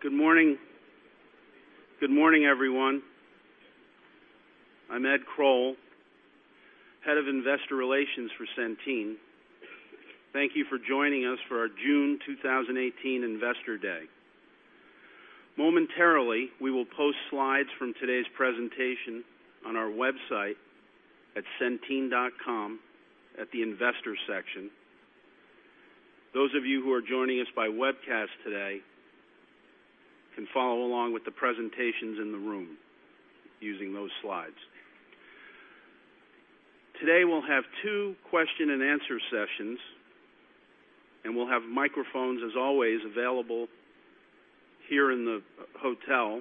Good morning, everyone. I'm Edmund Kroll, Head of Investor Relations for Centene. Thank you for joining us for our June 2018 Investor Day. Momentarily, we will post slides from today's presentation on our website at centene.com at the Investors section. Those of you who are joining us by webcast today can follow along with the presentations in the room using those slides. Today, we'll have two question and answer sessions. We'll have microphones, as always, available here in the hotel,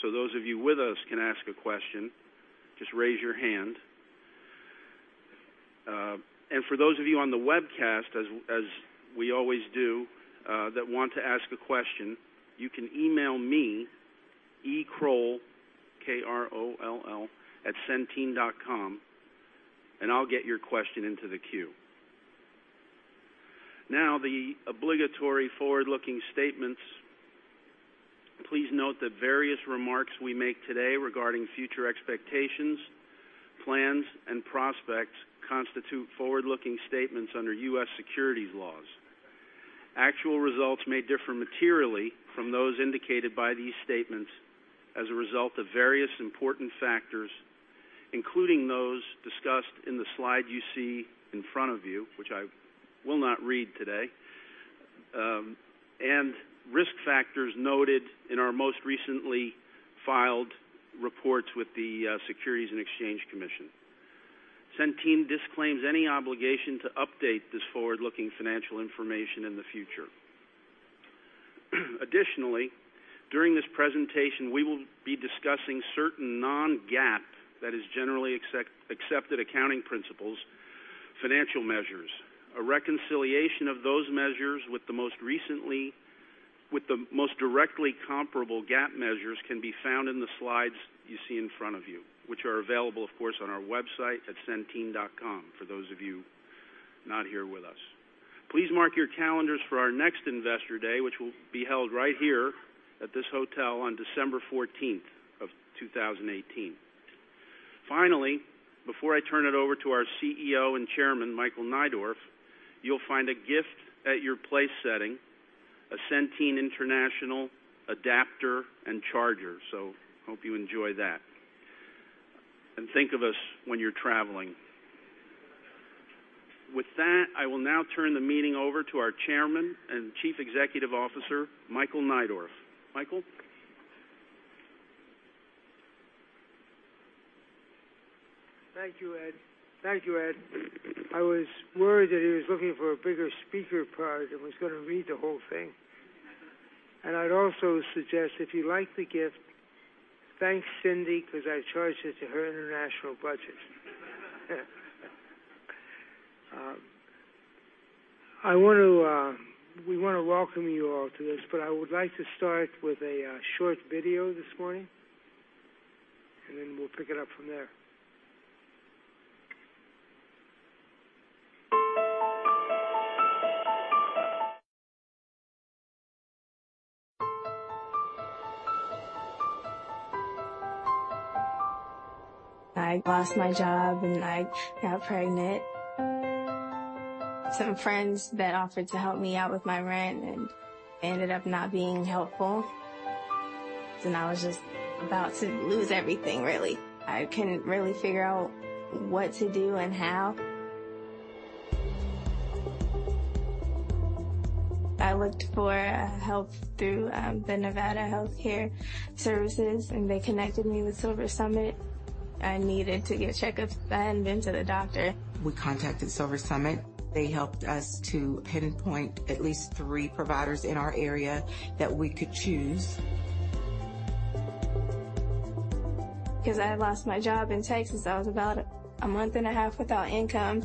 so those of you with us can ask a question. Just raise your hand. For those of you on the webcast, as we always do, that want to ask a question, you can email me, ekroll, K-R-O-L-L, @centene.com, and I'll get your question into the queue. Now, the obligatory forward-looking statements. Please note that various remarks we make today regarding future expectations, plans, and prospects constitute forward-looking statements under U.S. securities laws. Actual results may differ materially from those indicated by these statements as a result of various important factors, including those discussed in the slide you see in front of you, which I will not read today, and risk factors noted in our most recently filed reports with the Securities and Exchange Commission. Centene disclaims any obligation to update this forward-looking financial information in the future. Additionally, during this presentation, we will be discussing certain non-GAAP, that is Generally Accepted Accounting Principles, financial measures. A reconciliation of those measures with the most directly comparable GAAP measures can be found in the slides you see in front of you, which are available, of course, on our website at centene.com, for those of you not here with us. Please mark your calendars for our next Investor Day, which will be held right here at this hotel on December 14th of 2018. Finally, before I turn it over to our CEO and Chairman, Michael Neidorff, you'll find a gift at your place setting, a Centene international adapter and Charger. Hope you enjoy that, and think of us when you're traveling. With that, I will now turn the meeting over to our Chairman and Chief Executive Officer, Michael Neidorff. Michael? Thank you, Ed. I was worried that he was looking for a bigger speaker part and was going to read the whole thing. I'd also suggest, if you like the gift, thank Cindy, because I charged it to her international budget. We want to welcome you all to this. I would like to start with a short video this morning. We'll pick it up from there. I lost my job, and I got pregnant. Some friends that offered to help me out with my rent, and ended up not being helpful, and I was just about to lose everything, really. I couldn't really figure out what to do and how. I looked for help through the Nevada Health Centers, and they connected me with SilverSummit Healthplan. I needed to get checkups. I hadn't been to the doctor. We contacted SilverSummit Healthplan. They helped us to pinpoint at least three providers in our area that we could choose. Because I had lost my job in Texas, I was about a month and a half without income.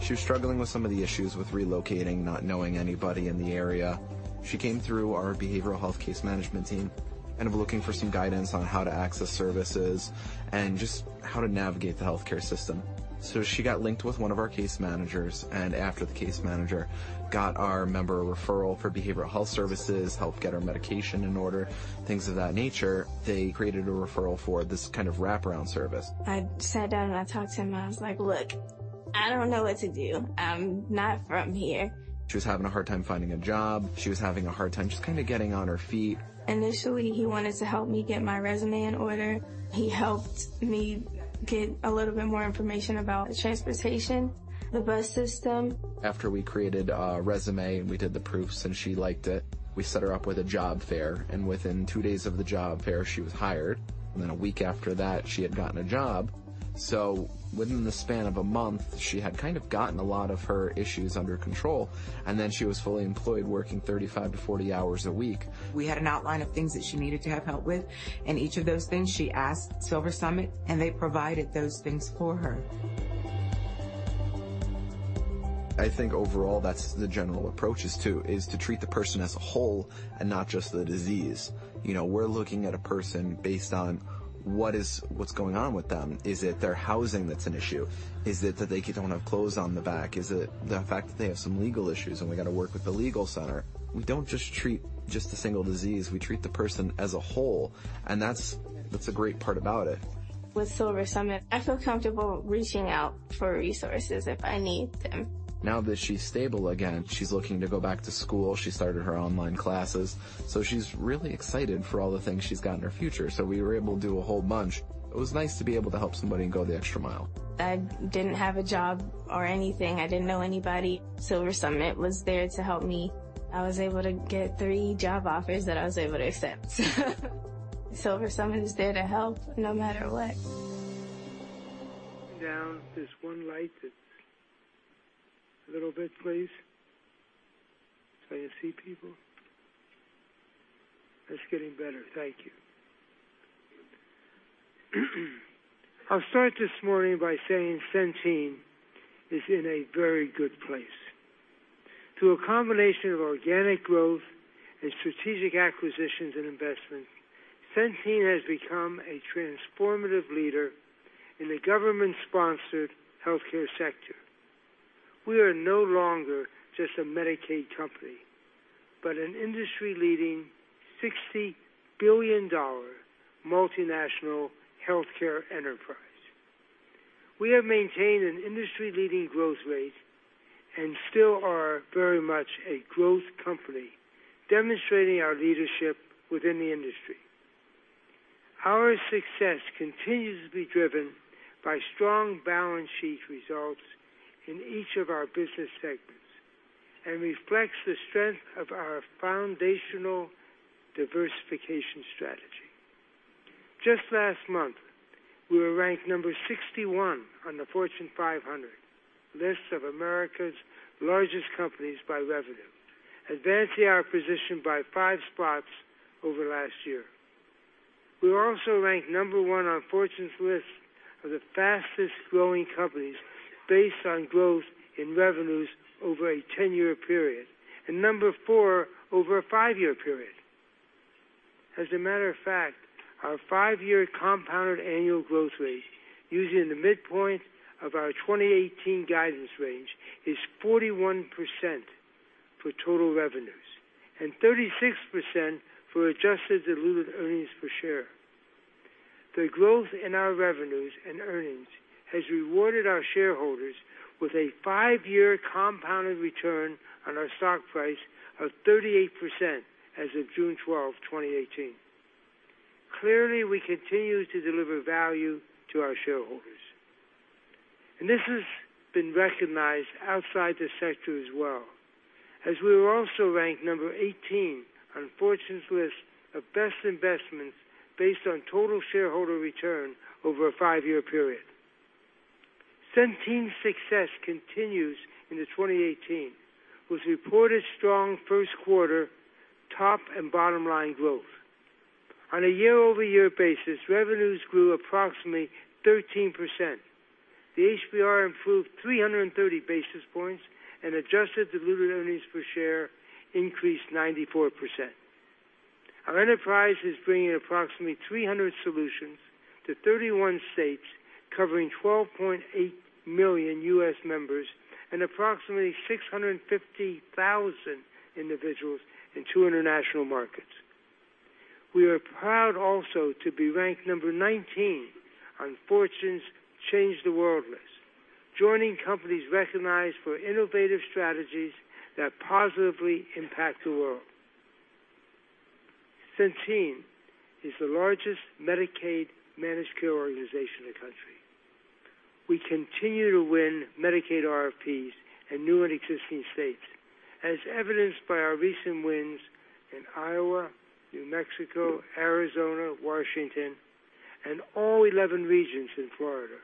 She was struggling with some of the issues with relocating, not knowing anybody in the area. She came through our behavioral health case management team, end up looking for some guidance on how to access services and just how to navigate the healthcare system. She got linked with one of our case managers, and after the case manager got our member a referral for behavioral health services, helped get her medication in order, things of that nature, they created a referral for this wraparound service. I sat down, and I talked to him. I was like: "Look, I don't know what to do. I'm not from here. She was having a hard time finding a job. She was having a hard time just kind of getting on her feet. Initially, he wanted to help me get my resume in order. He helped me get a little bit more information about the transportation, the bus system. After we created a resume, and we did the proofs and she liked it, we set her up with a job fair, and within two days of the job fair, she was hired. A week after that, she had gotten a job. Within the span of a month, she had kind of gotten a lot of her issues under control, and then she was fully employed, working 35-40 hours a week. We had an outline of things that she needed to have help with, and each of those things, she asked SilverSummit Healthplan, and they provided those things for her. I think overall, that's the general approach is to treat the person as a whole and not just the disease. We're looking at a person based on what's going on with them. Is it their housing that's an issue? Is it that they don't have clothes on the back? Is it the fact that they have some legal issues, and we got to work with the legal center? We don't just treat just the single disease. We treat the person as a whole, and that's a great part about it. With SilverSummit Healthplan, I feel comfortable reaching out for resources if I need them. Now that she's stable again, she's looking to go back to school. She started her online classes. She's really excited for all the things she's got in her future. We were able to do a whole bunch. It was nice to be able to help somebody and go the extra mile. I didn't have a job or anything. I didn't know anybody. SilverSummit Healthplan was there to help me. I was able to get three job offers that I was able to accept. SilverSummit Healthplan is there to help no matter what. Down this one light a little bit, please, so you see people. That's getting better. Thank you. I'll start this morning by saying Centene is in a very good place. Through a combination of organic growth and strategic acquisitions and investments, Centene has become a transformative leader in the government-sponsored healthcare sector. We are no longer just a Medicaid company, but an industry-leading, $60 billion multinational healthcare enterprise. We have maintained an industry-leading growth rate and still are very much a growth company, demonstrating our leadership within the industry. Our success continues to be driven by strong balance sheet results in each of our business segments and reflects the strength of our foundational diversification strategy. Just last month, we were ranked number 61 on the Fortune 500 list of America's largest companies by revenue, advancing our position by five spots over last year. We were also ranked number one on Fortune's list of the fastest-growing companies based on growth in revenues over a 10-year period, and number four over a five-year period. As a matter of fact, our five-year compounded annual growth rate, using the midpoint of our 2018 guidance range, is 41% for total revenues and 36% for adjusted diluted earnings per share. The growth in our revenues and earnings has rewarded our shareholders with a five-year compounded return on our stock price of 38% as of June 12, 2018. Clearly, we continue to deliver value to our shareholders, and this has been recognized outside the sector as well, as we were also ranked number 18 on Fortune's list of best investments based on total shareholder return over a five-year period. Centene's success continues into 2018, with reported strong first quarter top and bottom-line growth. On a year-over-year basis, revenues grew approximately 13%. The HBR improved 330 basis points, and adjusted diluted earnings per share increased 94%. Our enterprise is bringing approximately 300 solutions to 31 states, covering 12.8 million U.S. members and approximately 650,000 individuals in two international markets. We are proud also to be ranked number 19 on Fortune's Change the World list, joining companies recognized for innovative strategies that positively impact the world. Centene is the largest Medicaid managed care organization in the country. We continue to win Medicaid RFPs in new and existing states, as evidenced by our recent wins in Iowa, New Mexico, Arizona, Washington, and all 11 regions in Florida.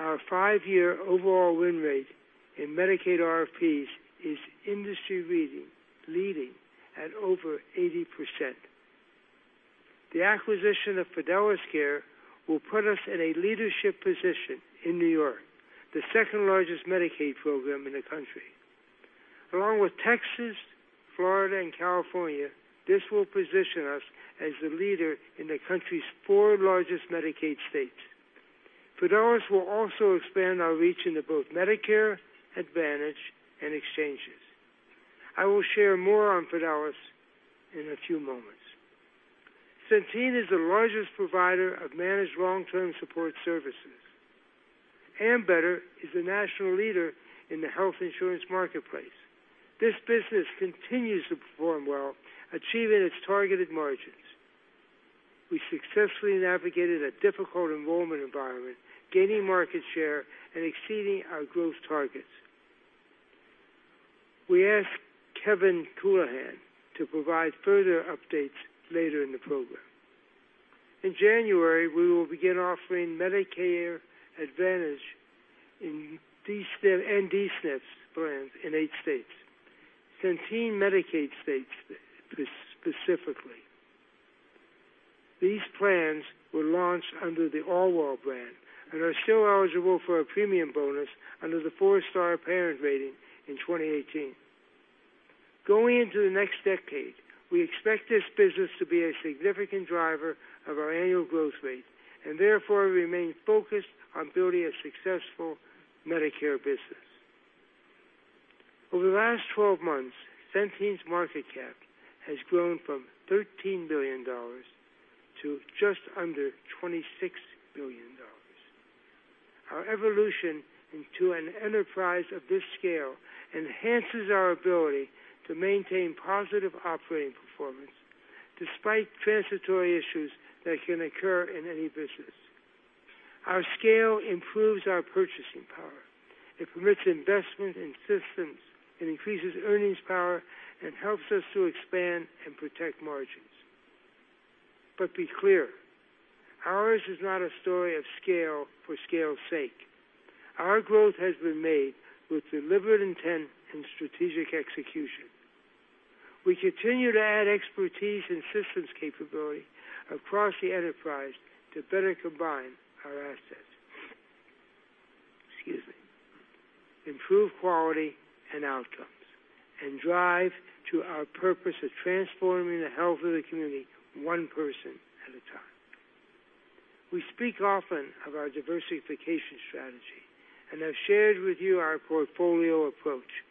Our five-year overall win rate in Medicaid RFPs is industry-leading at over 80%. The acquisition of Fidelis Care will put us in a leadership position in New York, the second-largest Medicaid program in the country. Along with Texas, Florida, and California, this will position us as the leader in the country's four largest Medicaid states. Fidelis will also expand our reach into both Medicare Advantage and exchanges. I will share more on Fidelis in a few moments. Centene is the largest provider of managed long-term support services. Ambetter is a national leader in the Health Insurance Marketplace. This business continues to perform well, achieving its targeted margins. We successfully navigated a difficult enrollment environment, gaining market share and exceeding our growth targets. We ask Kevin Counihan to provide further updates later in the program. In January, we will begin offering Medicare Advantage and D-SNPs plans in 8 states, Centene Medicaid states specifically. These plans were launched under the Allwell brand and are still eligible for a premium bonus under the 4-star parent rating in 2018. Going into the next decade, we expect this business to be a significant driver of our annual growth rate, therefore remain focused on building a successful Medicare business. Over the last 12 months, Centene's market cap has grown from $13 billion to just under $26 billion. Our evolution into an enterprise of this scale enhances our ability to maintain positive operating performance despite transitory issues that can occur in any business. Our scale improves our purchasing power. It permits investment in systems and increases earnings power and helps us to expand and protect margins. Be clear, ours is not a story of scale for scale's sake. Our growth has been made with deliberate intent and strategic execution. We continue to add expertise and systems capability across the enterprise to better combine our assets, excuse me, improve quality and outcomes, and drive to our purpose of transforming the health of the community one person at a time. We speak often of our diversification strategy and have shared with you our portfolio approach.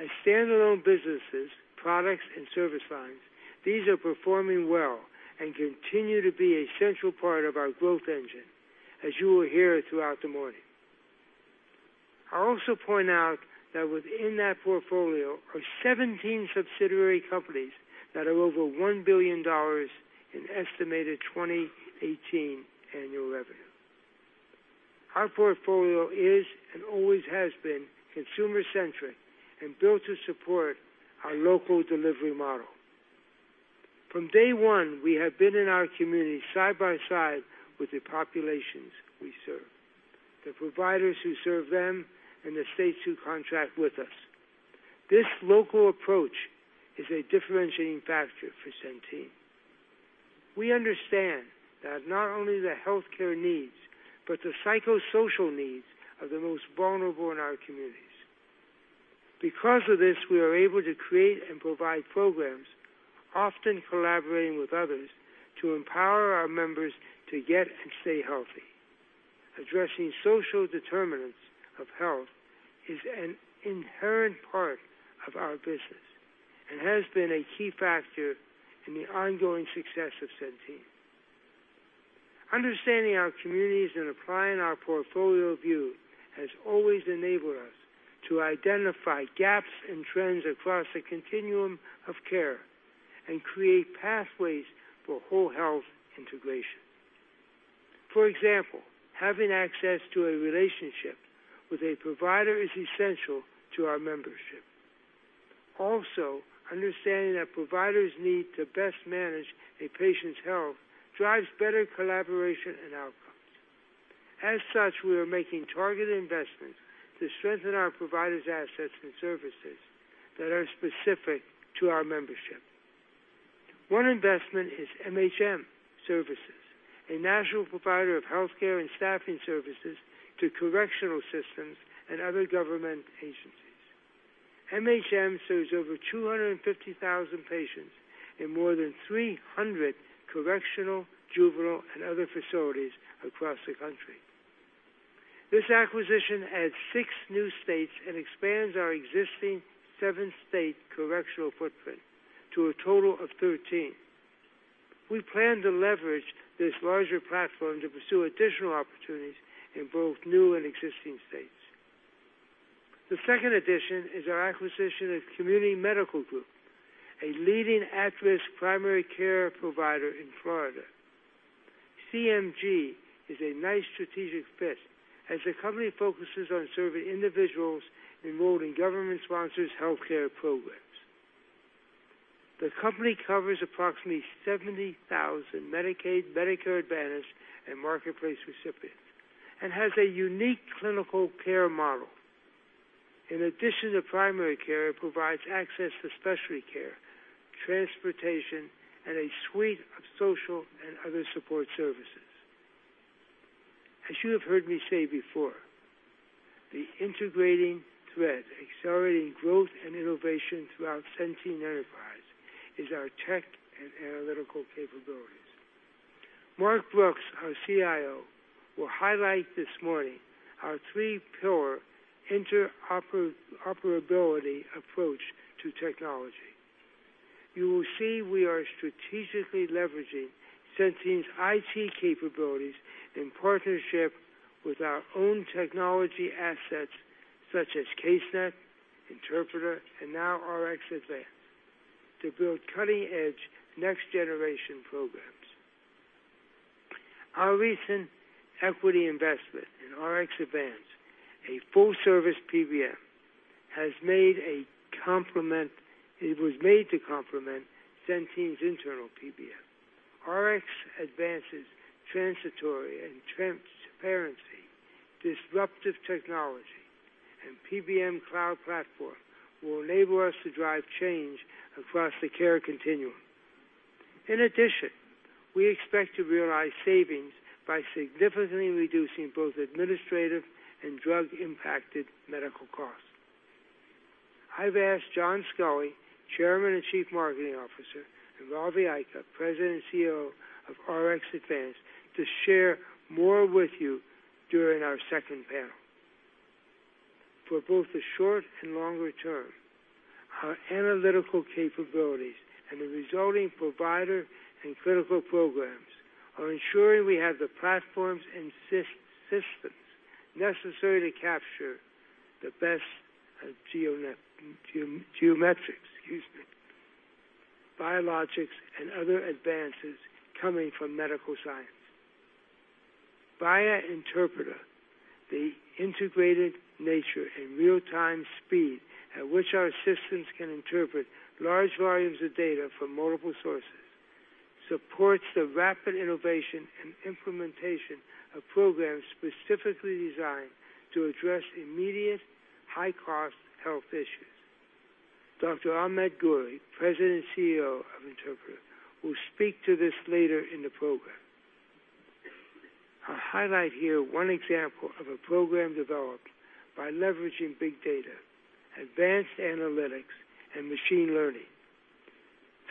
As standalone businesses, products, and service lines, these are performing well and continue to be a central part of our growth engine, as you will hear throughout the morning. I also point out that within that portfolio are 17 subsidiary companies that have over $1 billion in estimated 2018 annual revenue. Our portfolio is, and always has been, consumer-centric and built to support our local delivery model. From day one, we have been in our community side by side with the populations we serve, the providers who serve them, and the states who contract with us. This local approach is a differentiating factor for Centene. We understand that not only the healthcare needs, but the psychosocial needs of the most vulnerable in our communities. Because of this, we are able to create and provide programs, often collaborating with others, to empower our members to get and stay healthy. Addressing social determinants of health is an inherent part of our business and has been a key factor in the ongoing success of Centene. Understanding our communities and applying our portfolio view has always enabled us to identify gaps and trends across the continuum of care and create pathways for whole health integration. For example, having access to a relationship with a provider is essential to our membership. Also, understanding that providers need to best manage a patient's health drives better collaboration and outcomes. As such, we are making targeted investments to strengthen our providers' assets and services that are specific to our membership. One investment is MHM Services, a national provider of healthcare and staffing services to correctional systems and other government agencies. MHM serves over 250,000 patients in more than 300 correctional, juvenile, and other facilities across the country. This acquisition adds six new states and expands our existing seven-state correctional footprint to a total of 13. We plan to leverage this larger platform to pursue additional opportunities in both new and existing states. The second addition is our acquisition of Community Medical Group, a leading at-risk primary care provider in Florida. CMG is a nice strategic fit, as the company focuses on serving individuals enrolled in government-sponsored healthcare programs. The company covers approximately 70,000 Medicaid, Medicare Advantage, and Marketplace recipients and has a unique clinical care model. In addition to primary care, it provides access to specialty care, transportation, and a suite of social and other support services. As you have heard me say before, the integrating thread accelerating growth and innovation throughout Centene enterprise is our tech and analytical capabilities. Mark Brooks, our CIO, will highlight this morning our three-pillar interoperability approach to technology. You will see we are strategically leveraging Centene's IT capabilities in partnership with our own technology assets such as Casenet, Interpreta, and now RxAdvance, to build cutting-edge next generation programs. Our recent equity investment in RxAdvance, a full-service PBM, it was made to complement Centene's internal PBM. RxAdvance's transitory and transparency disruptive technology PBM Cloud platform will enable us to drive change across the care continuum. In addition, we expect to realize savings by significantly reducing both administrative and drug-impacted medical costs. I've asked John Sculley, Chairman and Chief Marketing Officer, and Ravi Ika, President and CEO of RxAdvance, to share more with you during our second panel. For both the short and longer term, our analytical capabilities and the resulting provider and clinical programs are ensuring we have the platforms and systems necessary to capture the best geometrics, excuse me, biologics, and other advances coming from medical science. Via Interpreta, the integrated nature and real-time speed at which our systems can interpret large volumes of data from multiple sources supports the rapid innovation and implementation of programs specifically designed to address immediate, high-cost health issues. Dr. Ahmed Ghouri, President and CEO of Interpreta, will speak to this later in the program. I'll highlight here one example of a program developed by leveraging big data, advanced analytics, and machine learning.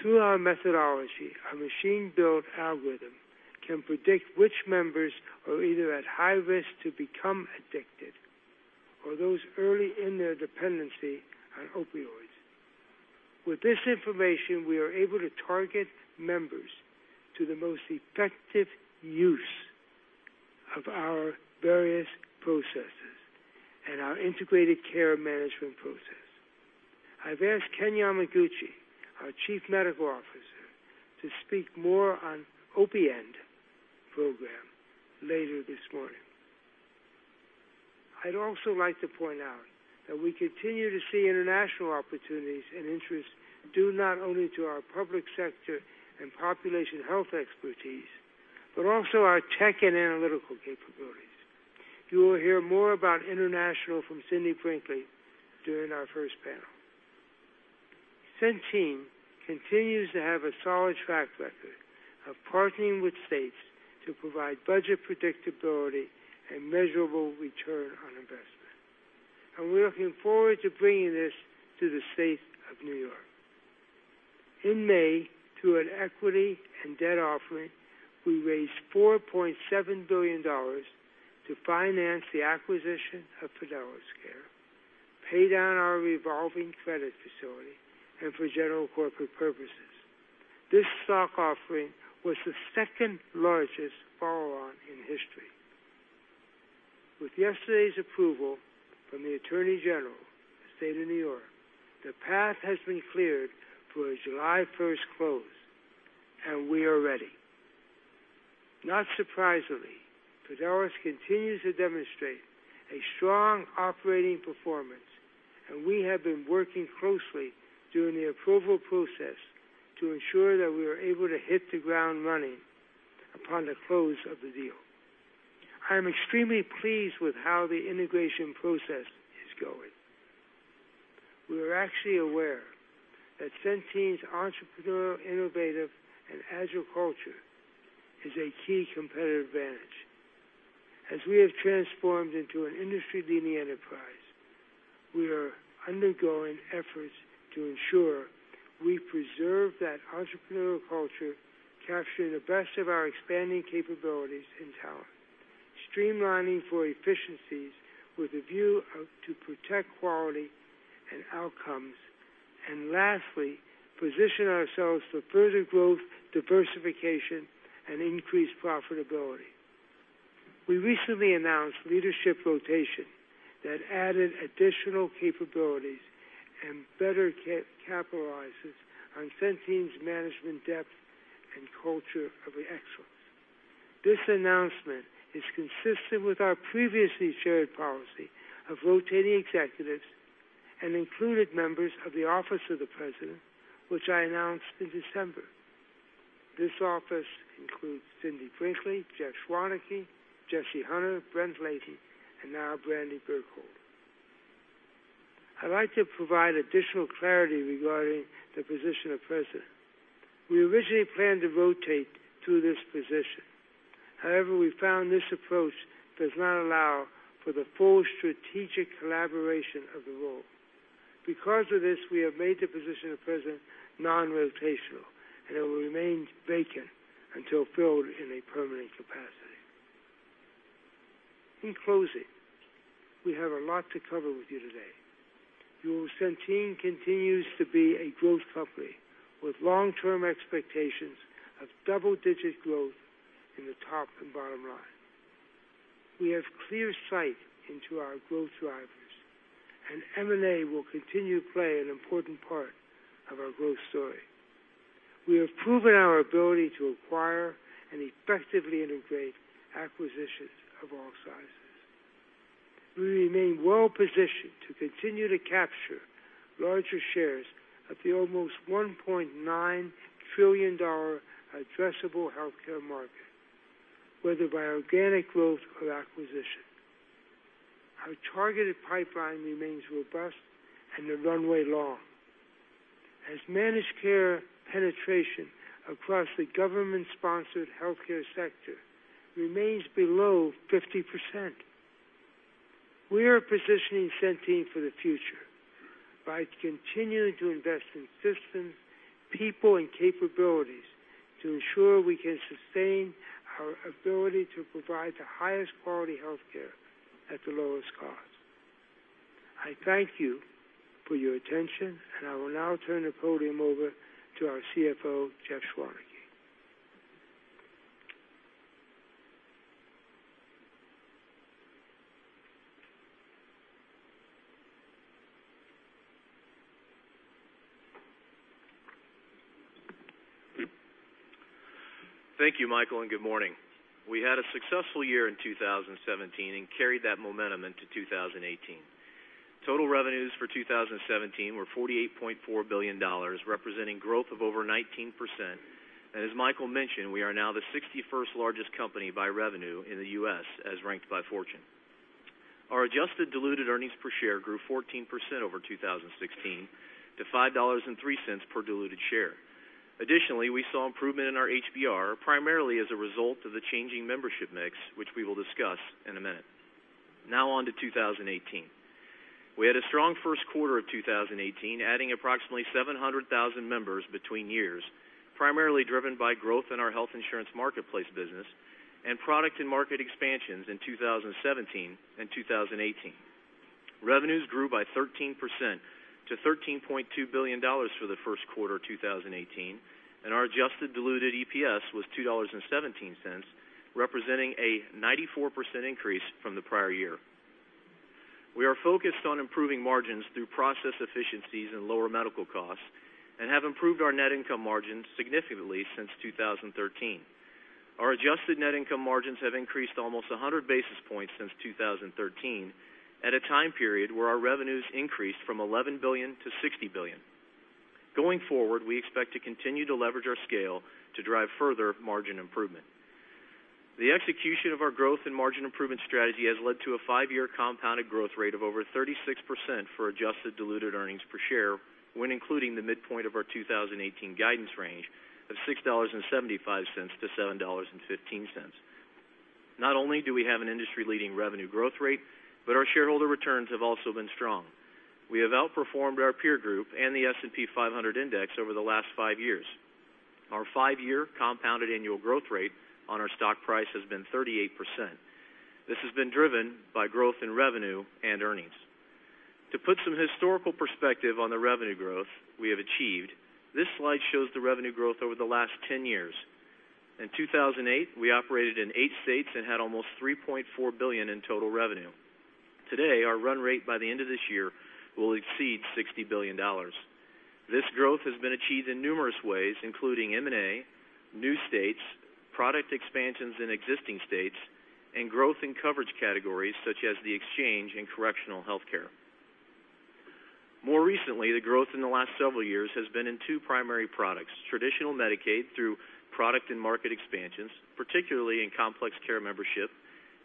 Through our methodology, a machine-built algorithm can predict which members are either at high risk to become addicted or those early in their dependency on opioids. With this information, we are able to target members to the most effective use of our various processes and our integrated care management process. I've asked Ken Yamaguchi, our Chief Medical Officer, to speak more on OpiEnd program later this morning. I'd also like to point out that we continue to see international opportunities and interest due not only to our public sector and population health expertise, but also our tech and analytical capabilities. You will hear more about international from Cindy Brinkley during our first panel. Centene continues to have a solid track record of partnering with states to provide budget predictability and measurable return on investment, and we're looking forward to bringing this to the State of New York. In May, through an equity and debt offering, we raised $4.7 billion to finance the acquisition of Fidelis Care, pay down our revolving credit facility, and for general corporate purposes. This stock offering was the second-largest follow-on in history. With yesterday's approval from the Attorney General, State of N.Y., the path has been cleared for a July 1st close, and we are ready. Not surprisingly, Fidelis continues to demonstrate a strong operating performance, and we have been working closely during the approval process to ensure that we are able to hit the ground running upon the close of the deal. I'm extremely pleased with how the integration process is going. We are actually aware that Centene's entrepreneurial, innovative, and agile culture is a key competitive advantage. As we have transformed into an industry-leading enterprise, we are undergoing efforts to ensure we preserve that entrepreneurial culture, capturing the best of our expanding capabilities and talent, streamlining for efficiencies with a view to protect quality and outcomes, and lastly, position ourselves for further growth, diversification, and increased profitability. We recently announced leadership rotation that added additional capabilities and better capitalizes on Centene's management depth and culture of excellence. This announcement is consistent with our previously shared policy of rotating executives and included members of the Office of the President, which I announced in December. This office includes Cindy Brinkley, Jeff Schwanecke, Jesse Hunter, Brent Layton, and now Brandy Burkhalter. I'd like to provide additional clarity regarding the position of President. We originally planned to rotate through this position. However, we found this approach does not allow for the full strategic collaboration of the role. Because of this, we have made the position of President non-rotational, and it will remain vacant until filled in a permanent capacity. In closing, we have a lot to cover with you today. Centene continues to be a growth company with long-term expectations of double-digit growth in the top and bottom line. We have clear sight into our growth drivers, and M&A will continue to play an important part of our growth story. We have proven our ability to acquire and effectively integrate acquisitions of all sizes. We remain well-positioned to continue to capture larger shares of the almost $1.9 trillion addressable healthcare market, whether by organic growth or acquisition. Our targeted pipeline remains robust and the runway long. As managed care penetration across the government-sponsored healthcare sector remains below 50%, we are positioning Centene for the future by continuing to invest in systems, people, and capabilities to ensure we can sustain our ability to provide the highest quality healthcare at the lowest cost. I thank you for your attention, and I will now turn the podium over to our CFO, Jeff Schwanecke. Thank you, Michael, and good morning. We had a successful year in 2017 and carried that momentum into 2018. Total revenues for 2017 were $48.4 billion, representing growth of over 19%, and as Michael mentioned, we are now the 61st largest company by revenue in the U.S. as ranked by Fortune. Our adjusted diluted earnings per share grew 14% over 2016 to $5.03 per diluted share. Additionally, we saw improvement in our HBR primarily as a result of the changing membership mix, which we will discuss in a minute. Now on to 2018. We had a strong first quarter of 2018, adding approximately 700,000 members between years, primarily driven by growth in our health insurance marketplace business and product and market expansions in 2017 and 2018. Revenues grew by 13% to $13.2 billion for the first quarter 2018, and our adjusted diluted EPS was $2.17, representing a 94% increase from the prior year. We are focused on improving margins through process efficiencies and lower medical costs and have improved our net income margins significantly since 2013. Our adjusted net income margins have increased almost 100 basis points since 2013 at a time period where our revenues increased from $11 billion to $60 billion. Going forward, we expect to continue to leverage our scale to drive further margin improvement. The execution of our growth and margin improvement strategy has led to a five-year compounded growth rate of over 36% for adjusted diluted earnings per share when including the midpoint of our 2018 guidance range of $6.75-$7.15. Not only do we have an industry-leading revenue growth rate, but our shareholder returns have also been strong. We have outperformed our peer group and the S&P 500 Index over the last five years. Our five-year compounded annual growth rate on our stock price has been 38%. This has been driven by growth in revenue and earnings. To put some historical perspective on the revenue growth we have achieved, this slide shows the revenue growth over the last 10 years. In 2008, we operated in eight states and had almost $3.4 billion in total revenue. Today, our run rate by the end of this year will exceed $60 billion. This growth has been achieved in numerous ways, including M&A, new states, product expansions in existing states, and growth in coverage categories such as the exchange and correctional healthcare. More recently, the growth in the last several years has been in two primary products, traditional Medicaid through product and market expansions, particularly in complex care membership,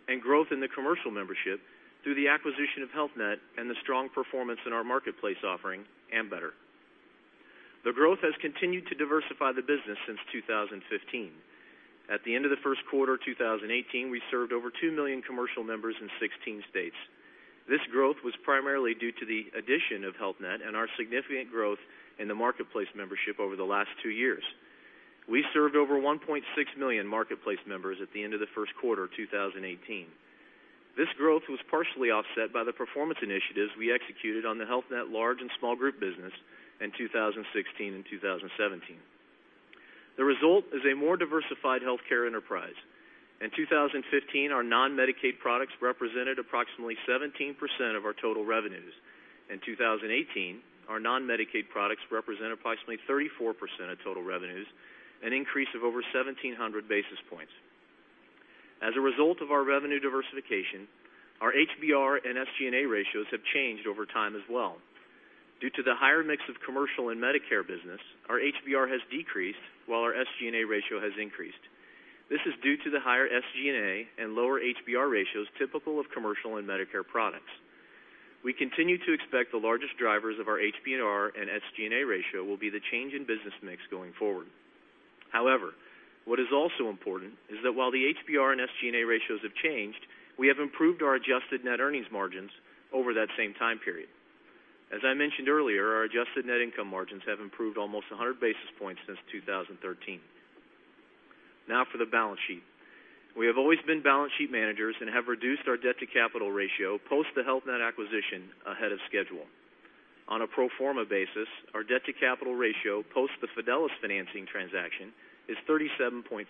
and growth in the commercial membership through the acquisition of Health Net and the strong performance in our marketplace offering, Ambetter. The growth has continued to diversify the business since 2015. At the end of the first quarter 2018, we served over 2 million commercial members in 16 states. We served over 1.6 million marketplace members at the end of the first quarter 2018. This growth was partially offset by the performance initiatives we executed on the Health Net large and small group business in 2016 and 2017. The result is a more diversified healthcare enterprise. In 2015, our non-Medicaid products represented approximately 17% of our total revenues. In 2018, our non-Medicaid products represent approximately 34% of total revenues, an increase of over 1,700 basis points. As a result of our revenue diversification, our HBR and SG&A ratios have changed over time as well. Due to the higher mix of commercial and Medicare business, our HBR has decreased while our SG&A ratio has increased. This is due to the higher SG&A and lower HBR ratios typical of commercial and Medicare products. We continue to expect the largest drivers of our HBR and SG&A ratio will be the change in business mix going forward. However, what is also important is that while the HBR and SG&A ratios have changed, we have improved our adjusted net earnings margins over that same time period. As I mentioned earlier, our adjusted net income margins have improved almost 100 basis points since 2013. Now for the balance sheet. We have always been balance sheet managers and have reduced our debt to capital ratio post the Health Net acquisition ahead of schedule. On a pro forma basis, our debt to capital ratio post the Fidelis financing transaction is 37.5%.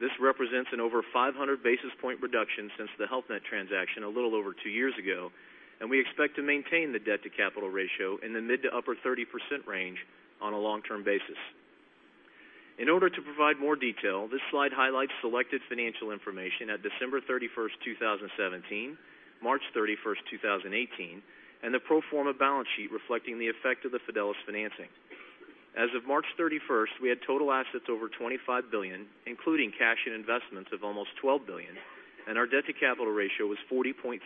This represents an over 500 basis point reduction since the Health Net transaction a little over two years ago. We expect to maintain the debt to capital ratio in the mid to upper 30% range on a long-term basis. In order to provide more detail, this slide highlights selected financial information at December 31st, 2017, March 31st, 2018, and the pro forma balance sheet reflecting the effect of the Fidelis financing. As of March 31st, we had total assets over $25 billion, including cash and investments of almost $12 billion. Our debt-to-capital ratio was 40.3%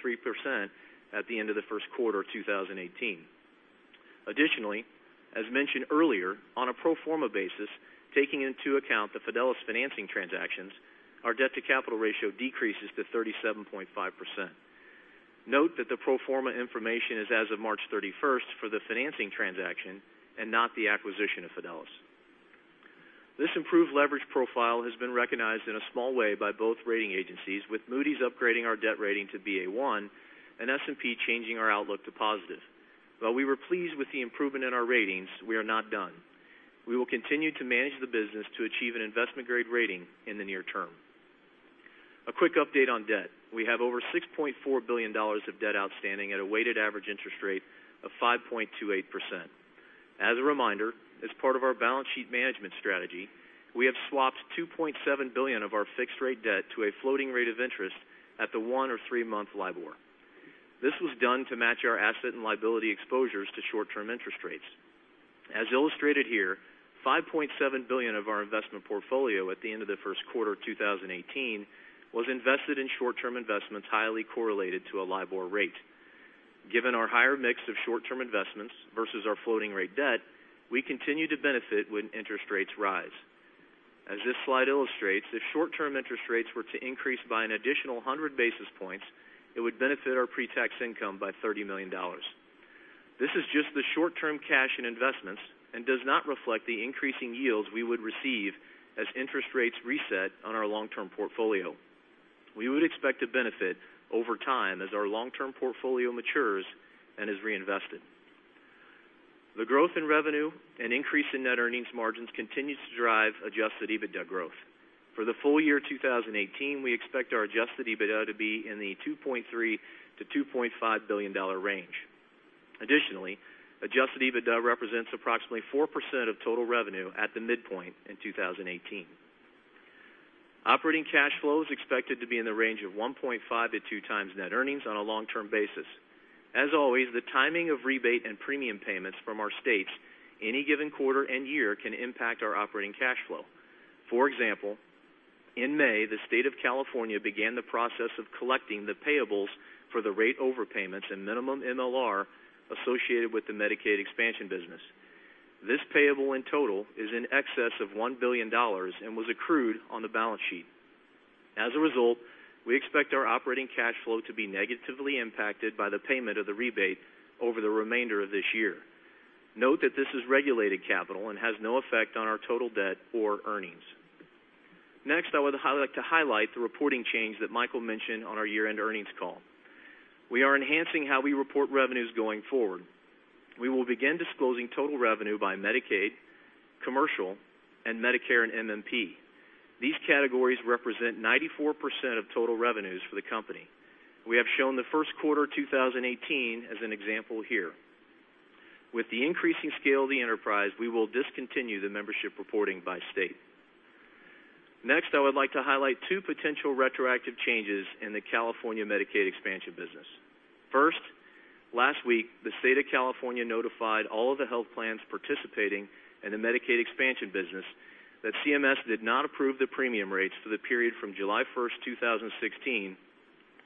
at the end of the first quarter 2018. Additionally, as mentioned earlier, on a pro forma basis, taking into account the Fidelis financing transactions, our debt-to-capital ratio decreases to 37.5%. Note that the pro forma information is as of March 31st for the financing transaction and not the acquisition of Fidelis. This improved leverage profile has been recognized in a small way by both rating agencies, with Moody's upgrading our debt rating to Ba1 and S&P changing our outlook to positive. While we were pleased with the improvement in our ratings, we are not done. We will continue to manage the business to achieve an investment-grade rating in the near term. A quick update on debt. We have over $6.4 billion of debt outstanding at a weighted average interest rate of 5.28%. As a reminder, as part of our balance sheet management strategy, we have swapped $2.7 billion of our fixed rate debt to a floating rate of interest at the one or three month LIBOR. This was done to match our asset and liability exposures to short term interest rates. As illustrated here, $5.7 billion of our investment portfolio at the end of the first quarter 2018 was invested in short term investments highly correlated to a LIBOR rate. Given our higher mix of short term investments versus our floating rate debt, we continue to benefit when interest rates rise. As this slide illustrates, if short term interest rates were to increase by an additional 100 basis points, it would benefit our pre-tax income by $30 million. This is just the short-term cash and investments and does not reflect the increasing yields we would receive as interest rates reset on our long-term portfolio. We would expect to benefit over time as our long-term portfolio matures and is reinvested. The growth in revenue and increase in net earnings margins continues to drive adjusted EBITDA growth. For the full year 2018, we expect our adjusted EBITDA to be in the $2.3 billion-$2.5 billion range. Additionally, adjusted EBITDA represents approximately 4% of total revenue at the midpoint in 2018. Operating cash flow is expected to be in the range of 1.5-2 times net earnings on a long-term basis. As always, the timing of rebate and premium payments from our states any given quarter and year can impact our operating cash flow. In May, the state of California began the process of collecting the payables for the rate overpayments and minimum MLR associated with the Medicaid expansion business. This payable in total is in excess of $1 billion and was accrued on the balance sheet. As a result, we expect our operating cash flow to be negatively impacted by the payment of the rebate over the remainder of this year. Note that this is regulated capital and has no effect on our total debt or earnings. Next, I would like to highlight the reporting change that Michael mentioned on our year-end earnings call. We are enhancing how we report revenues going forward. We will begin disclosing total revenue by Medicaid, commercial, and Medicare and MMP. These categories represent 94% of total revenues for the company. We have shown the first quarter 2018 as an example here. With the increasing scale of the enterprise, we will discontinue the membership reporting by state. Next, I would like to highlight two potential retroactive changes in the California Medicaid expansion business. Last week, the state of California notified all of the health plans participating in the Medicaid expansion business that CMS did not approve the premium rates for the period from July 1, 2016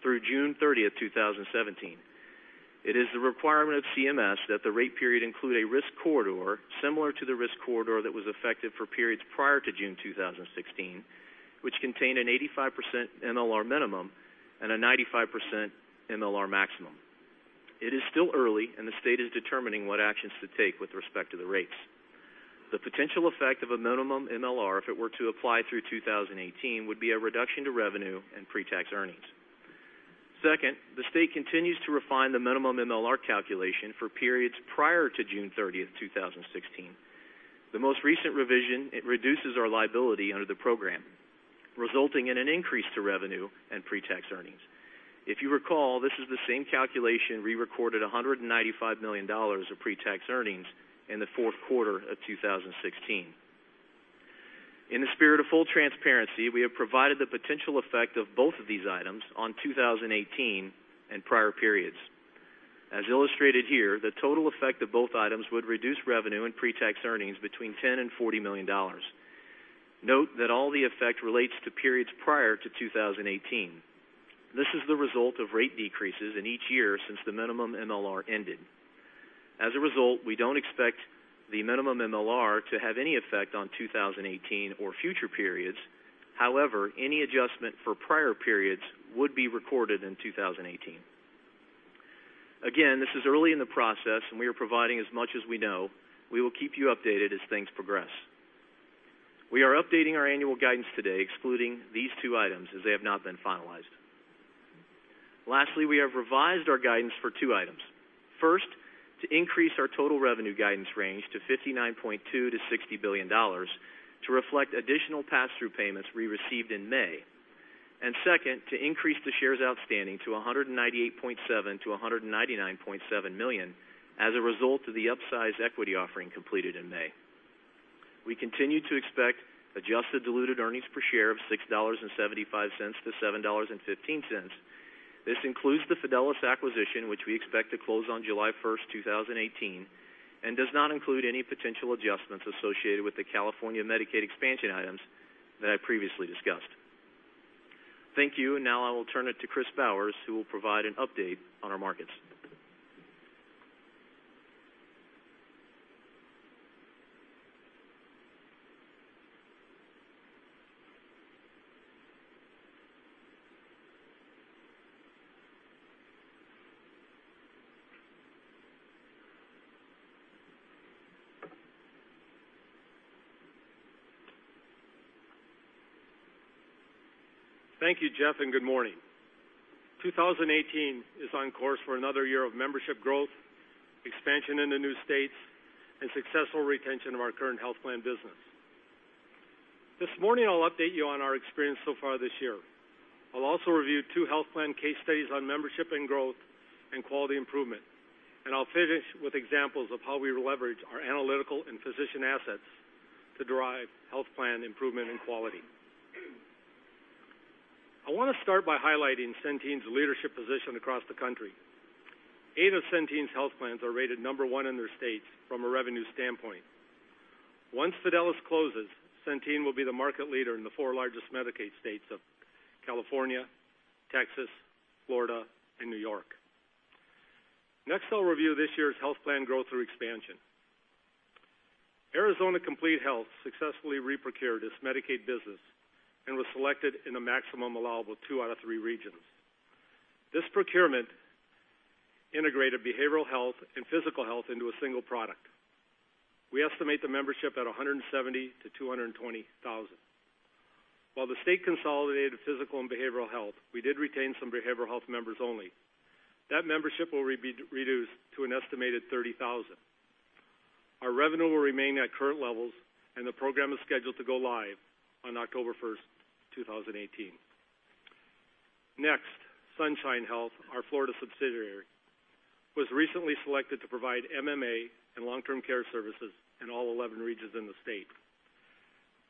through June 30, 2017. It is the requirement of CMS that the rate period include a risk corridor similar to the risk corridor that was effective for periods prior to June 2016, which contained an 85% MLR minimum and a 95% MLR maximum. It is still early and the state is determining what actions to take with respect to the rates. The potential effect of a minimum MLR if it were to apply through 2018 would be a reduction to revenue and pre-tax earnings. The state continues to refine the minimum MLR calculation for periods prior to June 30, 2016. The most recent revision reduces our liability under the program, resulting in an increase to revenue and pre-tax earnings. If you recall, this is the same calculation we recorded $195 million of pre-tax earnings in the fourth quarter of 2016. In the spirit of full transparency, we have provided the potential effect of both of these items on 2018 and prior periods. As illustrated here, the total effect of both items would reduce revenue and pre-tax earnings between $10 million and $40 million. Note that all the effect relates to periods prior to 2018. This is the result of rate decreases in each year since the minimum MLR ended. As a result, we don't expect the minimum MLR to have any effect on 2018 or future periods. Any adjustment for prior periods would be recorded in 2018. This is early in the process and we are providing as much as we know. We will keep you updated as things progress. We are updating our annual guidance today excluding these two items as they have not been finalized. Lastly, we have revised our guidance for two items. First, to increase our total revenue guidance range to $59.2 billion-$60 billion to reflect additional pass-through payments we received in May. Second, to increase the shares outstanding to 198.7 million-199.7 million as a result of the upsized equity offering completed in May. We continue to expect adjusted diluted earnings per share of $6.75-$7.15. This includes the Fidelis acquisition, which we expect to close on July 1st, 2018, and does not include any potential adjustments associated with the California Medicaid expansion items that I previously discussed. Thank you. Now I will turn it to Chris Bowers, who will provide an update on our markets. Thank you, Jeff, and good morning. 2018 is on course for another year of membership growth, expansion into new states, and successful retention of our current health plan business. This morning, I'll update you on our experience so far this year. I'll also review two health plan case studies on membership and growth and quality improvement, and I'll finish with examples of how we leverage our analytical and physician assets to derive health plan improvement and quality. I want to start by highlighting Centene's leadership position across the country. Eight of Centene's health plans are rated number one in their states from a revenue standpoint. Once Fidelis closes, Centene will be the market leader in the four largest Medicaid states of California, Texas, Florida, and New York. I'll review this year's health plan growth through expansion. Arizona Complete Health successfully re-procured its Medicaid business and was selected in the maximum allowable two out of three regions. This procurement integrated behavioral health and physical health into a single product. We estimate the membership at 170,000-220,000. While the state consolidated physical and behavioral health, we did retain some behavioral health members only. That membership will be reduced to an estimated 30,000. Our revenue will remain at current levels, and the program is scheduled to go live on October 1st, 2018. Sunshine Health, our Florida subsidiary, was recently selected to provide MMA and long-term care services in all 11 regions in the state.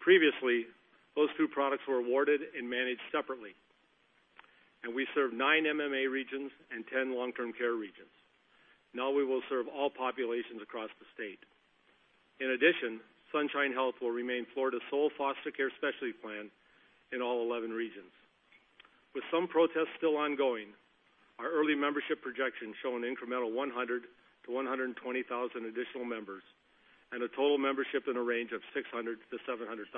Previously, those two products were awarded and managed separately, we serve nine MMA regions and 10 long-term care regions. We will serve all populations across the state. In addition, Sunshine Health will remain Florida's sole foster care specialty plan in all 11 regions. With some protests still ongoing, our early membership projections show an incremental 100,000 to 120,000 additional members and a total membership in a range of 600,000 to 700,000.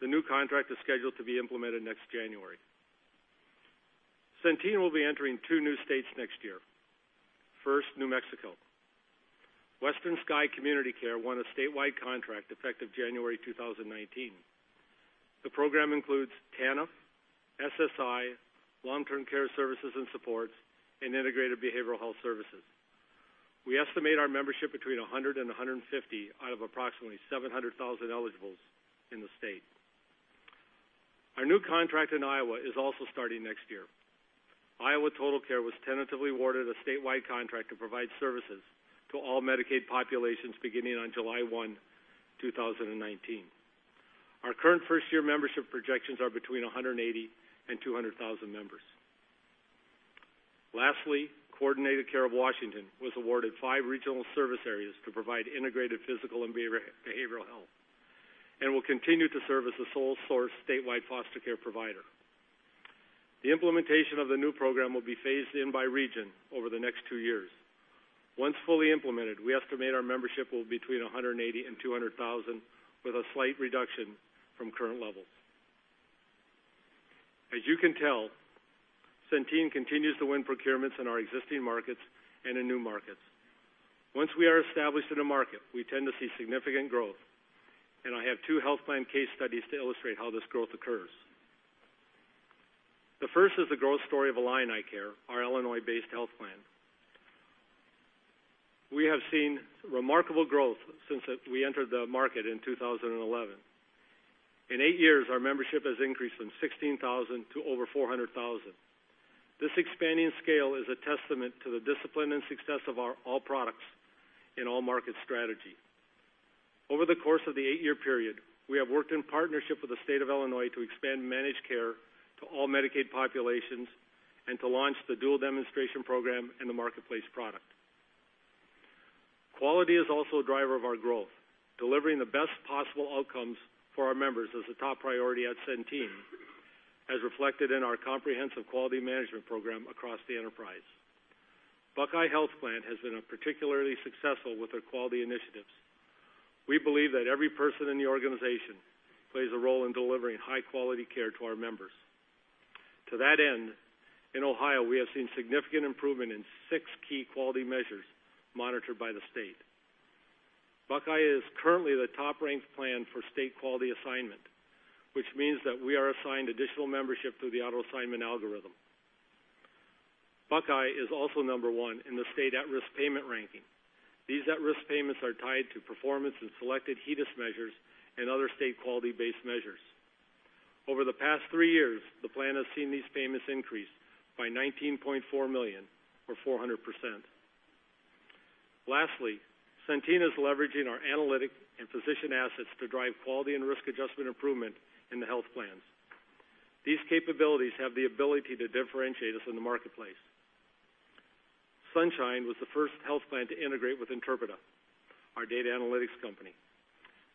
The new contract is scheduled to be implemented next January. Centene will be entering two new states next year. First, New Mexico. Western Sky Community Care won a statewide contract effective January 2019. The program includes TANF, SSI, long-term care services and supports, and integrated behavioral health services. We estimate our membership between 100,000 and 150,000 out of approximately 700,000 eligibles in the state. Our new contract in Iowa is also starting next year. Iowa Total Care was tentatively awarded a statewide contract to provide services to all Medicaid populations beginning on July 1, 2019. Our current first-year membership projections are between 180,000 and 200,000 members. Lastly, Coordinated Care of Washington was awarded five regional service areas to provide integrated physical and behavioral health and will continue to serve as the sole source statewide foster care provider. The implementation of the new program will be phased in by region over the next two years. Once fully implemented, we estimate our membership will be between 180,000 and 200,000, with a slight reduction from current levels. As you can tell, Centene continues to win procurements in our existing markets and in new markets. Once we are established in a market, we tend to see significant growth, and I have two health plan case studies to illustrate how this growth occurs. The first is the growth story of IlliniCare, our Illinois-based health plan. We have seen remarkable growth since we entered the market in 2011. In eight years, our membership has increased from 16,000 to over 400,000. This expanding scale is a testament to the discipline and success of our all products in all markets strategy. Over the course of the eight-year period, we have worked in partnership with the State of Illinois to expand managed care to all Medicaid populations and to launch the dual demonstration program and the Marketplace product. Quality is also a driver of our growth. Delivering the best possible outcomes for our members is a top priority at Centene, as reflected in our comprehensive quality management program across the enterprise. Buckeye Health Plan has been particularly successful with their quality initiatives. We believe that every person in the organization plays a role in delivering high-quality care to our members. To that end, in Ohio, we have seen significant improvement in six key quality measures monitored by the state. Buckeye is currently the top-ranked plan for state quality assignment, which means that we are assigned additional membership through the auto-assignment algorithm. Buckeye is also number one in the state at-risk payment ranking. These at-risk payments are tied to performance and selected HEDIS measures and other state quality-based measures. Over the past three years, the plan has seen these payments increase by $19.4 million or 400%. Lastly, Centene is leveraging our analytic and physician assets to drive quality and risk adjustment improvement in the health plans. These capabilities have the ability to differentiate us in the Marketplace. Sunshine was the first health plan to integrate with Interpreta, our data analytics company,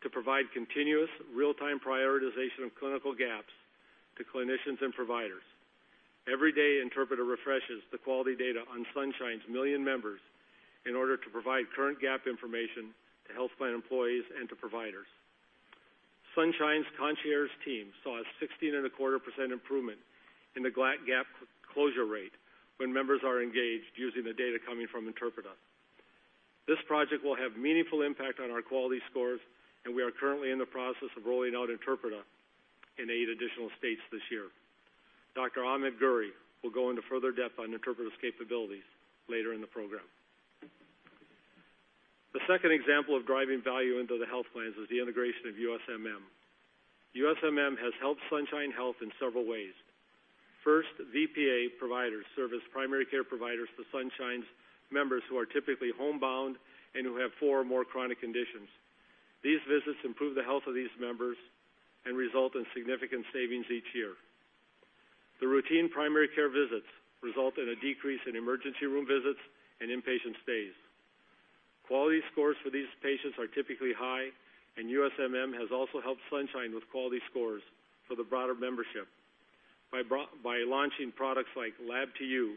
to provide continuous real-time prioritization of clinical gaps to clinicians and providers. Every day, Interpreta refreshes the quality data on Sunshine's million members in order to provide current gap information to health plan employees and to providers. Sunshine's concierge team saw a 16.25% improvement in the gap closure rate when members are engaged using the data coming from Interpreta. This project will have a meaningful impact on our quality scores, and we are currently in the process of rolling out Interpreta in eight additional states this year. Dr. Ahmed Ghouri will go into further depth on Interpreta's capabilities later in the program. The second example of driving value into the health plans is the integration of USMM. USMM has helped Sunshine Health in several ways. First, VPA providers serve as primary care providers to Sunshine's members who are typically homebound and who have four or more chronic conditions. These visits improve the health of these members and result in significant savings each year. The routine primary care visits result in a decrease in emergency room visits and inpatient stays. Quality scores for these patients are typically high. USMM has also helped Sunshine with quality scores for the broader membership by launching products like Lab2U,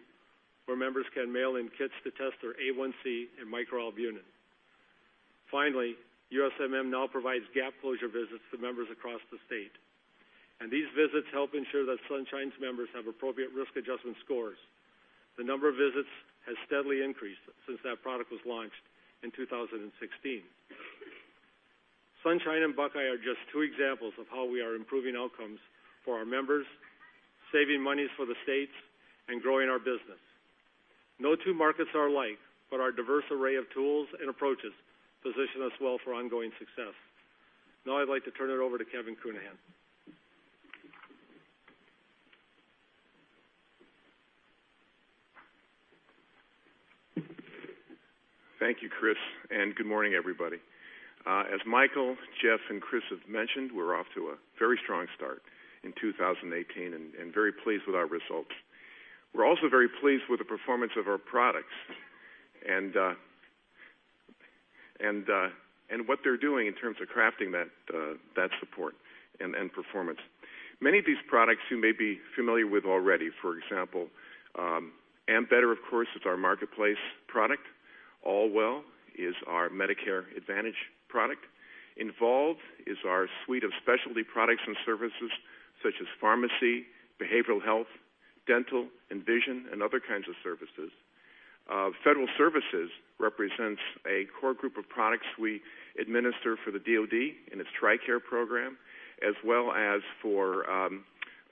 where members can mail in kits to test their A1c and microalbumin. Finally, USMM now provides gap closure visits to members across the state. These visits help ensure that Sunshine's members have appropriate risk adjustment scores. The number of visits has steadily increased since that product was launched in 2016. Sunshine and Buckeye are just two examples of how we are improving outcomes for our members, saving monies for the states, and growing our business. No two markets are alike, but our diverse array of tools and approaches position us well for ongoing success. Now I'd like to turn it over to Kevin Counihan. Thank you, Chris. Good morning, everybody. As Michael, Jeff, and Chris have mentioned, we're off to a very strong start in 2018 and very pleased with our results. We're also very pleased with the performance of our products and what they're doing in terms of crafting that support and performance. Many of these products you may be familiar with already. For example, Ambetter, of course, is our Marketplace product. Allwell is our Medicare Advantage product. Envolve is our suite of specialty products and services such as pharmacy, behavioral health, dental, and vision, and other kinds of services. Federal Services represents a core group of products we administer for the DoD and its TRICARE program, as well as for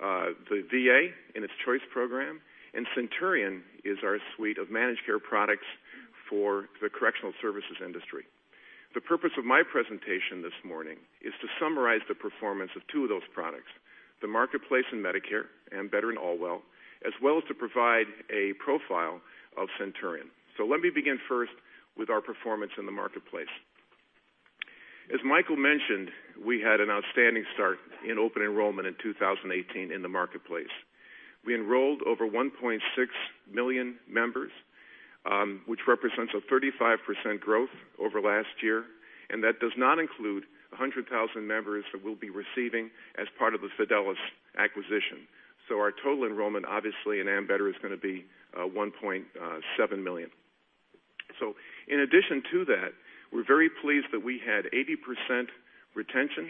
the VA and its Choice Program. Centurion is our suite of managed care products for the correctional services industry. The purpose of my presentation this morning is to summarize the performance of two of those products, the Marketplace and Medicare, Ambetter and Allwell, as well as to provide a profile of Centurion. Let me begin first with our performance in the Marketplace. As Michael mentioned, we had an outstanding start in open enrollment in 2018 in the Marketplace. We enrolled over 1.6 million members, which represents a 35% growth over last year. That does not include 100,000 members that we'll be receiving as part of the Fidelis acquisition. Our total enrollment, obviously, in Ambetter is going to be 1.7 million. In addition to that, we're very pleased that we had 80% retention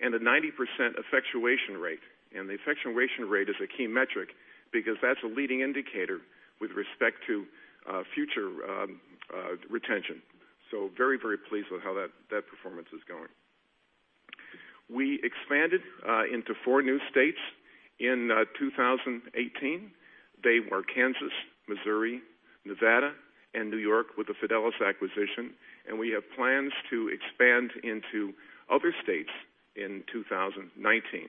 and a 90% effectuation rate. The effectuation rate is a key metric because that's a leading indicator with respect to future retention. Very pleased with how that performance is going. We expanded into 4 new states in 2018. They were Kansas, Missouri, Nevada, and New York with the Fidelis acquisition, and we have plans to expand into other states in 2019,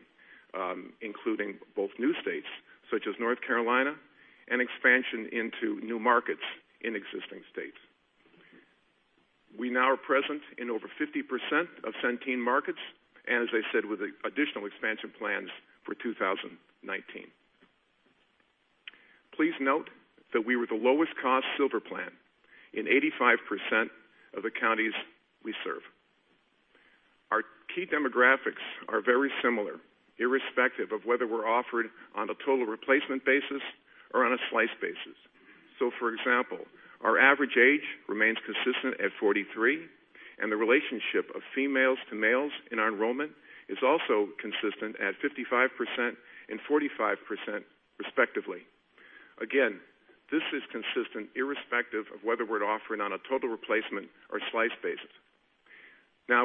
including both new states such as North Carolina and expansion into new markets in existing states. We now are present in over 50% of Centene markets, and as I said, with additional expansion plans for 2019. Please note that we were the lowest cost silver plan in 85% of the counties we serve. Our key demographics are very similar, irrespective of whether we're offered on a total replacement basis or on a slice basis. For example, our average age remains consistent at 43, and the relationship of females to males in our enrollment is also consistent at 55% and 45%, respectively. Again, this is consistent irrespective of whether we're offering on a total replacement or slice basis.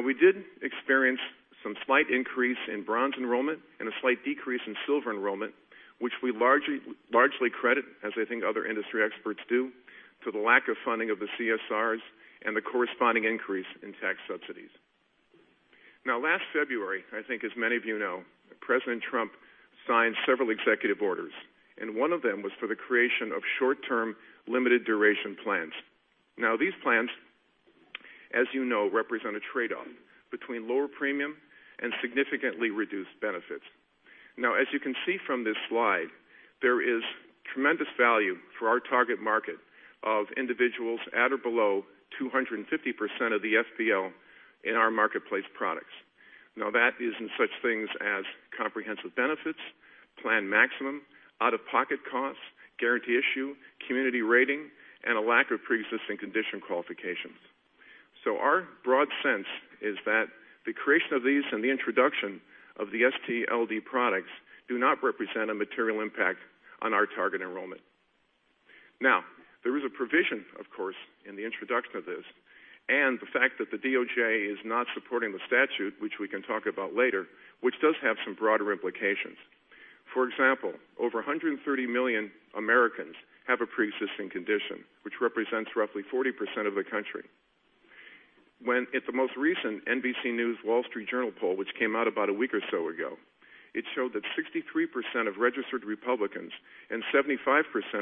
We did experience some slight increase in bronze enrollment and a slight decrease in silver enrollment, which we largely credit, as I think other industry experts do to the lack of funding of the CSRs and the corresponding increase in tax subsidies. Last February, I think as many of you know, President Trump signed several executive orders, and one of them was for the creation of short-term limited duration plans. These plans, as you know, represent a trade-off between lower premium and significantly reduced benefits. As you can see from this slide, there is tremendous value for our target market of individuals at or below 250% of the FPL in our marketplace products. That is in such things as comprehensive benefits, plan maximum, out-of-pocket costs, guarantee issue, community rating, and a lack of preexisting condition qualifications. Our broad sense is that the creation of these and the introduction of the STLD products do not represent a material impact on our target enrollment. There is a provision, of course, in the introduction of this, and the fact that the DOJ is not supporting the statute, which we can talk about later, which does have some broader implications. For example, over 130 million Americans have a preexisting condition, which represents roughly 40% of the country. At the most recent NBC News/Wall Street Journal poll, which came out about a week or so ago, it showed that 63% of registered Republicans and 75%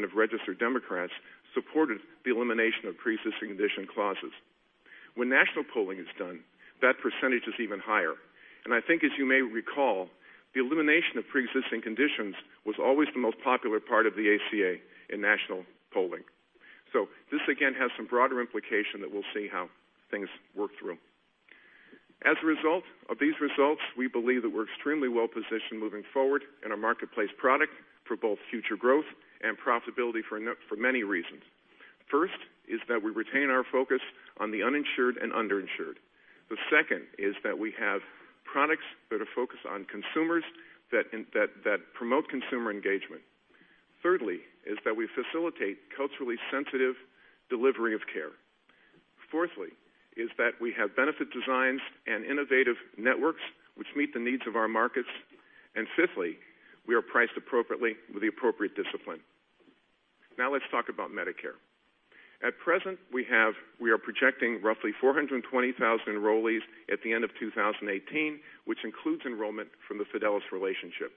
of registered Democrats supported the elimination of preexisting condition clauses. National polling is done, that percentage is even higher. I think as you may recall, the elimination of preexisting conditions was always the most popular part of the ACA in national polling. This again has some broader implication that we'll see how things work through. As a result of these results, we believe that we're extremely well-positioned moving forward in our marketplace product for both future growth and profitability for many reasons. First is that we retain our focus on the uninsured and underinsured. The second is that we have products that are focused on consumers that promote consumer engagement. Thirdly is that we facilitate culturally sensitive delivery of care. Fourthly is that we have benefit designs and innovative networks which meet the needs of our markets. Fifthly, we are priced appropriately with the appropriate discipline. Let's talk about Medicare. At present, we are projecting roughly 420,000 enrollees at the end of 2018, which includes enrollment from the Fidelis relationship.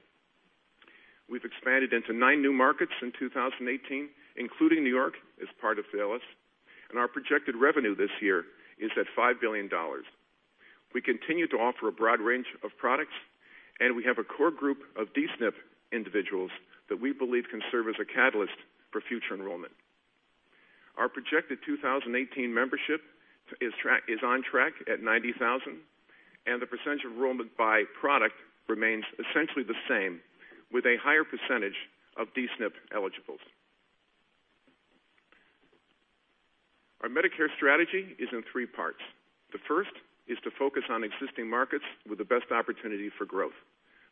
We've expanded into nine new markets in 2018, including New York as part of Fidelis, and our projected revenue this year is at $5 billion. We continue to offer a broad range of products, and we have a core group of D-SNP individuals that we believe can serve as a catalyst for future enrollment. Our projected 2018 membership is on track at 90,000, and the percentage enrollment by product remains essentially the same, with a higher percentage of D-SNP eligibles. Our Medicare strategy is in three parts. The first is to focus on existing markets with the best opportunity for growth.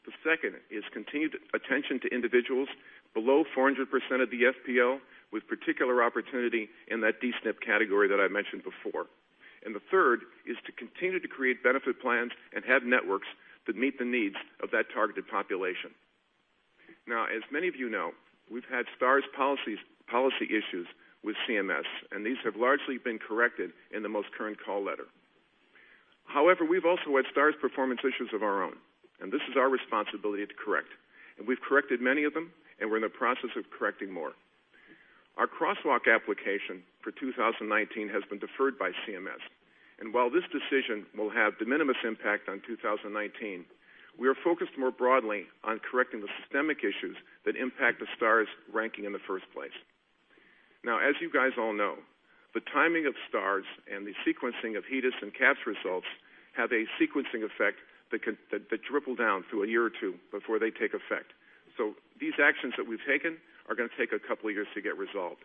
The second is continued attention to individuals below 400% of the FPL, with particular opportunity in that D-SNP category that I mentioned before. The third is to continue to create benefit plans and have networks that meet the needs of that targeted population. Now, as many of you know, we've had STARS policy issues with CMS, and these have largely been corrected in the most current call letter. However, we've also had STARS performance issues of our own, and this is our responsibility to correct. We've corrected many of them, and we're in the process of correcting more. Our crosswalk application for 2019 has been deferred by CMS. While this decision will have de minimis impact on 2019, we are focused more broadly on correcting the systemic issues that impact the STARS ranking in the first place. Now, as you guys all know, the timing of STARS and the sequencing of HEDIS and CAHPS results have a sequencing effect that ripple down through a year or two before they take effect. These actions that we've taken are going to take a couple of years to get resolved.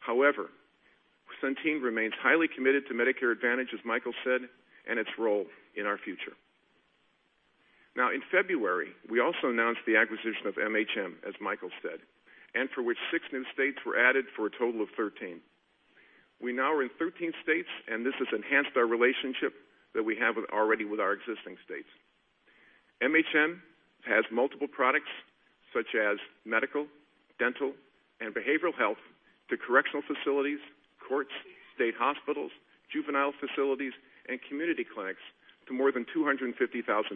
However, Centene remains highly committed to Medicare Advantage, as Michael said, and its role in our future. Now, in February, we also announced the acquisition of MHM, as Michael said, and for which six new states were added for a total of 13. We now are in 13 states, and this has enhanced our relationship that we have already with our existing states. MHM has multiple products such as medical, dental, and behavioral health to correctional facilities, courts, state hospitals, juvenile facilities, and community clinics to more than 250,000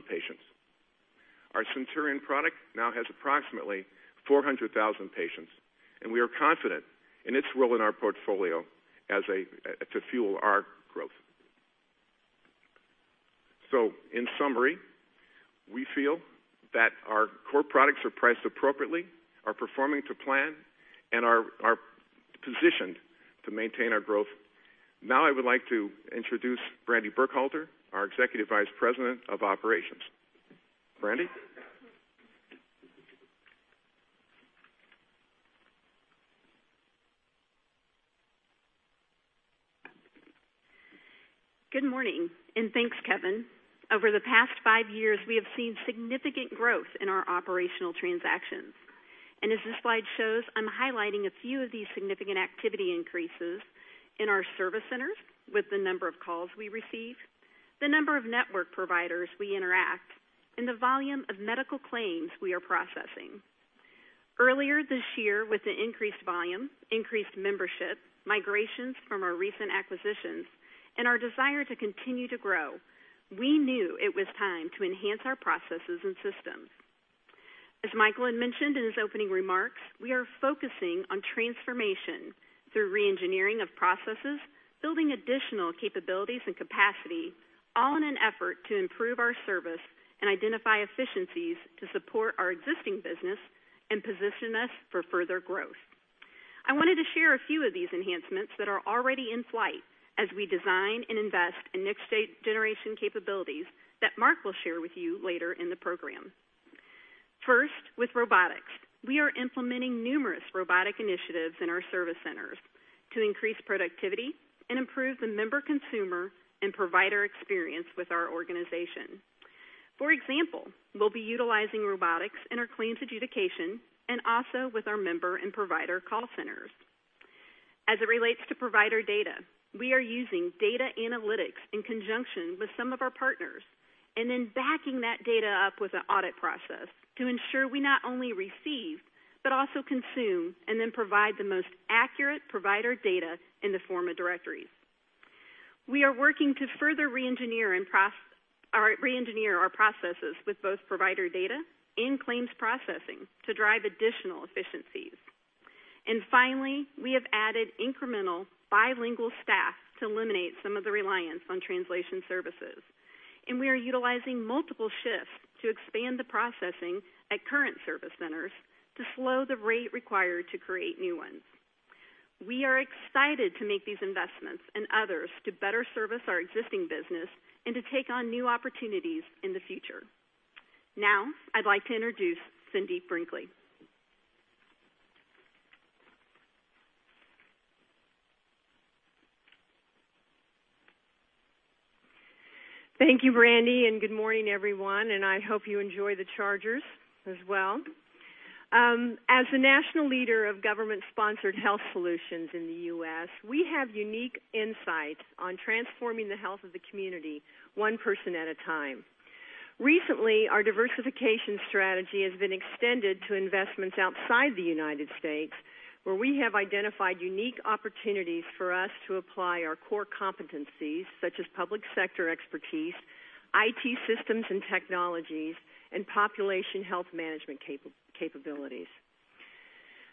patients. Our Centurion product now has approximately 400,000 patients, and we are confident in its role in our portfolio to fuel our growth. In summary, we feel that our core products are priced appropriately, are performing to plan, and are positioned to maintain our growth. Now I would like to introduce Brandy Burkhalter, our Executive Vice President of Operations. Brandy? Good morning, thanks, Kevin. Over the past 5 years, we have seen significant growth in our operational transactions. As this slide shows, I am highlighting a few of these significant activity increases in our service centers with the number of calls we receive, the number of network providers we interact, and the volume of medical claims we are processing. Earlier this year, with the increased volume, increased membership, migrations from our recent acquisitions, and our desire to continue to grow, we knew it was time to enhance our processes and systems. As Michael had mentioned in his opening remarks, we are focusing on transformation through re-engineering of processes, building additional capabilities and capacity, all in an effort to improve our service and identify efficiencies to support our existing business and position us for further growth. I wanted to share a few of these enhancements that are already in flight as we design and invest in next-generation capabilities that Mark will share with you later in the program. First, with robotics. We are implementing numerous robotic initiatives in our service centers to increase productivity and improve the member, consumer, and provider experience with our organization. For example, we will be utilizing robotics in our claims adjudication and also with our member and provider call centers. As it relates to provider data, we are using data analytics in conjunction with some of our partners and then backing that data up with an audit process to ensure we not only receive, but also consume, and then provide the most accurate provider data in the form of directories. We are working to further re-engineer our processes with both provider data and claims processing to drive additional efficiencies. Finally, we have added incremental bilingual staff to eliminate some of the reliance on translation services, and we are utilizing multiple shifts to expand the processing at current service centers to slow the rate required to create new ones. We are excited to make these investments and others to better service our existing business and to take on new opportunities in the future. Now, I would like to introduce Cindy Brinkley. Thank you, Brandy, good morning, everyone, and I hope you enjoy the Chargers as well. As the national leader of government-sponsored health solutions in the U.S., we have unique insights on transforming the health of the community one person at a time. Recently, our diversification strategy has been extended to investments outside the United States, where we have identified unique opportunities for us to apply our core competencies, such as public sector expertise, IT systems and technologies, and population health management capabilities.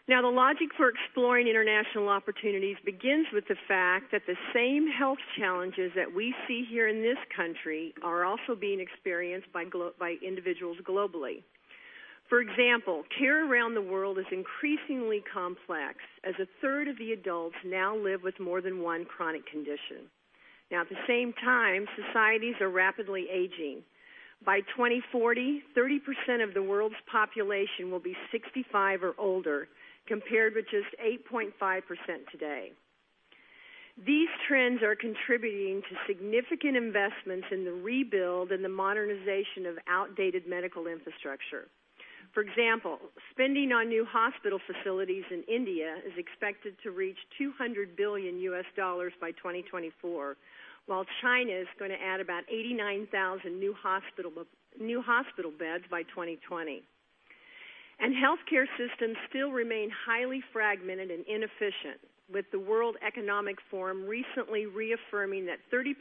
The logic for exploring international opportunities begins with the fact that the same health challenges that we see here in this country are also being experienced by individuals globally. For example, care around the world is increasingly complex as a third of the adults now live with more than one chronic condition. At the same time, societies are rapidly aging. By 2040, 30% of the world's population will be 65 or older, compared with just 8.5% today. These trends are contributing to significant investments in the rebuild and the modernization of outdated medical infrastructure. For example, spending on new hospital facilities in India is expected to reach $200 billion by 2024, while China is going to add about 89,000 new hospital beds by 2020. Healthcare systems still remain highly fragmented and inefficient, with the World Economic Forum recently reaffirming that 30%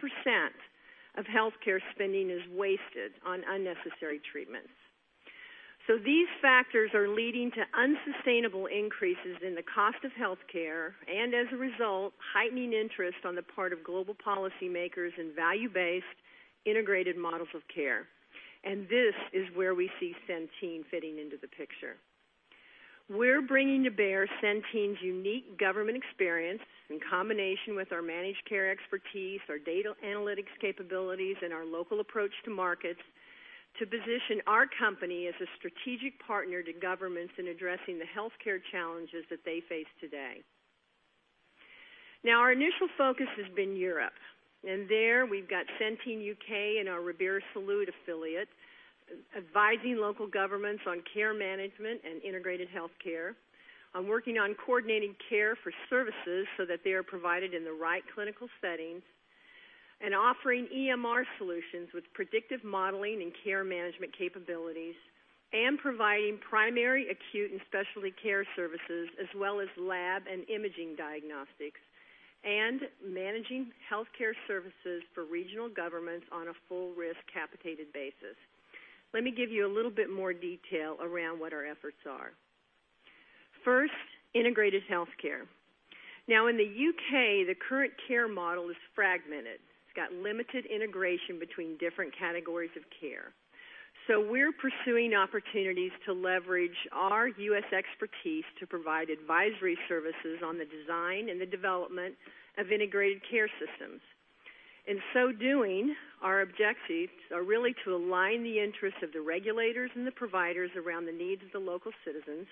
of healthcare spending is wasted on unnecessary treatments. These factors are leading to unsustainable increases in the cost of healthcare and, as a result, heightening interest on the part of global policymakers in value-based, integrated models of care. This is where we see Centene fitting into the picture. We're bringing to bear Centene's unique government experience in combination with our managed care expertise, our data analytics capabilities, and our local approach to markets to position our company as a strategic partner to governments in addressing the healthcare challenges that they face today. Now, our initial focus has been Europe, and there we've got Centene UK and our Ribera Salud affiliate advising local governments on care management and integrated healthcare, on working on coordinating care for services so that they are provided in the right clinical settings, and offering EMR solutions with predictive modeling and care management capabilities, and providing primary, acute, and specialty care services, as well as lab and imaging diagnostics, and managing healthcare services for regional governments on a full-risk, capitated basis. Let me give you a little bit more detail around what our efforts are. First, integrated healthcare. Now, in the U.K., the current care model is fragmented. It's got limited integration between different categories of care. We're pursuing opportunities to leverage our U.S. expertise to provide advisory services on the design and the development of integrated care systems. In so doing, our objectives are really to align the interests of the regulators and the providers around the needs of the local citizens,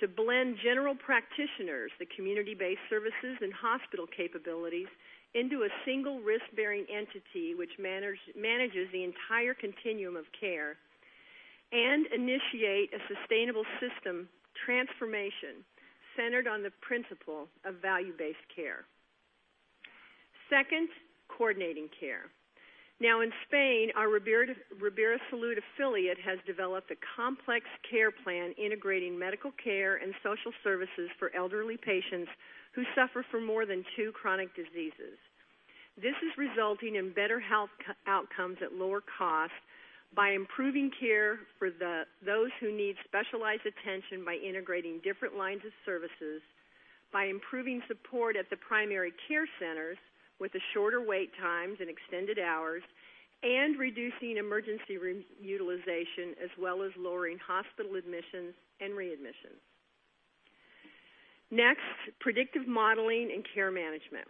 to blend general practitioners, the community-based services, and hospital capabilities into a single risk-bearing entity which manages the entire continuum of care. Initiate a sustainable system transformation centered on the principle of value-based care. Second, coordinating care. Now in Spain, our Ribera Salud affiliate has developed a complex care plan integrating medical care and social services for elderly patients who suffer from more than two chronic diseases. This is resulting in better health outcomes at lower cost by improving care for those who need specialized attention by integrating different lines of services, by improving support at the primary care centers with the shorter wait times and extended hours, and reducing emergency room utilization, as well as lowering hospital admissions and readmissions. Next, predictive modeling and care management.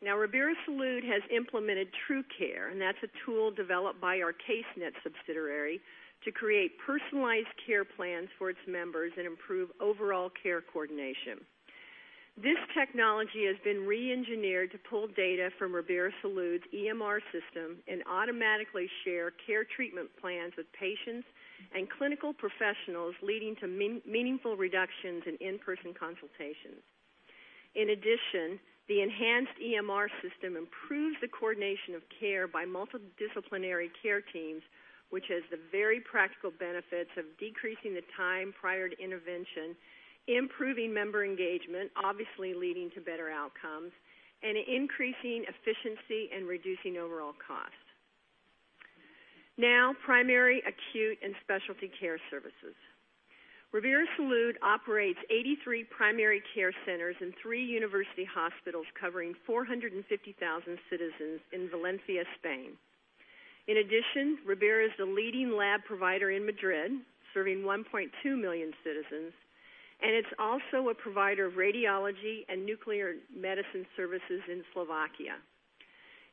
Now, Ribera Salud has implemented TruCare, and that's a tool developed by our Casenet subsidiary to create personalized care plans for its members and improve overall care coordination. This technology has been re-engineered to pull data from Ribera Salud's EMR system and automatically share care treatment plans with patients and clinical professionals, leading to meaningful reductions in in-person consultations. In addition, the enhanced EMR system improves the coordination of care by multidisciplinary care teams, which has the very practical benefits of decreasing the time prior to intervention, improving member engagement, obviously leading to better outcomes, and increasing efficiency and reducing overall costs. Now, primary acute and specialty care services. Ribera Salud operates 83 primary care centers and three university hospitals covering 450,000 citizens in Valencia, Spain. In addition, Ribera is the leading lab provider in Madrid, serving 1.2 million citizens, and it's also a provider of radiology and nuclear medicine services in Slovakia.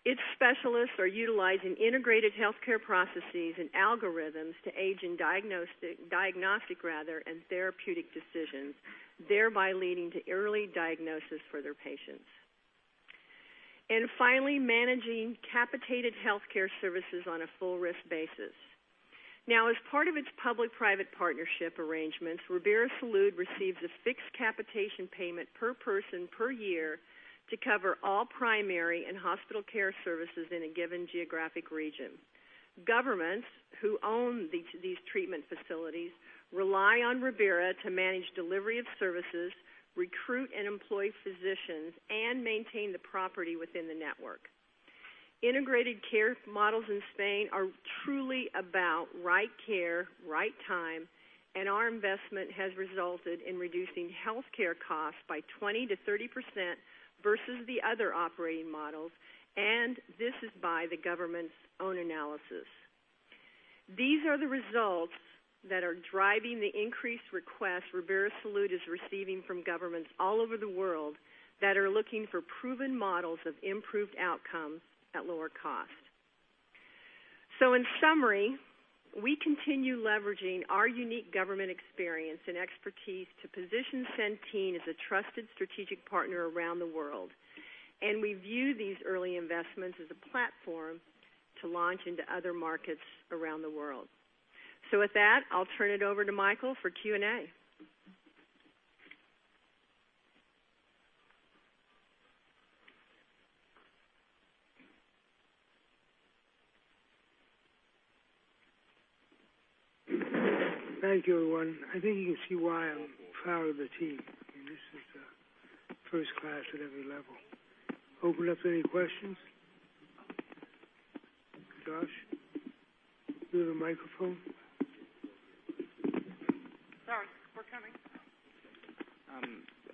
Its specialists are utilizing integrated healthcare processes and algorithms to aid in diagnostic and therapeutic decisions, thereby leading to early diagnosis for their patients. Finally, managing capitated healthcare services on a full-risk basis. Now, as part of its public-private partnership arrangements, Ribera Salud receives a fixed capitation payment per person per year to cover all primary and hospital care services in a given geographic region. Governments, who own these treatment facilities, rely on Ribera to manage delivery of services, recruit and employ physicians, and maintain the property within the network. Integrated care models in Spain are truly about right care, right time, and our investment has resulted in reducing healthcare costs by 20%-30% versus the other operating models, and this is by the government's own analysis. These are the results that are driving the increased requests Ribera Salud is receiving from governments all over the world that are looking for proven models of improved outcomes at lower cost. In summary, we continue leveraging our unique government experience and expertise to position Centene as a trusted strategic partner around the world. We view these early investments as a platform to launch into other markets around the world. With that, I'll turn it over to Michael for Q&A. Thank you, everyone. I think you can see why I'm proud of the team. This is first class at every level. Open it up to any questions. Josh? Do you have a microphone? Sorry, we're coming.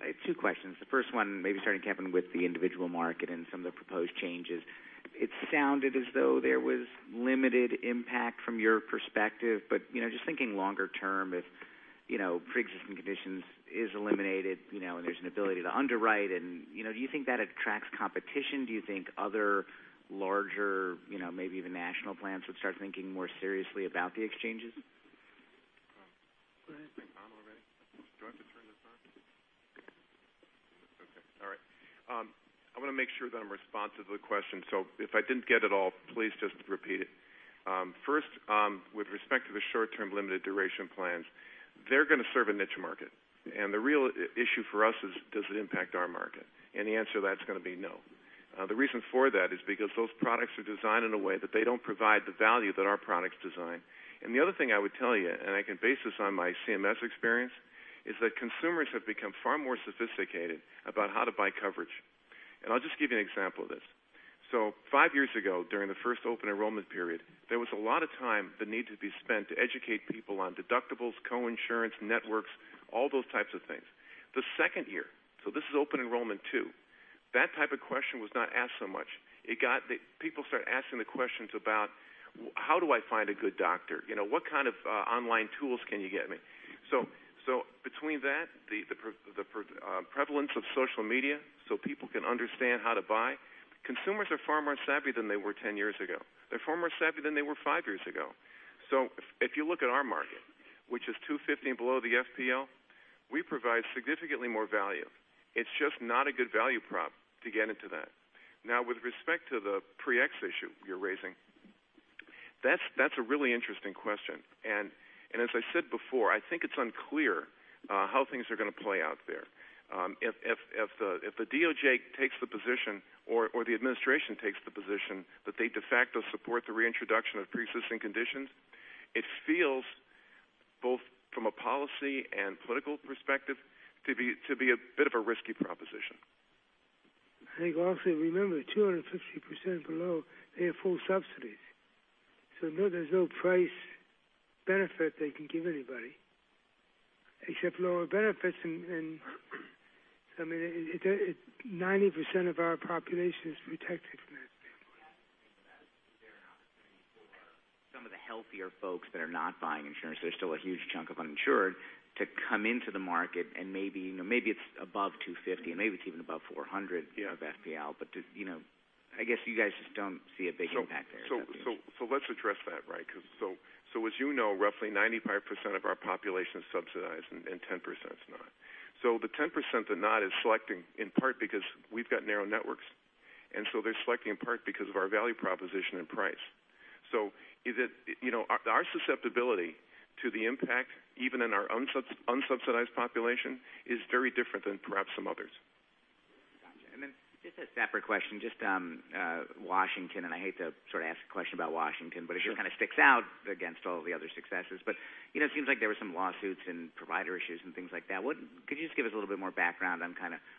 I have two questions. The first one, maybe starting, Kevin, with the individual market and some of the proposed changes. It sounded as though there was limited impact from your perspective, but just thinking longer term, if preexisting conditions is eliminated, and there's an ability to underwrite, do you think that attracts competition? Do you think other larger, maybe even national plans would start thinking more seriously about the exchanges? Go ahead. Is my mic on already? Do I have to turn this on? Okay. All right. I want to make sure that I'm responsive to the question, so if I didn't get it all, please just repeat it. First, with respect to the short-term limited duration plans, they're going to serve a niche market. The real issue for us is does it impact our market? The answer to that's going to be no. The reason for that is because those products are designed in a way that they don't provide the value that our product's designed. The other thing I would tell you, and I can base this on my CMS experience, is that consumers have become far more sophisticated about how to buy coverage. I'll just give you an example of this. five years ago, during the first Open Enrollment period, there was a lot of time that needed to be spent to educate people on deductibles, co-insurance, networks, all those types of things. The second year, this is Open Enrollment 2, that type of question was not asked so much. People started asking the questions about, "How do I find a good doctor? What kind of online tools can you get me?" Between that, the prevalence of social media, people can understand how to buy. Consumers are far more savvy than they were 10 years ago. They're far more savvy than they were 5 years ago. If you look at our market which is 250 and below the FPL, we provide significantly more value. It's just not a good value prop to get into that. Now, with respect to the pre-X issue you're raising, that's a really interesting question. As I said before, I think it's unclear how things are going to play out there. If the DOJ takes the position or the administration takes the position that they de facto support the reintroduction of pre-existing conditions, it feels both from a policy and political perspective to be a bit of a risky proposition. I think also remember, 250% below, they have full subsidies. No, there's no price benefit they can give anybody except lower benefits and, I mean, 90% of our population is protected from that standpoint. Some of the healthier folks that are not buying insurance, there's still a huge chunk of uninsured to come into the market and maybe it's above 250 and maybe it's even above 400. Yeah of FPL. I guess you guys just don't see a big impact there. Let's address that, right? As you know, roughly 95% of our population is subsidized and 10% is not. The 10% that not is selecting in part because we've got narrow networks, they're selecting in part because of our value proposition and price. Our susceptibility to the impact, even in our own unsubsidized population, is very different than perhaps some others. Got you. Then just a separate question, just Washington, I hate to sort of ask a question about Washington, it just kind of sticks out against all the other successes. It seems like there were some lawsuits and provider issues and things like that. Could you just give us a little bit more background on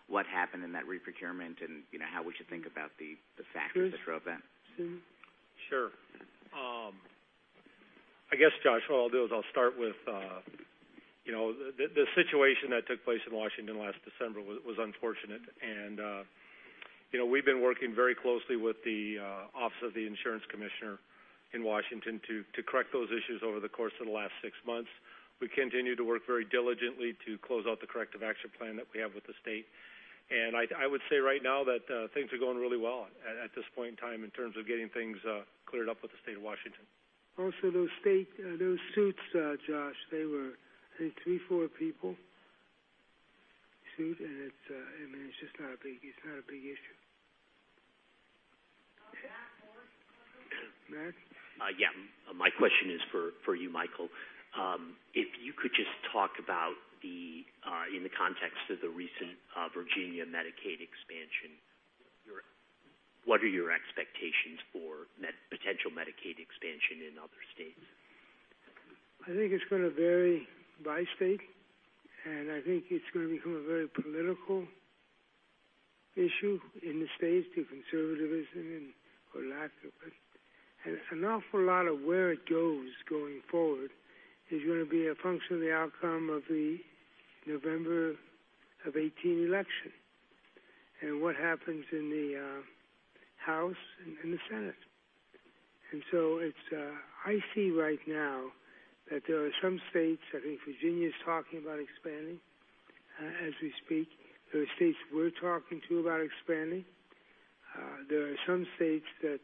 what happened in that re-procurement and how we should think about the fact of this whole event? Sure. Sure. I guess, Josh, what I'll do is I'll start with the situation that took place in Washington last December was unfortunate. We've been working very closely with the Office of the Insurance Commissioner in Washington to correct those issues over the course of the last six months. We continue to work very diligently to close out the corrective action plan that we have with the state. I would say right now that things are going really well at this point in time in terms of getting things cleared up with the state of Washington. Also, those suits, Josh, they were I think three, four people sued, and it's just not a big issue. Matt Morris. Matt? My question is for you, Michael. If you could just talk about the, in the context of the recent Virginia Medicaid expansion, what are your expectations for potential Medicaid expansion in other states? I think it's going to vary by state, and I think it's going to become a very political issue in the states through conservatism or lack of it. An awful lot of where it goes going forward is going to be a function of the outcome of the November of 2018 election, and what happens in the House and the Senate. I see right now that there are some states, I think Virginia is talking about expanding as we speak. There are states we're talking to about expanding. There are some states that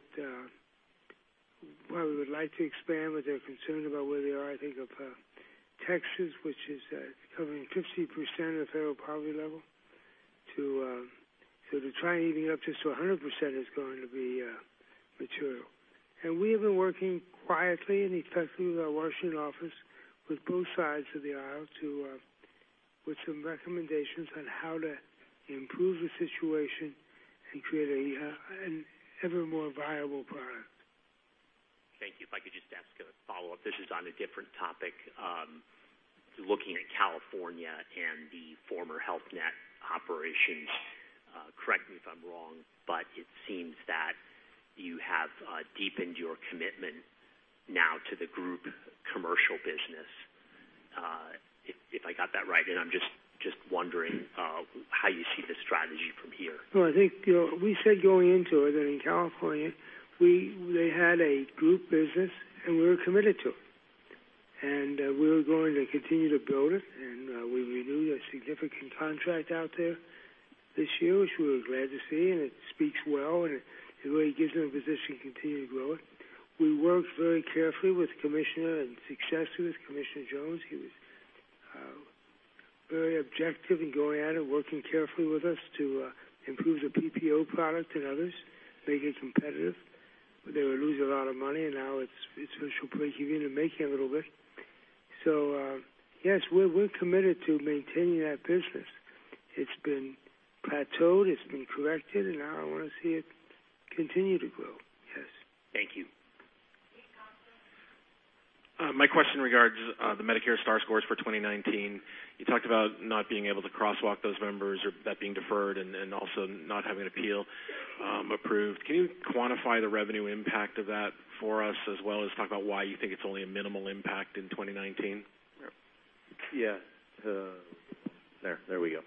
probably would like to expand, but they're concerned about where they are. I think of Texas, which is covering 50% of the federal poverty level to try and even up just to 100% is going to be material. We have been working quietly and effectively with our Washington office with both sides of the aisle with some recommendations on how to improve the situation and create an ever more viable product. Thank you. If I could just ask a follow-up. This is on a different topic. Looking at California and the former Health Net operations, correct me if I'm wrong, but it seems that you have deepened your commitment now to the group commercial business. If I got that right, and I'm just wondering how you see the strategy from here. No, I think we said going into it, and in California, they had a group business, and we were committed to it. We were going to continue to build it, and we renewed a significant contract out there this year, which we were glad to see, and it speaks well, and it really gives them a position to continue to grow it. We worked very carefully with the commissioner and successfully with Dave Jones. He was very objective in going at it, working carefully with us to improve the PPO product and others, make it competitive. They were losing a lot of money, and now it's breaking even and making a little bit. Yes, we're committed to maintaining that business. It's been plateaued, it's been corrected, and now I want to see it continue to grow. Yes. Thank you. Peter Costa. My question regards the Medicare star scores for 2019. You talked about not being able to crosswalk those members or that being deferred and also not having appeal approved. Can you quantify the revenue impact of that for us as well as talk about why you think it's only a minimal impact in 2019? Yeah. There we go.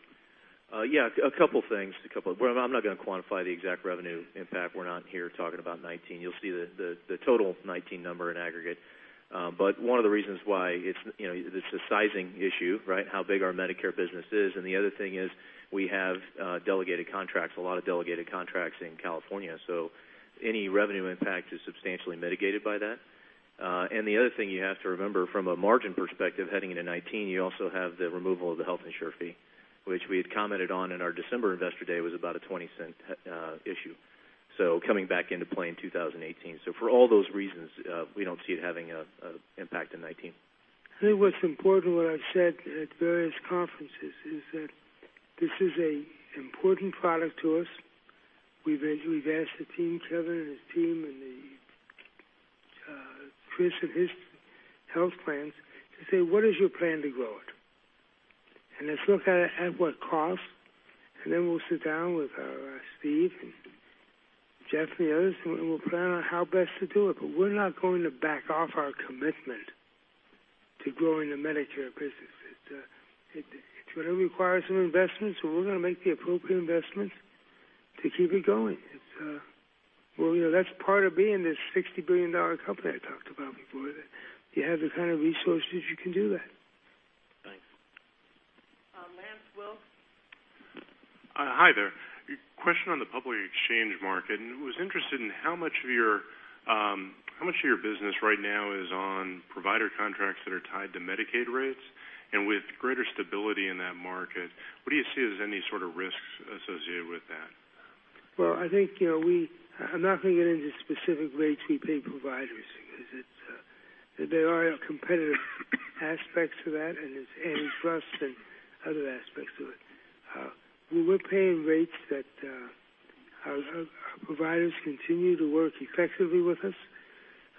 Yeah, a couple things. I'm not going to quantify the exact revenue impact. We're not here talking about 2019. You'll see the total 2019 number in aggregate. One of the reasons why it's a sizing issue, right? How big our Medicare business is, and the other thing is we have delegated contracts, a lot of delegated contracts in California. Any revenue impact is substantially mitigated by that. The other thing you have to remember from a margin perspective heading into 2019, you also have the removal of the Health Insurer Fee, which we had commented on in our December investor day was about a $0.20 issue. Coming back into play in 2018. For all those reasons, we don't see it having an impact in 2019. I think what's important, what I've said at various conferences is that this is an important product to us. We've asked the team, Kevin and his team, and Chris and his health plans to say, "What is your plan to grow it?" Let's look at it at what cost, then we'll sit down with Steve and Jeff and the others, and we'll plan on how best to do it. We're not going to back off our commitment to growing the Medicare business. It's going to require some investments, so we're going to make the appropriate investments to keep it going. That's part of being this $60 billion company I talked about before, that you have the kind of resources you can do that. Thanks. Lance Wills. Hi there. Question on the public exchange market, was interested in how much of your business right now is on provider contracts that are tied to Medicaid rates? With greater stability in that market, what do you see as any sort of risks associated with that? Well, I'm not going to get into specific rates we pay providers, because there are competitive aspects to that, and there's antitrust and other aspects to it. We're paying rates that our providers continue to work effectively with us.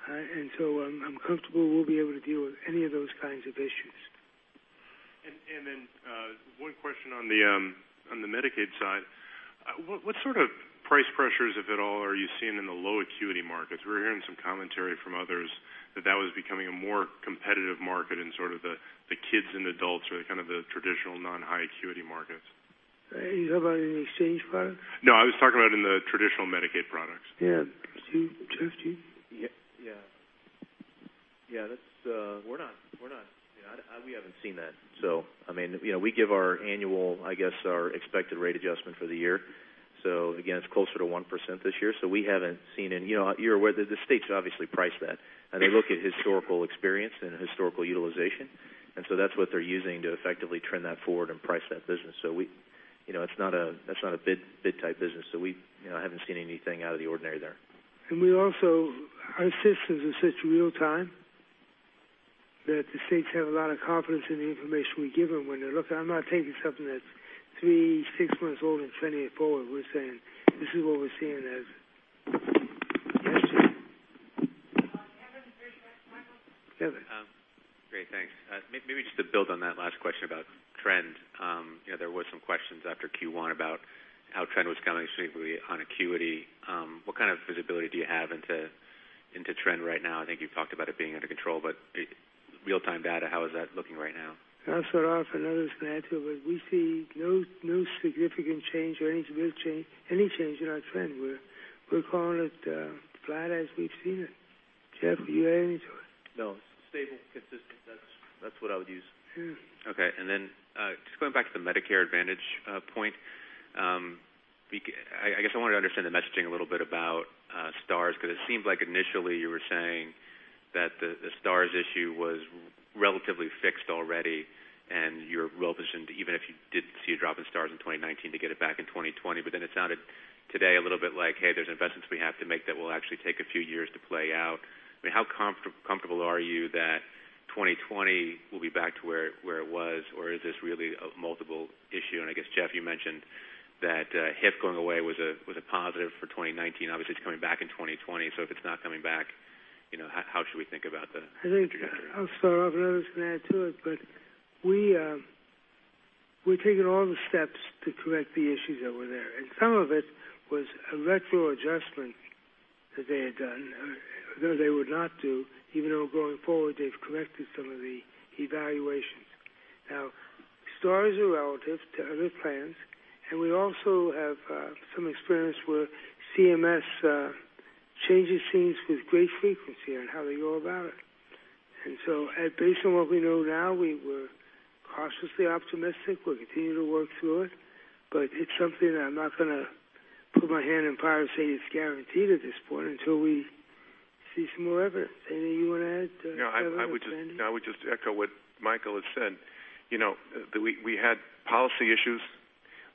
I'm comfortable we'll be able to deal with any of those kinds of issues. One question on the Medicaid side, what sort of price pressures, if at all, are you seeing in the low acuity markets? We're hearing some commentary from others that that was becoming a more competitive market in sort of the kids and adults or the kind of the traditional non-high acuity markets. Are you talking about in the exchange products? No, I was talking about in the traditional Medicaid products. Yeah. Jeff, do you? We're not. We haven't seen that. We give our annual, I guess, our expected rate adjustment for the year. Again, it's closer to 1% this year. We haven't seen any. You're aware that the states obviously price that. They look at historical experience and historical utilization, and that's what they're using to effectively trend that forward and price that business. That's not a bid type business. We haven't seen anything out of the ordinary there. Our systems are such real time that the states have a lot of confidence in the information we give them when they look. I'm not taking something that's three, six months old and trending it forward. We're saying, "This is what we're seeing as yesterday. Kevin Michael. Kevin. Great, thanks. Maybe just to build on that last question about trend. There was some questions after Q1 about how trend was coming strictly on acuity. What kind of visibility do you have into trend right now? I think you've talked about it being under control. Real-time data, how is that looking right now? I'll start off, and others can add to it. We see no significant change or any real change, any change in our trend. We're calling it flat as we've seen it. Jeff, you add anything to it? No, stable, consistent. That's what I would use. Okay, just going back to the Medicare Advantage point, I guess I wanted to understand the messaging a little bit about STARS, because it seems like initially you were saying that the STARS issue was relatively fixed already, and you're well-positioned, even if you did see a drop in STARS in 2019 to get it back in 2020. It sounded today a little bit like, hey, there's investments we have to make that will actually take a few years to play out. How comfortable are you that 2020 will be back to where it was? Or is this really a multiple issue? I guess, Jeff, you mentioned that HIF going away was a positive for 2019. Obviously, it's coming back in 2020. If it's not coming back, how should we think about the trajectory? I'll start off, and others can add to it, but we've taken all the steps to correct the issues that were there, and some of it was a retro adjustment that they had done, or they would not do, even though going forward, they've corrected some of the evaluations. Now, STARS are relative to other plans, and we also have some experience where CMS changes things with great frequency on how they go about it. Based on what we know now, we're cautiously optimistic. We'll continue to work through it, but it's something I'm not going to put my hand in fire and say it's guaranteed at this point until we see some more evidence. Anything you want to add, Kevin or Brandy? I would just echo what Michael has said. We had policy issues.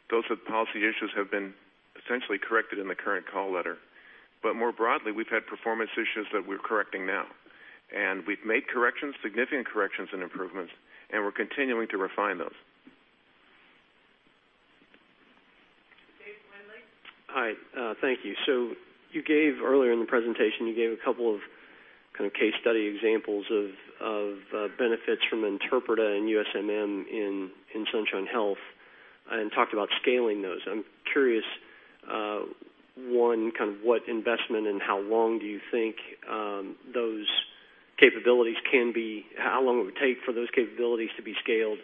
Those policy issues have been essentially corrected in the current call letter. More broadly, we've had performance issues that we're correcting now. We've made corrections, significant corrections and improvements, and we're continuing to refine those. Dave Wendling. Hi. Thank you. Earlier in the presentation, you gave a couple of case study examples of benefits from Interpreta and USMM in Sunshine Health and talked about scaling those. I'm curious, one, what investment and how long do you think it would take for those capabilities to be scaled?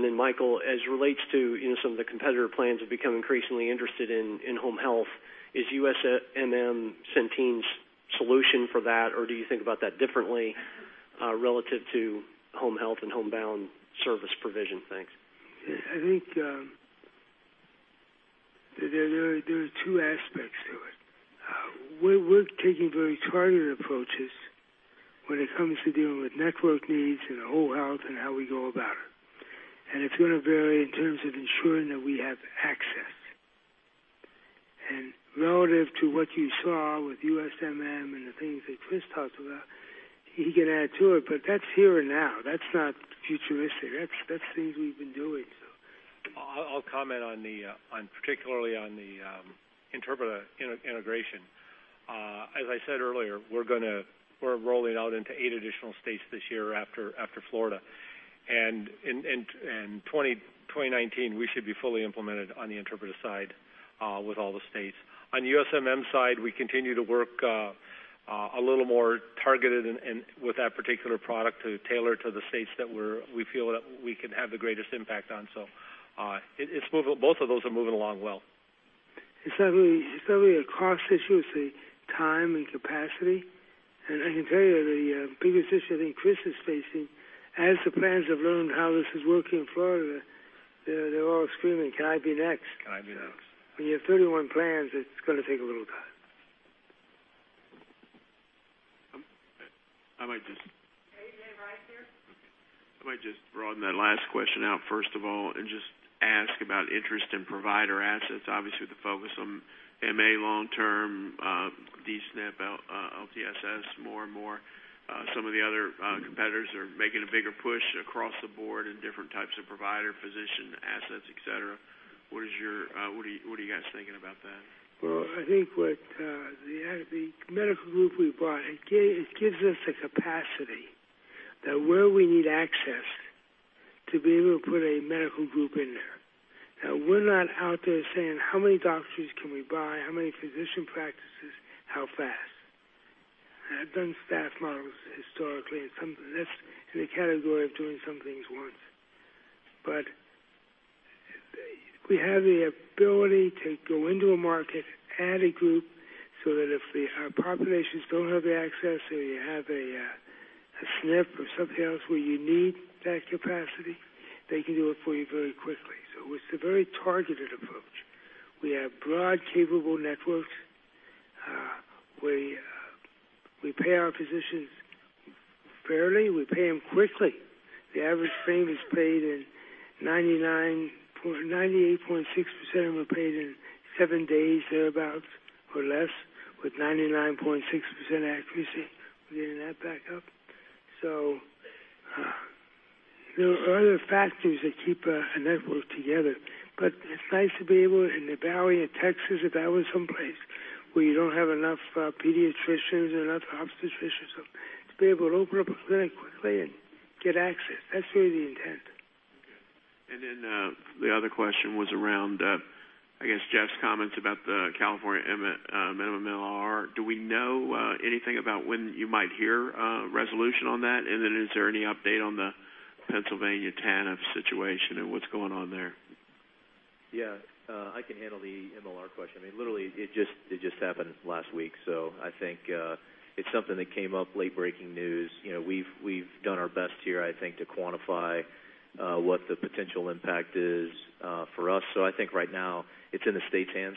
Then Michael, as it relates to some of the competitor plans have become increasingly interested in home health, is USMM Centene's solution for that, or do you think about that differently relative to home health and homebound service provision? Thanks. There are two aspects to it. We're taking very targeted approaches when it comes to dealing with network needs and the whole health and how we go about it. It's going to vary in terms of ensuring that we have access. Relative to what you saw with USMM and the things that Chris talks about, he can add to it, but that's here and now. That's not futuristic. That's things we've been doing. I'll comment particularly on the Interpreta integration. As I said earlier, we're rolling out into 8 additional states this year after Florida. In 2019, we should be fully implemented on the Interpreta side with all the states. On the U.S. Medical Management side, we continue to work a little more targeted and with that particular product to tailor to the states that we feel that we can have the greatest impact on. Both of those are moving along well. It's not really a cost issue, it's a time and capacity. I can tell you, the biggest issue I think Chris is facing, as the plans have learned how this is working in Florida, they're all screaming, "Can I be next? Can I be next? When you have 31 plans, it's going to take a little time. AJ, right here. Okay. I might just broaden that last question out, first of all, and just ask about interest in provider assets, obviously, with the focus on MA long term, D-SNP, LTSS more and more. Some of the other competitors are making a bigger push across the board in different types of provider, physician assets, et cetera. What are you guys thinking about that? Well, I think what the medical group we bought, it gives us a capacity that where we need access, to be able to put a medical group in there. Now, we're not out there saying, "How many doctors can we buy? How many physician practices? How fast?" I've done staff models historically. That's in the category of doing some things once. We have the ability to go into a market, add a group, so that if our populations don't have the access or you have a SNF or something else where you need that capacity, they can do it for you very quickly. It's a very targeted approach. We have broad, capable networks. We pay our physicians fairly. We pay them quickly. The average claim is paid in 98.6% were paid in seven days or thereabout, or less, with 99.6% accuracy. We are getting that back up. There are other factors that keep a network together. It's nice to be able, in the Valley of Texas or the Valley someplace, where you don't have enough pediatricians or enough obstetricians, to be able to open up a clinic quickly and get access. That's really the intent. Okay. The other question was around, I guess, Jeff's comments about the California minimum MLR. Do we know anything about when you might hear a resolution on that? Is there any update on the Pennsylvania TANF situation, and what's going on there? I can handle the MLR question. Literally, it just happened last week, so I think it's something that came up, late-breaking news. We've done our best here, I think, to quantify what the potential impact is for us. I think right now it's in the state's hands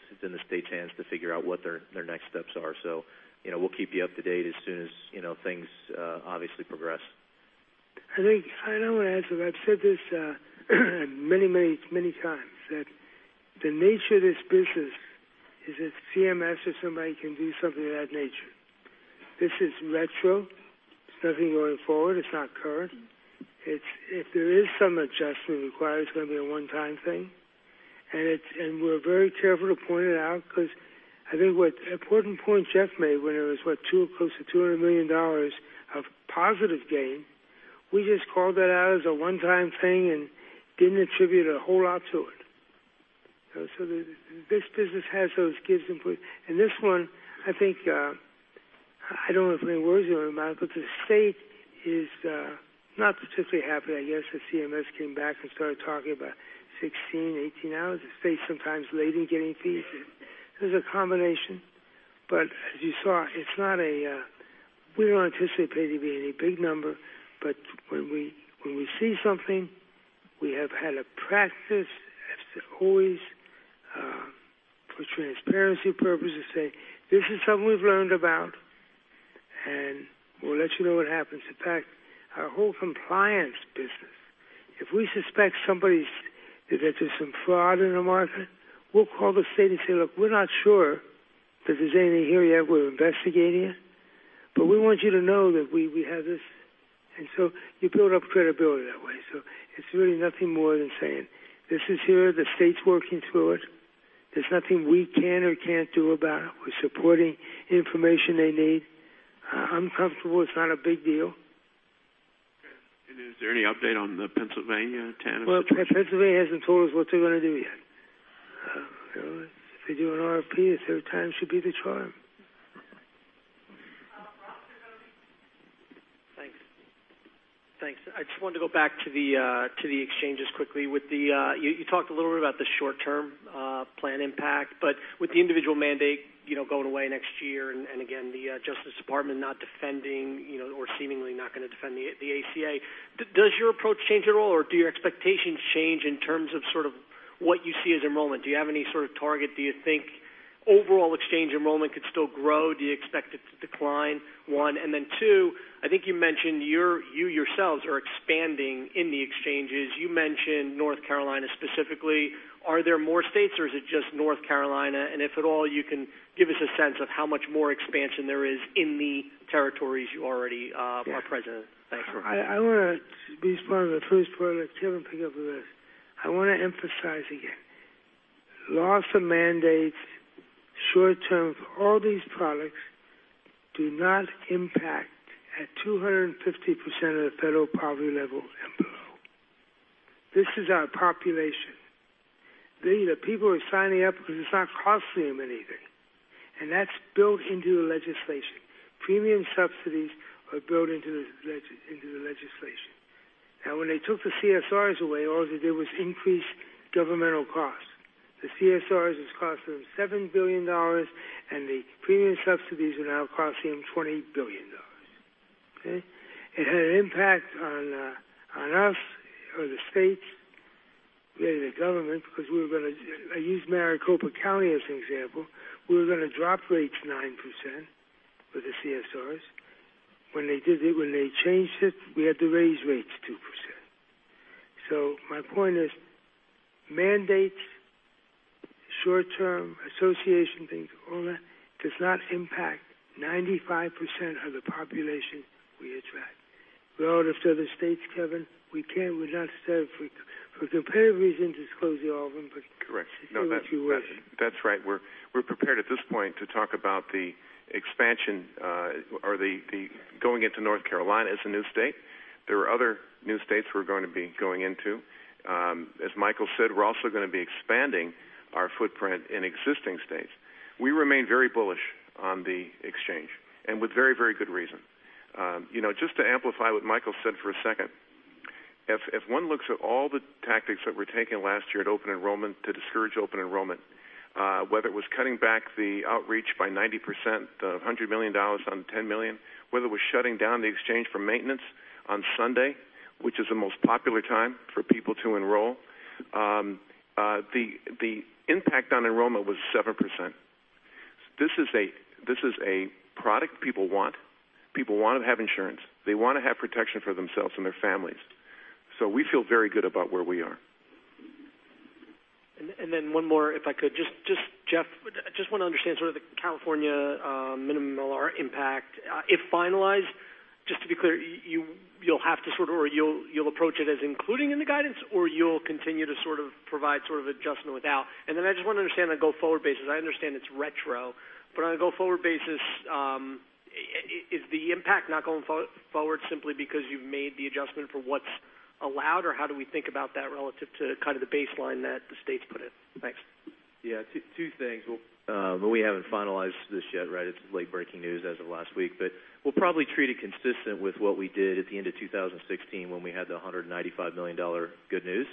to figure out what their next steps are. We'll keep you up to date as soon as things obviously progress. I think I know an answer. I've said this many times, that the nature of this business is if CMS or somebody can do something of that nature. This is retro. It's nothing going forward. It's not current. If there is some adjustment required, it's going to be a one-time thing. We're very careful to point it out because I think what important point Jeff made when it was what, close to $200 million of positive gain. We just called that out as a one-time thing and didn't attribute a whole lot to it. This business has those gives and. This one, I think, I don't know if many words are going to matter, but the state is not particularly happy, I guess, that CMS came back and started talking about 16, 18 hours. The state's sometimes late in getting fees in. There's a combination, but as you saw, we don't anticipate it being a big number. When we see something, we have had a practice, as to always, for transparency purposes, say, "This is something we've learned about, and we'll let you know what happens." In fact, our whole compliance business, if we suspect that there's some fraud in the market, we'll call the state and say, "Look, we're not sure that there's anything here yet. We're investigating it. But we want you to know that we have this." You build up credibility that way. It's really nothing more than saying, "This is here. The state's working through it. There's nothing we can or can't do about it. We're supporting information they need." I'm comfortable it's not a big deal. Okay. Is there any update on the Pennsylvania TANF situation? Well, Pennsylvania hasn't told us what they're going to do yet. If they do an RFP, third time should be the charm. Rob Ferranti. Thanks. I just wanted to go back to the exchanges quickly. You talked a little bit about the short-term plan impact. With the individual mandate going away next year, again, the Department of Justice not defending, or seemingly not going to defend the ACA, does your approach change at all, or do your expectations change in terms of what you see as enrollment? Do you have any sort of target? Do you think overall exchange enrollment could still grow. Do you expect it to decline? One. Then two, I think you mentioned you yourselves are expanding in the exchanges. You mentioned North Carolina specifically. Are there more states or is it just North Carolina? If at all, you can give us a sense of how much more expansion there is in the territories you already are present in. Thanks very much. I want to be as part of the first part, Kevin will pick up the rest. I want to emphasize again, loss of mandates, short-term for all these products do not impact at 250% of the federal poverty level and below. This is our population. The people are signing up because it's not costing them anything. That's built into the legislation. Premium subsidies are built into the legislation. When they took the CSRs away, all they did was increase governmental costs. The CSRs was costing them $7 billion, and the premium subsidies are now costing them $20 billion. Okay? It had an impact on us or the states, the government, because we were going to, I use Maricopa County as an example. We were going to drop rates 9% with the CSRs. When they changed it, we had to raise rates 2%. My point is, mandates, short-term, association things, all that does not impact 95% of the population we attract. We offered to other states, Kevin, we can, we're not set up for comparative reasons, disclose to all of them. Correct. No, that's right. We're prepared at this point to talk about the expansion or the going into North Carolina as a new state. There are other new states we're going to be going into. As Michael said, we're also going to be expanding our footprint in existing states. We remain very bullish on the exchange and with very good reason. Just to amplify what Michael said for a second. If one looks at all the tactics that were taken last year at open enrollment to discourage open enrollment, whether it was cutting back the outreach by 90%, $100 million on $10 million, whether it was shutting down the exchange for maintenance on Sunday, which is the most popular time for people to enroll, the impact on enrollment was 7%. This is a product people want. People want to have insurance. They want to have protection for themselves and their families. We feel very good about where we are. One more, if I could. Jeff, just want to understand sort of the California minimum MLR impact. If finalized, just to be clear, you'll have to sort of, or you'll approach it as including in the guidance, or you'll continue to sort of provide sort of adjustment without. I just want to understand on a go-forward basis, I understand it's retro, but on a go-forward basis, is the impact not going forward simply because you've made the adjustment for what's allowed? Or how do we think about that relative to kind of the baseline that the states put in? Thanks. two things. We haven't finalized this yet, right? It's late-breaking news as of last week, but we'll probably treat it consistent with what we did at the end of 2016 when we had the $195 million good news.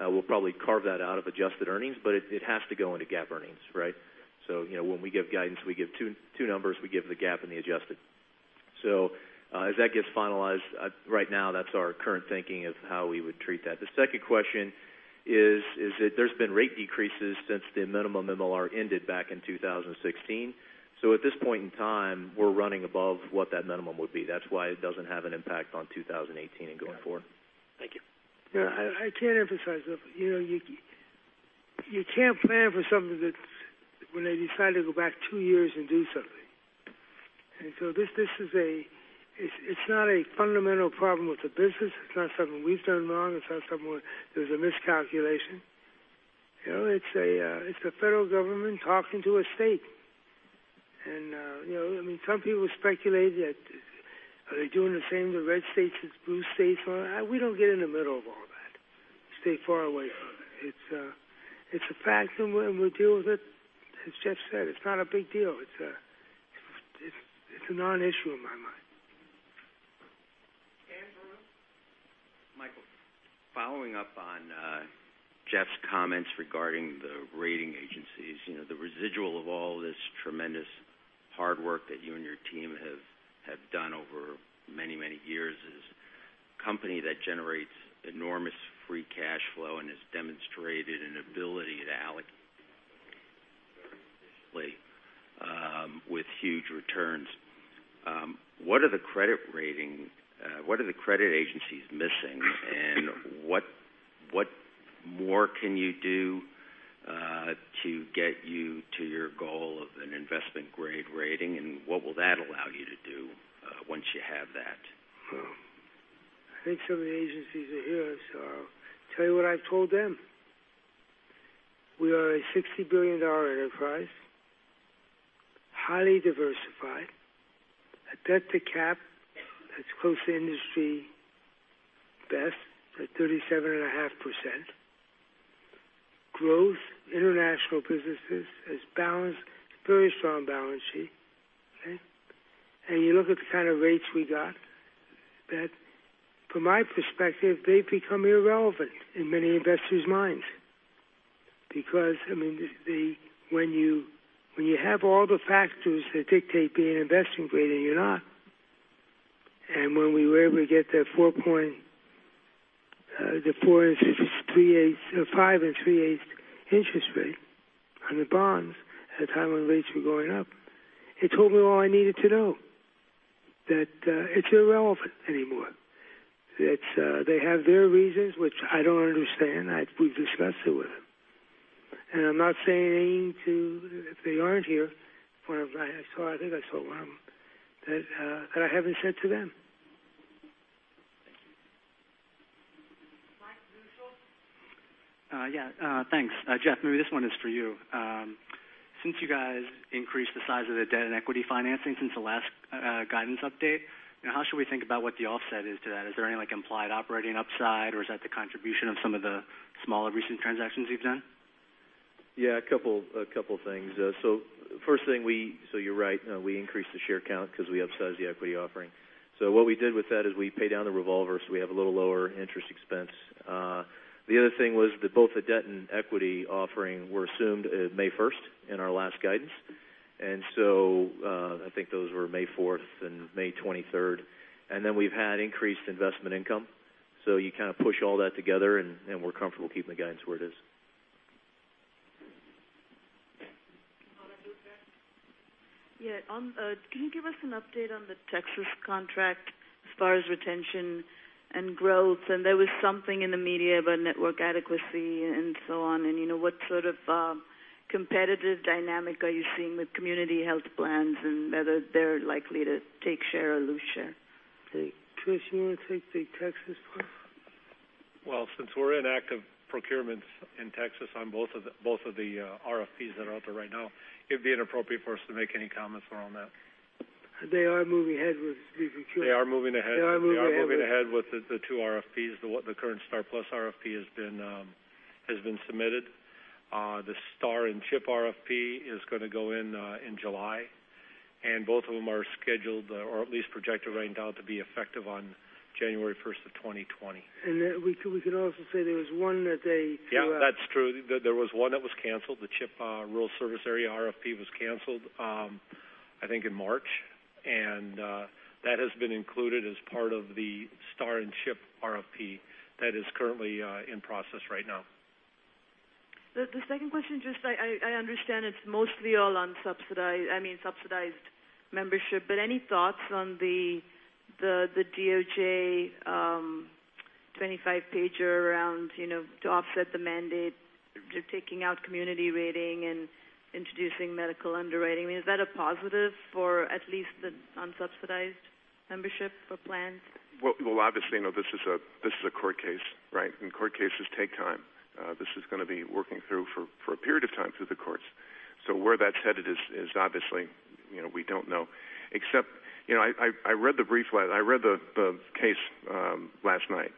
We'll probably carve that out of adjusted earnings, but it has to go into GAAP earnings, right? When we give guidance, we give two numbers. We give the GAAP and the adjusted. As that gets finalized, right now, that's our current thinking of how we would treat that. The second question is that there's been rate decreases since the minimum MLR ended back in 2016. At this point in time, we're running above what that minimum would be. That's why it doesn't have an impact on 2018 and going forward. Thank you. I can't emphasize enough. You can't plan for something that when they decide to go back two years and do something. This is, it's not a fundamental problem with the business. It's not something we've done wrong. It's not something where there's a miscalculation. It's the federal government talking to a state. Some people speculate that are they doing the same to red states as blue states? We don't get in the middle of all that. Stay far away from it. It's a fact, and when we deal with it, as Jeff said, it's not a big deal. It's a non-issue in my mind. Dan Barrow. Michael, following up on Jeff's comments regarding the rating agencies. The residual of all this tremendous hard work that you and your team have done over many years is a company that generates enormous free cash flow and has demonstrated an ability to allocate very efficiently with huge returns. What are the credit agencies missing, and what more can you do to get you to your goal of an investment-grade rating, and what will that allow you to do once you have that? I think some of the agencies are here, I'll tell you what I've told them. We are a $60 billion enterprise, highly diversified. A debt to cap that's close to industry best at 37.5%. Growth, international businesses. It's balanced. Very strong balance sheet. Okay? You look at the kind of rates we got that, from my perspective, they become irrelevant in many investors' minds. Because when you have all the factors that dictate being investment grade and you're not When we were able to get that five and three-eighths interest rate on the bonds at a time when rates were going up, it told me all I needed to know. That it's irrelevant anymore. That they have their reasons, which I don't understand. We've discussed it with them. I'm not saying to, if they aren't here, I think I saw one of them, that I haven't said to them. Thank you. Mike. Yeah. Thanks. Jeff, maybe this one is for you. Since you guys increased the size of the debt and equity financing since the last guidance update, how should we think about what the offset is to that? Is there any implied operating upside, or is that the contribution of some of the smaller recent transactions you've done? Yeah, a couple things. First thing, so you're right, we increased the share count because we upsized the equity offering. What we did with that is we paid down the revolver, so we have a little lower interest expense. The other thing was that both the debt and equity offering were assumed May 1st in our last guidance. I think those were May 4th and May 23rd. We've had increased investment income. You kind of push all that together, and we're comfortable keeping the guidance where it is. Anna. Can you give us an update on the Texas contract as far as retention and growth? There was something in the media about network adequacy and so on, and what sort of competitive dynamic are you seeing with community health plans, and whether they're likely to take share or lose share? Chris, you want to take the Texas one? Well, since we're in active procurements in Texas on both of the RFPs that are out there right now, it'd be inappropriate for us to make any comments around that. They are moving ahead with They are moving ahead. They are moving ahead. They are moving ahead with the two RFPs. The current STAR+PLUS RFP has been submitted. The STAR and CHIP RFP is going to go in July. Both of them are scheduled, or at least projected right now to be effective on January 1, 2020. We could also say there was one. Yeah. That's true. There was one that was canceled, the CHIP Rural Service area RFP was canceled, I think in March. That has been included as part of the STAR and CHIP RFP that is currently in process right now. The second question, just I understand it's mostly all unsubsidized, I mean, subsidized membership. Any thoughts on the DOJ 25 pager around, to offset the mandate, taking out community rating and introducing medical underwriting? I mean, is that a positive for at least the unsubsidized membership for plans? Well, obviously, this is a court case, right? Court cases take time. This is going to be working through for a period of time through the courts. Where that's headed is obviously we don't know. Except, I read the case last night.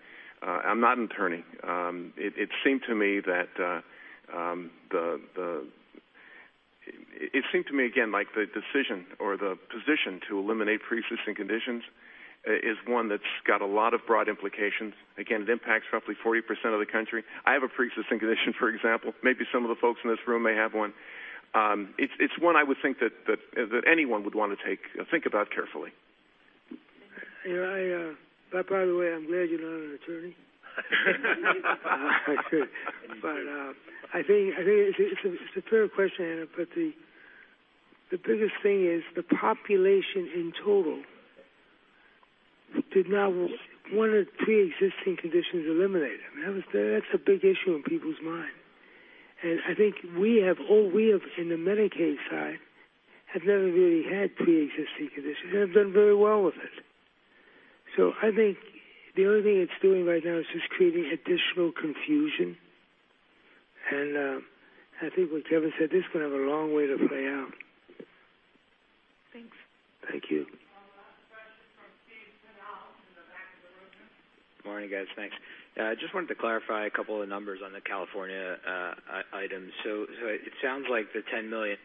I'm not an attorney. It seemed to me, again, like the decision or the position to eliminate preexisting conditions is one that's got a lot of broad implications. Again, it impacts roughly 40% of the country. I have a preexisting condition, for example. Maybe some of the folks in this room may have one. It's one I would think that anyone would want to think about carefully. By the way, I'm glad you're not an attorney. I think it's a fair question, Anna, but the biggest thing is the population in total did not want a preexisting conditions eliminated. I mean, that's a big issue in people's mind. I think we have, in the Medicaid side, have never really had preexisting conditions and have done very well with it. I think the only thing it's doing right now is just creating additional confusion, and I think what Kevin said, this is going to have a long way to play out. Thanks. Thank you. Our last question from Steve Tanal in the back of the room. Good morning, guys. Thanks. I just wanted to clarify a couple of numbers on the California items. It sounds like the $10 million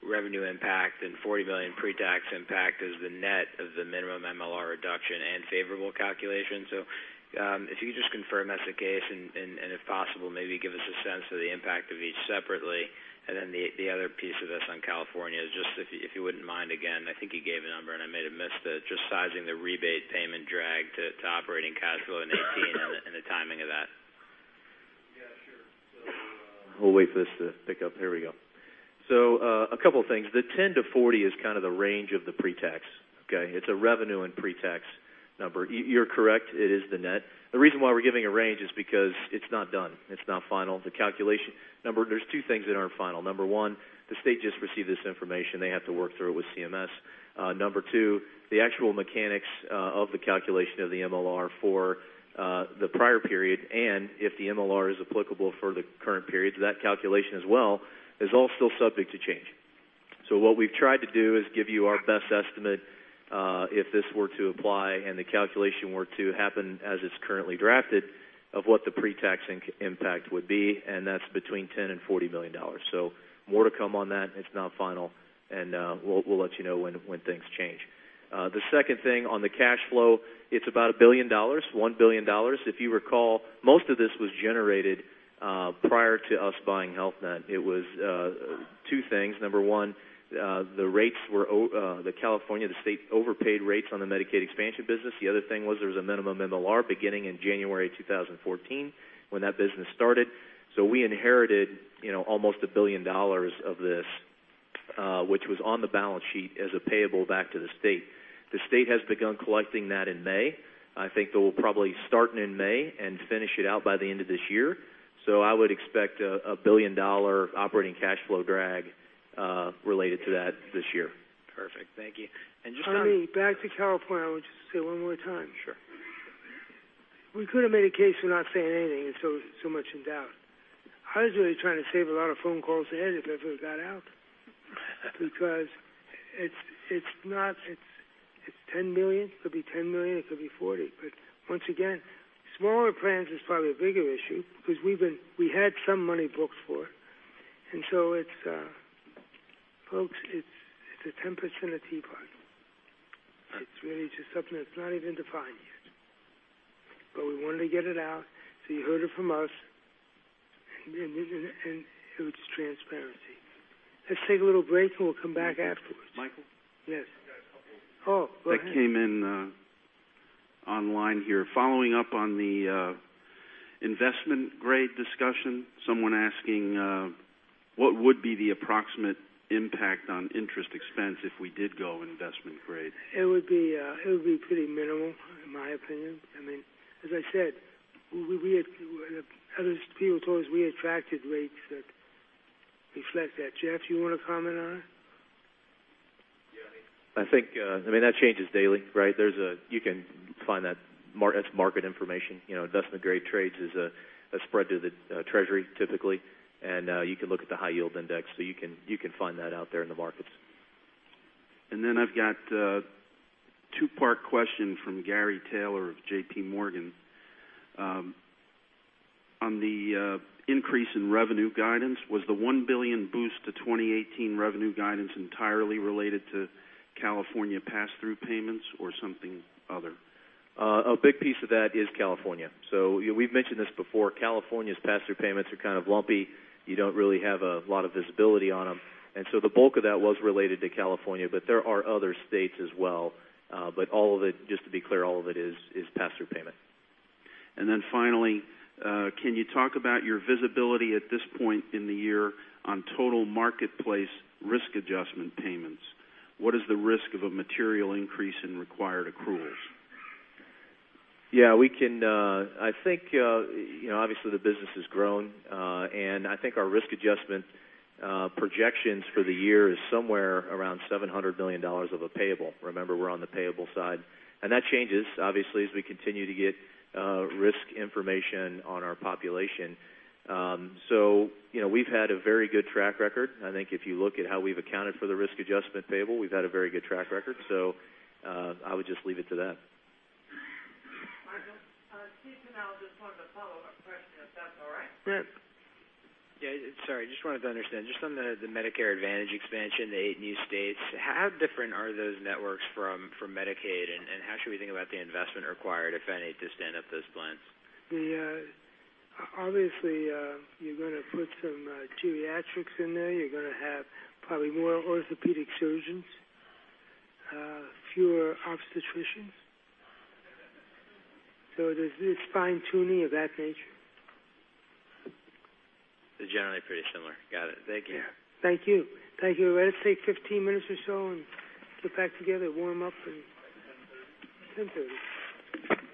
revenue impact and $40 million pre-tax impact is the net of the minimum MLR reduction and favorable calculation. If you could just confirm that's the case, and if possible, maybe give us a sense of the impact of each separately. The other piece of this on California is just, if you wouldn't mind again, I think you gave a number and I may have missed it, just sizing the rebate payment drag to operating cash flow in 2018 and the timing of that. Yeah, sure. We'll wait for this to pick up. Here we go. A couple of things. The $10 million-$40 million is kind of the range of the pre-tax. Okay? It's a revenue and pre-tax number. You're correct, it is the net. The reason why we're giving a range is because it's not done. It's not final. There's two things that aren't final. Number one, the state just received this information. They have to work through it with CMS. Number two, the actual mechanics of the calculation of the MLR for the prior period, and if the MLR is applicable for the current period, that calculation as well is all still subject to change. What we've tried to do is give you our best estimate, if this were to apply and the calculation were to happen as it's currently drafted, of what the pre-tax impact would be, and that's between $10 million and $40 million. More to come on that. It's not final, and we'll let you know when things change. The second thing on the cash flow, it's about $1 billion. If you recall, most of this was generated prior to us buying Health Net. It was two things. Number one, the rates were the California, the state overpaid rates on the Medicaid expansion business. The other thing was there was a minimum MLR beginning in January 2014 when that business started. We inherited almost $1 billion of this, which was on the balance sheet as a payable back to the state. The state has begun collecting that in May. I think they will probably start in May and finish it out by the end of this year. I would expect a $1 billion operating cash flow drag related to that this year. Perfect. Thank you. Just on- Arnie, back to California. I want you to say it one more time. Sure. We could have made a case for not saying anything, it's so much in doubt. I was really trying to save a lot of phone calls ahead if it was got out. It's $10 million, it could be $10 million, it could be $40 million. Once again, smaller plans is probably a bigger issue because we had some money booked for it, and so folks, it's a tempest in a teapot. It's really just something that's not even defined yet. We wanted to get it out, so you heard it from us, and it's transparency. Let's take a little break, and we'll come back afterwards. Michael? Yes. I've got a couple. Oh, go ahead that came in online here. Following up on the investment grade discussion, someone asking, what would be the approximate impact on interest expense if we did go investment grade? It would be pretty minimal, in my opinion. As I said, as Pete told us, we attracted rates that reflect that. Jeff, you want to comment on it? Yeah. I think that changes daily, right? You can find that. That's market information. Investment grade trades is a spread to the treasury, typically. You can look at the high yield index. You can find that out there in the markets. I've got a two-part question from Gary Taylor of JPMorgan. On the increase in revenue guidance, was the $1 billion boost to 2018 revenue guidance entirely related to California pass-through payments or something other? A big piece of that is California. We've mentioned this before. California's pass-through payments are kind of lumpy. You don't really have a lot of visibility on them. The bulk of that was related to California, there are other states as well. Just to be clear, all of it is pass-through payment. Finally, can you talk about your visibility at this point in the year on total marketplace risk adjustment payments? What is the risk of a material increase in required accruals? Yeah. Obviously the business has grown. I think our risk adjustment projections for the year is somewhere around $700 million of a payable. Remember, we're on the payable side. That changes, obviously, as we continue to get risk information on our population. We've had a very good track record. I think if you look at how we've accounted for the risk adjustment payable, we've had a very good track record. I would just leave it to that. Michael? Steven Valiquette just wanted a follow-up question, if that's all right? Yeah. Yeah. Sorry, just wanted to understand, just on the Medicare Advantage expansion, the eight new states, how different are those networks from Medicaid, how should we think about the investment required, if any, to stand up those plans? Obviously, you're going to put some geriatrics in there. You're going to have probably more orthopedic surgeons, fewer obstetricians. It's fine-tuning of that nature. They're generally pretty similar. Got it. Thank you. Yeah. Thank you. Thank you. Let's take 15 minutes or so and get back together, warm up. At 10:30? 10:30. Good job, everybody. Well,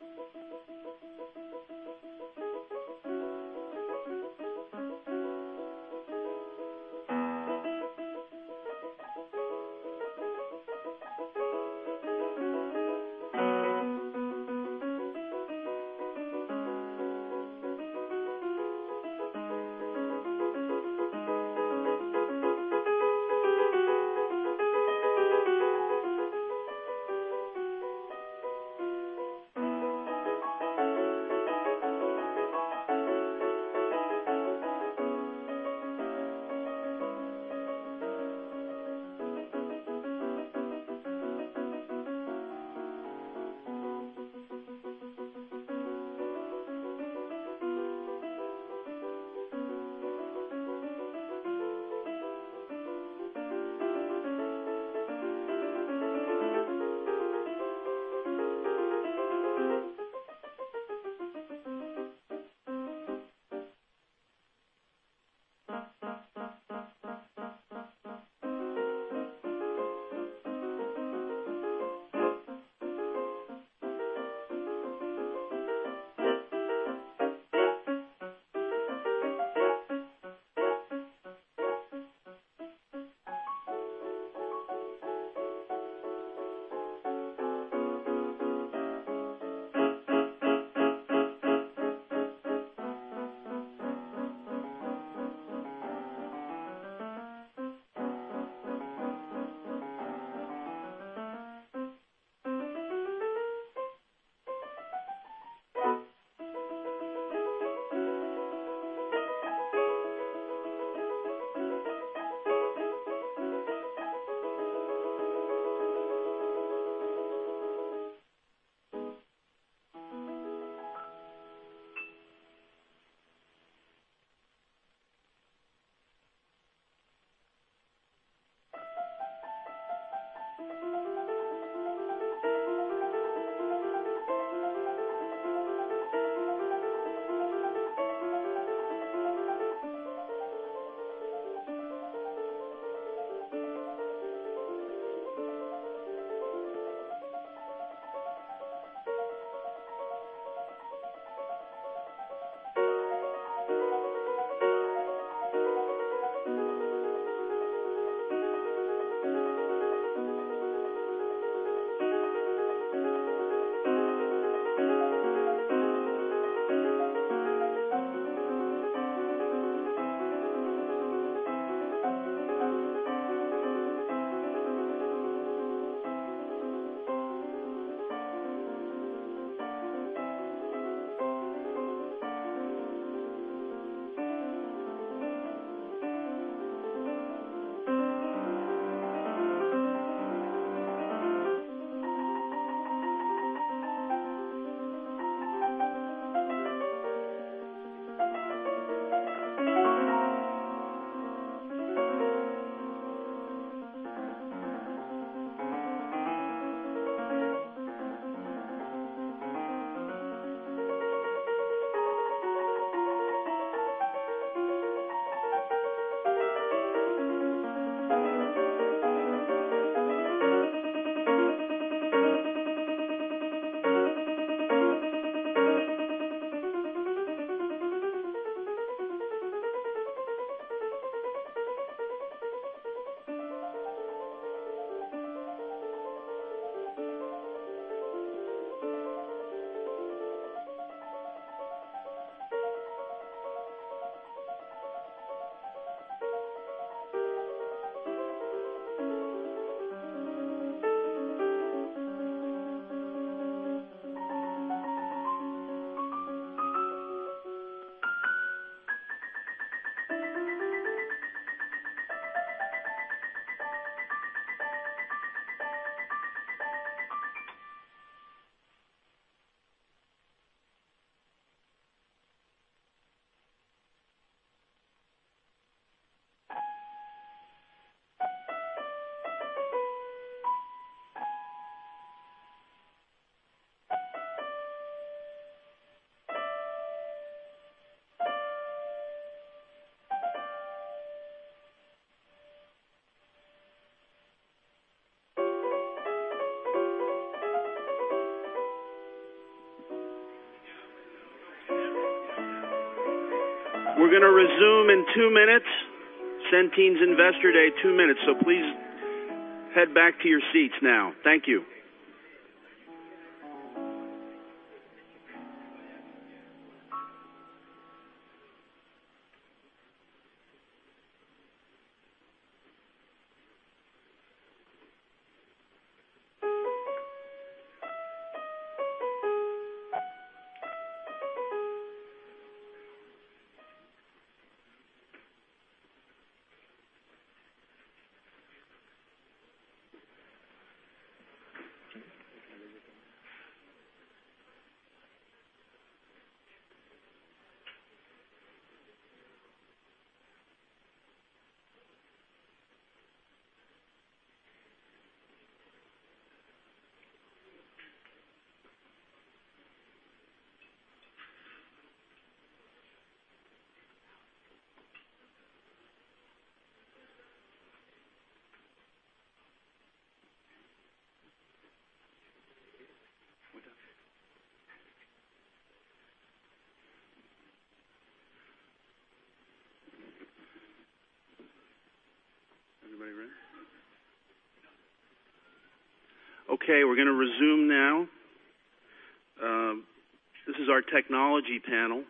thank you. You as well. Yeah. You too. We're going to resume in two minutes. Centene's Investor Day, two minutes. Please head back to your seats now. Thank you. Everybody ready? Okay, we're going to resume now. This is our technology panel.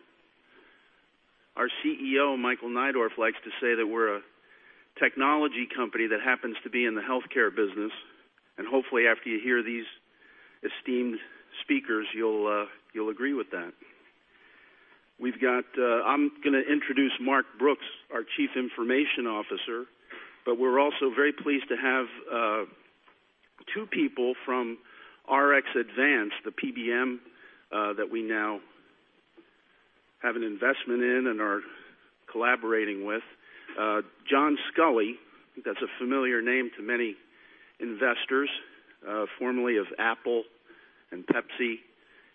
Our CEO, Michael Neidorff, likes to say that we're a technology company that happens to be in the healthcare business, and hopefully after you hear these esteemed speakers, you'll agree with that. I'm going to introduce Mark Brooks, our Chief Information Officer. We're also very pleased to have two people from RxAdvance, the PBM that we now have an investment in and are collaborating with. John Sculley, that's a familiar name to many investors formerly of Apple and Pepsi.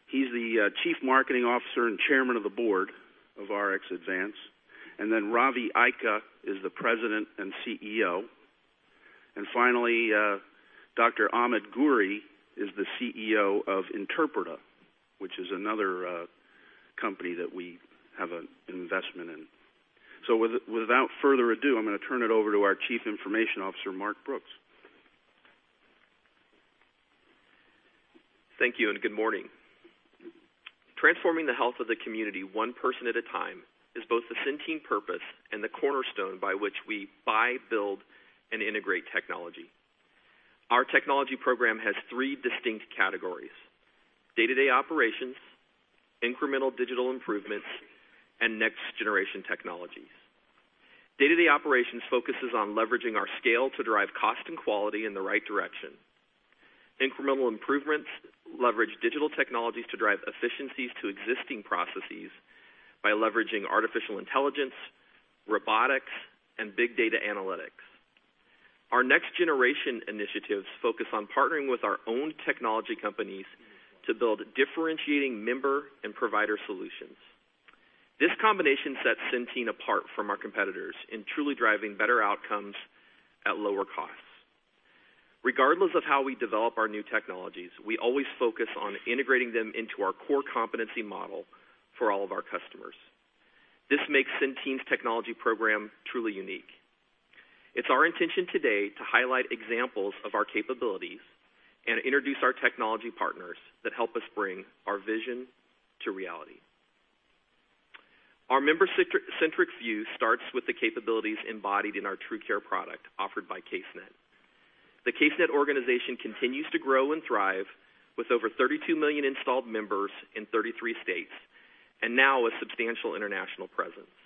He's the Chief Marketing Officer and Chairman of the Board of RxAdvance. Ravi Ika is the President and CEO. Finally, Dr. Ahmed Ghouri is the CEO of Interpreta, which is another company that we have an investment in. Without further ado, I'm going to turn it over to our Chief Information Officer, Mark Brooks. Thank you, and good morning. Transforming the health of the community one person at a time is both the Centene purpose and the cornerstone by which we buy, build, and integrate technology. Our technology program has 3 distinct categories: day-to-day operations, incremental digital improvements, and next generation technologies. Day-to-day operations focuses on leveraging our scale to drive cost and quality in the right direction. Incremental improvements leverage digital technologies to drive efficiencies to existing processes by leveraging artificial intelligence, robotics, and big data analytics. Our next generation initiatives focus on partnering with our own technology companies to build differentiating member and provider solutions. This combination sets Centene apart from our competitors in truly driving better outcomes at lower costs. Regardless of how we develop our new technologies, we always focus on integrating them into our core competency model for all of our customers. This makes Centene's technology program truly unique. It is our intention today to highlight examples of our capabilities and introduce our technology partners that help us bring our vision to reality. Our member-centric view starts with the capabilities embodied in our TrueCare product offered by Casenet. The Casenet organization continues to grow and thrive with over 32 million installed members in 33 states, and now a substantial international presence,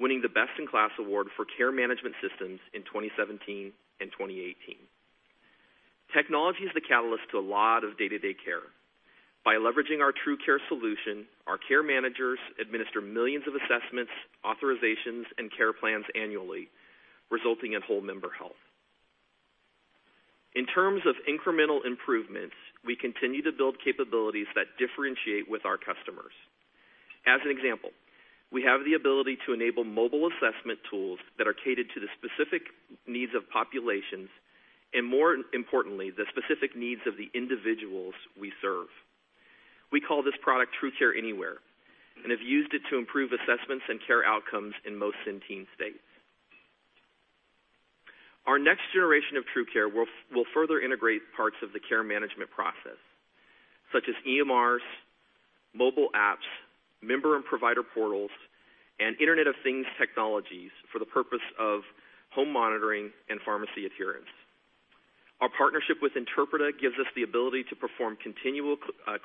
winning the Best in KLAS award for care management systems in 2017 and 2018. Technology is the catalyst to a lot of day-to-day care. By leveraging our TrueCare solution, our care managers administer millions of assessments, authorizations, and care plans annually, resulting in whole member health. In terms of incremental improvements, we continue to build capabilities that differentiate with our customers. As an example, we have the ability to enable mobile assessment tools that are catered to the specific needs of populations and more importantly, the specific needs of the individuals we serve. We call this product TrueCare Anywhere and have used it to improve assessments and care outcomes in most Centene states. Our next generation of TrueCare will further integrate parts of the care management process, such as EMRs, mobile apps, member and provider portals, and Internet of Things technologies for the purpose of home monitoring and pharmacy adherence. Our partnership with Interpreta gives us the ability to perform continual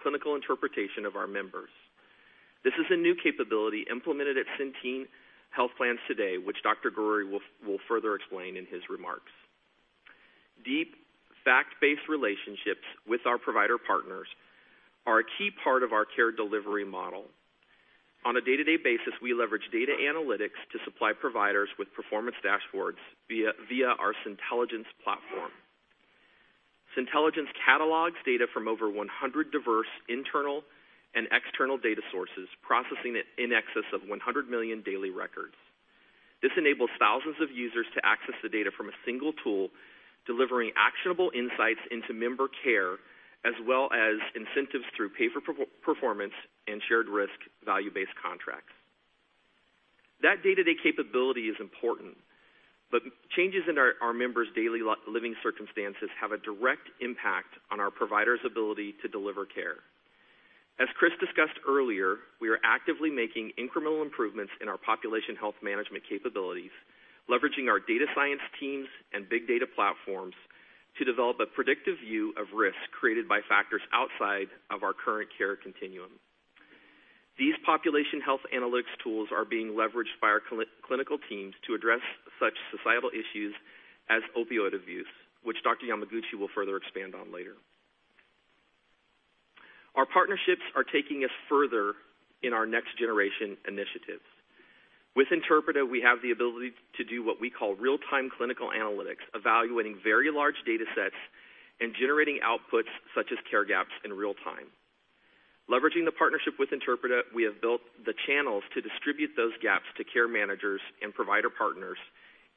clinical interpretation of our members. This is a new capability implemented at Centene Health Plans today, which Dr. Ghouri will further explain in his remarks. Deep, fact-based relationships with our provider partners are a key part of our care delivery model. On a day-to-day basis, we leverage data analytics to supply providers with performance dashboards via our Centelligence platform. Centelligence catalogs data from over 100 diverse internal and external data sources, processing it in excess of 100 million daily records. This enables thousands of users to access the data from a single tool, delivering actionable insights into member care, as well as incentives through pay-for-performance and shared risk value-based contracts. That day-to-day capability is important, but changes in our members' daily living circumstances have a direct impact on our providers' ability to deliver care. As Chris discussed earlier, we are actively making incremental improvements in our population health management capabilities, leveraging our data science teams and big data platforms to develop a predictive view of risks created by factors outside of our current care continuum. These population health analytics tools are being leveraged by our clinical teams to address such societal issues as opioid abuse, which Dr. Yamaguchi will further expand on later. Our partnerships are taking us further in our next generation initiatives. With Interpreta, we have the ability to do what we call real-time clinical analytics, evaluating very large data sets and generating outputs such as care gaps in real time. Leveraging the partnership with Interpreta, we have built the channels to distribute those gaps to care managers and provider partners,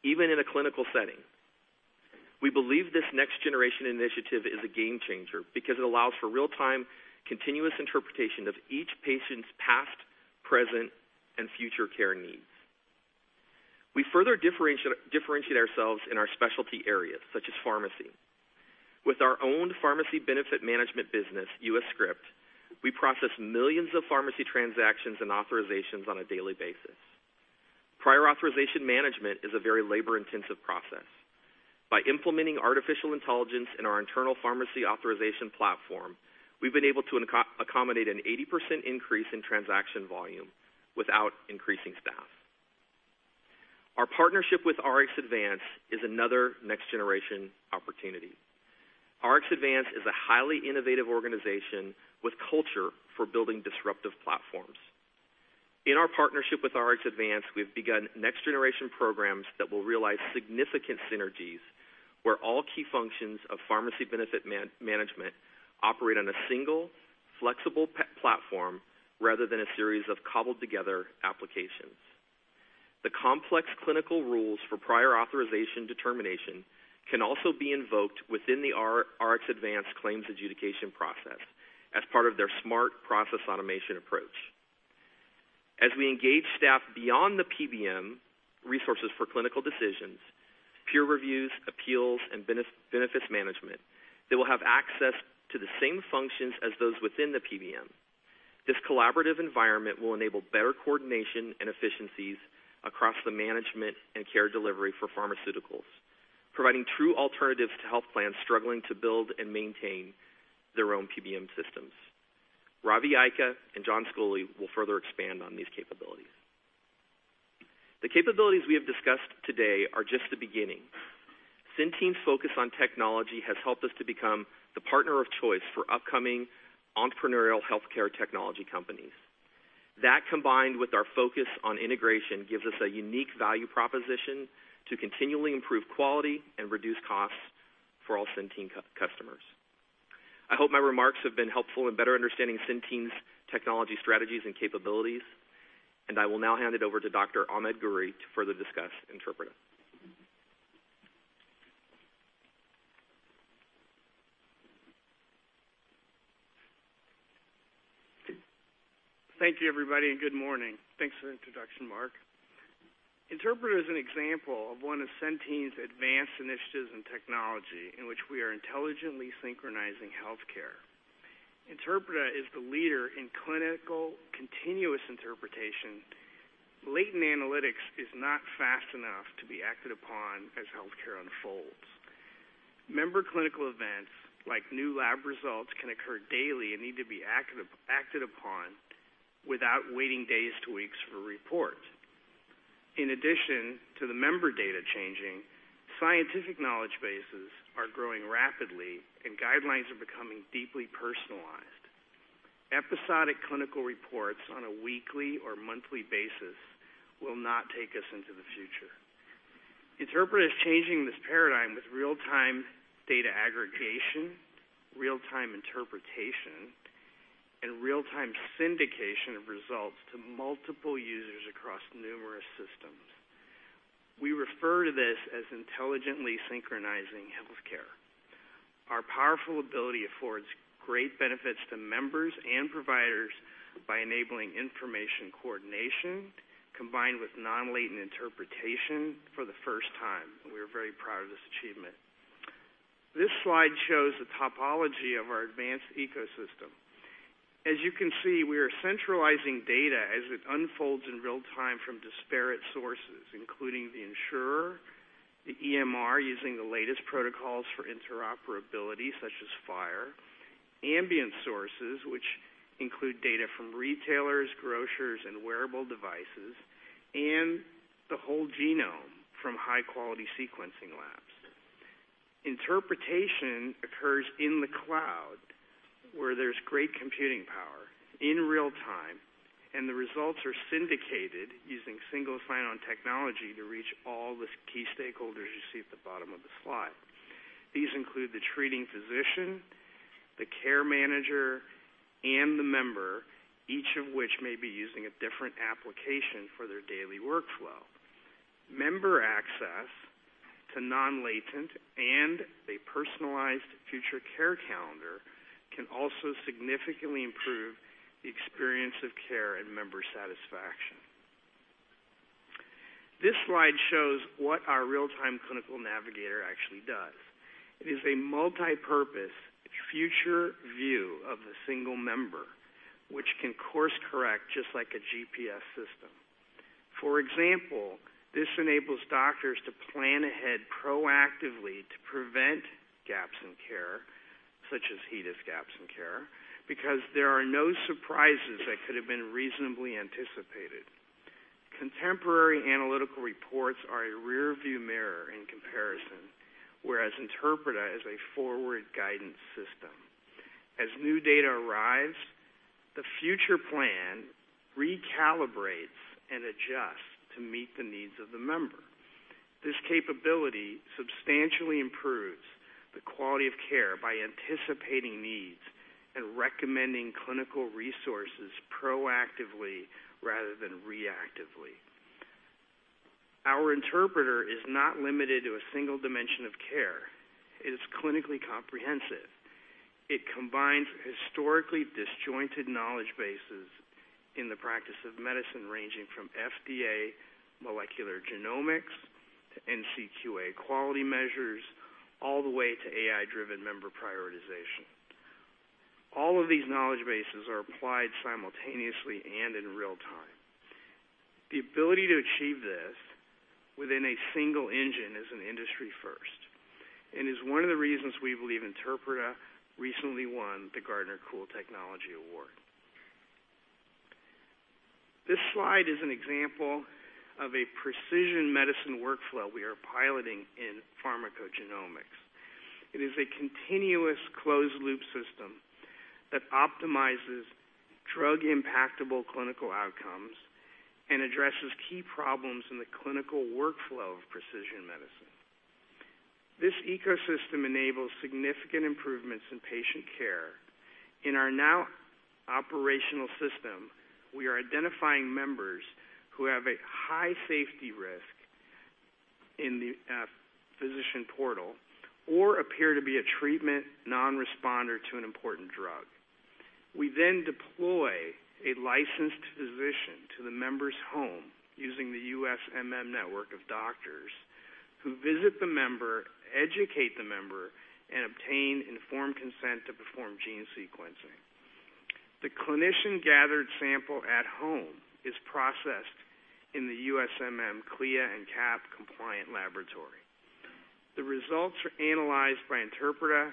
even in a clinical setting. We believe this next generation initiative is a game changer because it allows for real-time, continuous interpretation of each patient's past, present, and future care needs. We further differentiate ourselves in our specialty areas, such as pharmacy. With our owned pharmacy benefit management business, US Script, we process millions of pharmacy transactions and authorizations on a daily basis. Prior authorization management is a very labor-intensive process. By implementing artificial intelligence in our internal pharmacy authorization platform, we have been able to accommodate an 80% increase in transaction volume without increasing staff. Our partnership with RxAdvance is another next-generation opportunity. RxAdvance is a highly innovative organization with culture for building disruptive platforms. In our partnership with RxAdvance, we have begun next-generation programs that will realize significant synergies where all key functions of pharmacy benefit management operate on a single, flexible platform rather than a series of cobbled-together applications. The complex clinical rules for prior authorization determination can also be invoked within the RxAdvance claims adjudication process as part of their smart process automation approach. As we engage staff beyond the PBM resources for clinical decisions, peer reviews, appeals, and benefits management, they will have access to the same functions as those within the PBM. This collaborative environment will enable better coordination and efficiencies across the management and care delivery for pharmaceuticals, providing true alternatives to health plans struggling to build and maintain their own PBM systems. Ravi Ika and John Sculley will further expand on these capabilities. The capabilities we have discussed today are just the beginning. Centene's focus on technology has helped us to become the partner of choice for upcoming entrepreneurial healthcare technology companies. That, combined with our focus on integration, gives us a unique value proposition to continually improve quality and reduce costs for all Centene customers. I hope my remarks have been helpful in better understanding Centene's technology strategies and capabilities, and I will now hand it over to Dr. Ahmed Ghouri to further discuss Interpreta. Thank you, everybody, and good morning. Thanks for the introduction, Mark. Interpreta is an example of one of Centene's advanced initiatives in technology in which we are intelligently synchronizing healthcare. Interpreta is the leader in clinical continuous interpretation. Latent analytics is not fast enough to be acted upon as healthcare unfolds. Member clinical events like new lab results can occur daily and need to be acted upon without waiting days to weeks for reports. In addition to the member data changing, scientific knowledge bases are growing rapidly, and guidelines are becoming deeply personalized. Episodic clinical reports on a weekly or monthly basis will not take us into the future. Interpreta is changing this paradigm with real-time data aggregation, real-time interpretation, and real-time syndication of results to multiple users across numerous systems. We refer to this as intelligently synchronizing healthcare. Our powerful ability affords great benefits to members and providers by enabling information coordination combined with non-latent interpretation for the first time. We are very proud of this achievement. This slide shows the topology of our advanced ecosystem. As you can see, we are centralizing data as it unfolds in real time from disparate sources, including the insurer, the EMR using the latest protocols for interoperability such as FHIR, ambient sources, which include data from retailers, grocers, and wearable devices, and the whole genome from high-quality sequencing labs. Interpretation occurs in the cloud, where there's great computing power in real time, and the results are syndicated using single sign-on technology to reach all the key stakeholders you see at the bottom of the slide. These include the treating physician, the care manager, and the member, each of which may be using a different application for their daily workflow. Member access To non-latent and a personalized future care calendar can also significantly improve the experience of care and member satisfaction. This slide shows what our real-time clinical navigator actually does. It is a multipurpose future view of the single member, which can course-correct just like a GPS system. For example, this enables doctors to plan ahead proactively to prevent gaps in care, such as HEDIS gaps in care, because there are no surprises that could've been reasonably anticipated. Contemporary analytical reports are a rearview mirror in comparison, whereas Interpreta is a forward guidance system. As new data arrives, the future plan recalibrates and adjusts to meet the needs of the member. This capability substantially improves the quality of care by anticipating needs and recommending clinical resources proactively rather than reactively. Our Interpreta is not limited to a single dimension of care. It is clinically comprehensive. It combines historically disjointed knowledge bases in the practice of medicine, ranging from FDA molecular genomics to NCQA quality measures, all the way to AI-driven member prioritization. All of these knowledge bases are applied simultaneously and in real time. The ability to achieve this within a single engine is an industry first and is one of the reasons we believe Interpreta recently won the Gartner Cool Technology Award. This slide is an example of a precision medicine workflow we are piloting in pharmacogenomics. It is a continuous closed-loop system that optimizes drug-impactable clinical outcomes and addresses key problems in the clinical workflow of precision medicine. This ecosystem enables significant improvements in patient care. In our now operational system, we are identifying members who have a high safety risk in the physician portal or appear to be a treatment non-responder to an important drug. We deploy a licensed physician to the member's home using the USMM network of doctors, who visit the member, educate the member, and obtain informed consent to perform gene sequencing. The clinician-gathered sample at home is processed in the USMM CLIA and CAP-compliant laboratory. The results are analyzed by Interpreta,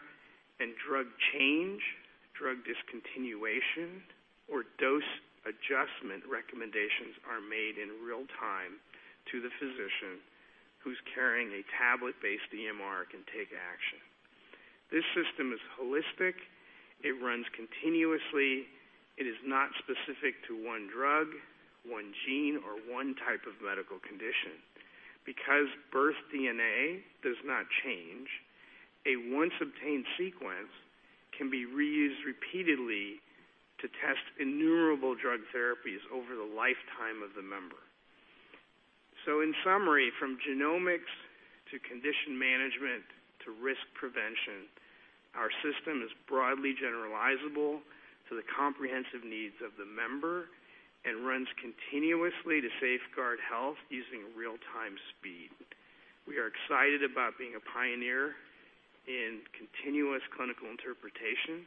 and drug change, drug discontinuation, or dose adjustment recommendations are made in real time to the physician who's carrying a tablet-based EMR can take action. This system is holistic. It runs continuously. It is not specific to one drug, one gene, or one type of medical condition. Because birth DNA does not change, a once-obtained sequence can be reused repeatedly to test innumerable drug therapies over the lifetime of the member. In summary, from genomics to condition management to risk prevention, our system is broadly generalizable to the comprehensive needs of the member and runs continuously to safeguard health using real-time speed. We are excited about being a pioneer in continuous clinical interpretation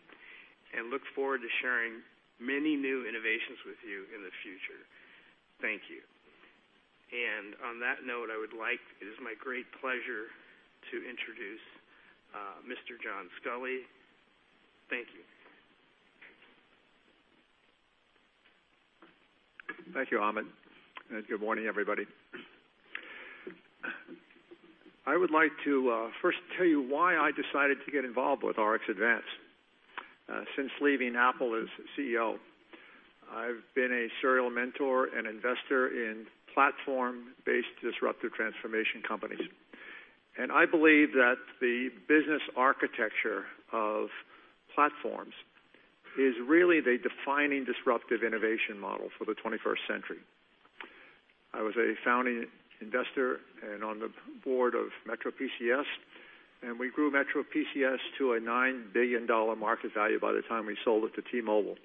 and look forward to sharing many new innovations with you in the future. Thank you. On that note, it is my great pleasure to introduce Mr. John Sculley. Thank you. Thank you, Ahmed, and good morning, everybody. I would like to first tell you why I decided to get involved with RxAdvance. Since leaving Apple as CEO, I've been a serial mentor and investor in platform-based disruptive transformation companies, I believe that the business architecture of platforms is really the defining disruptive innovation model for the 21st century. I was a founding investor and on the board of MetroPCS, we grew MetroPCS to a $9 billion market value by the time we sold it to T-Mobile.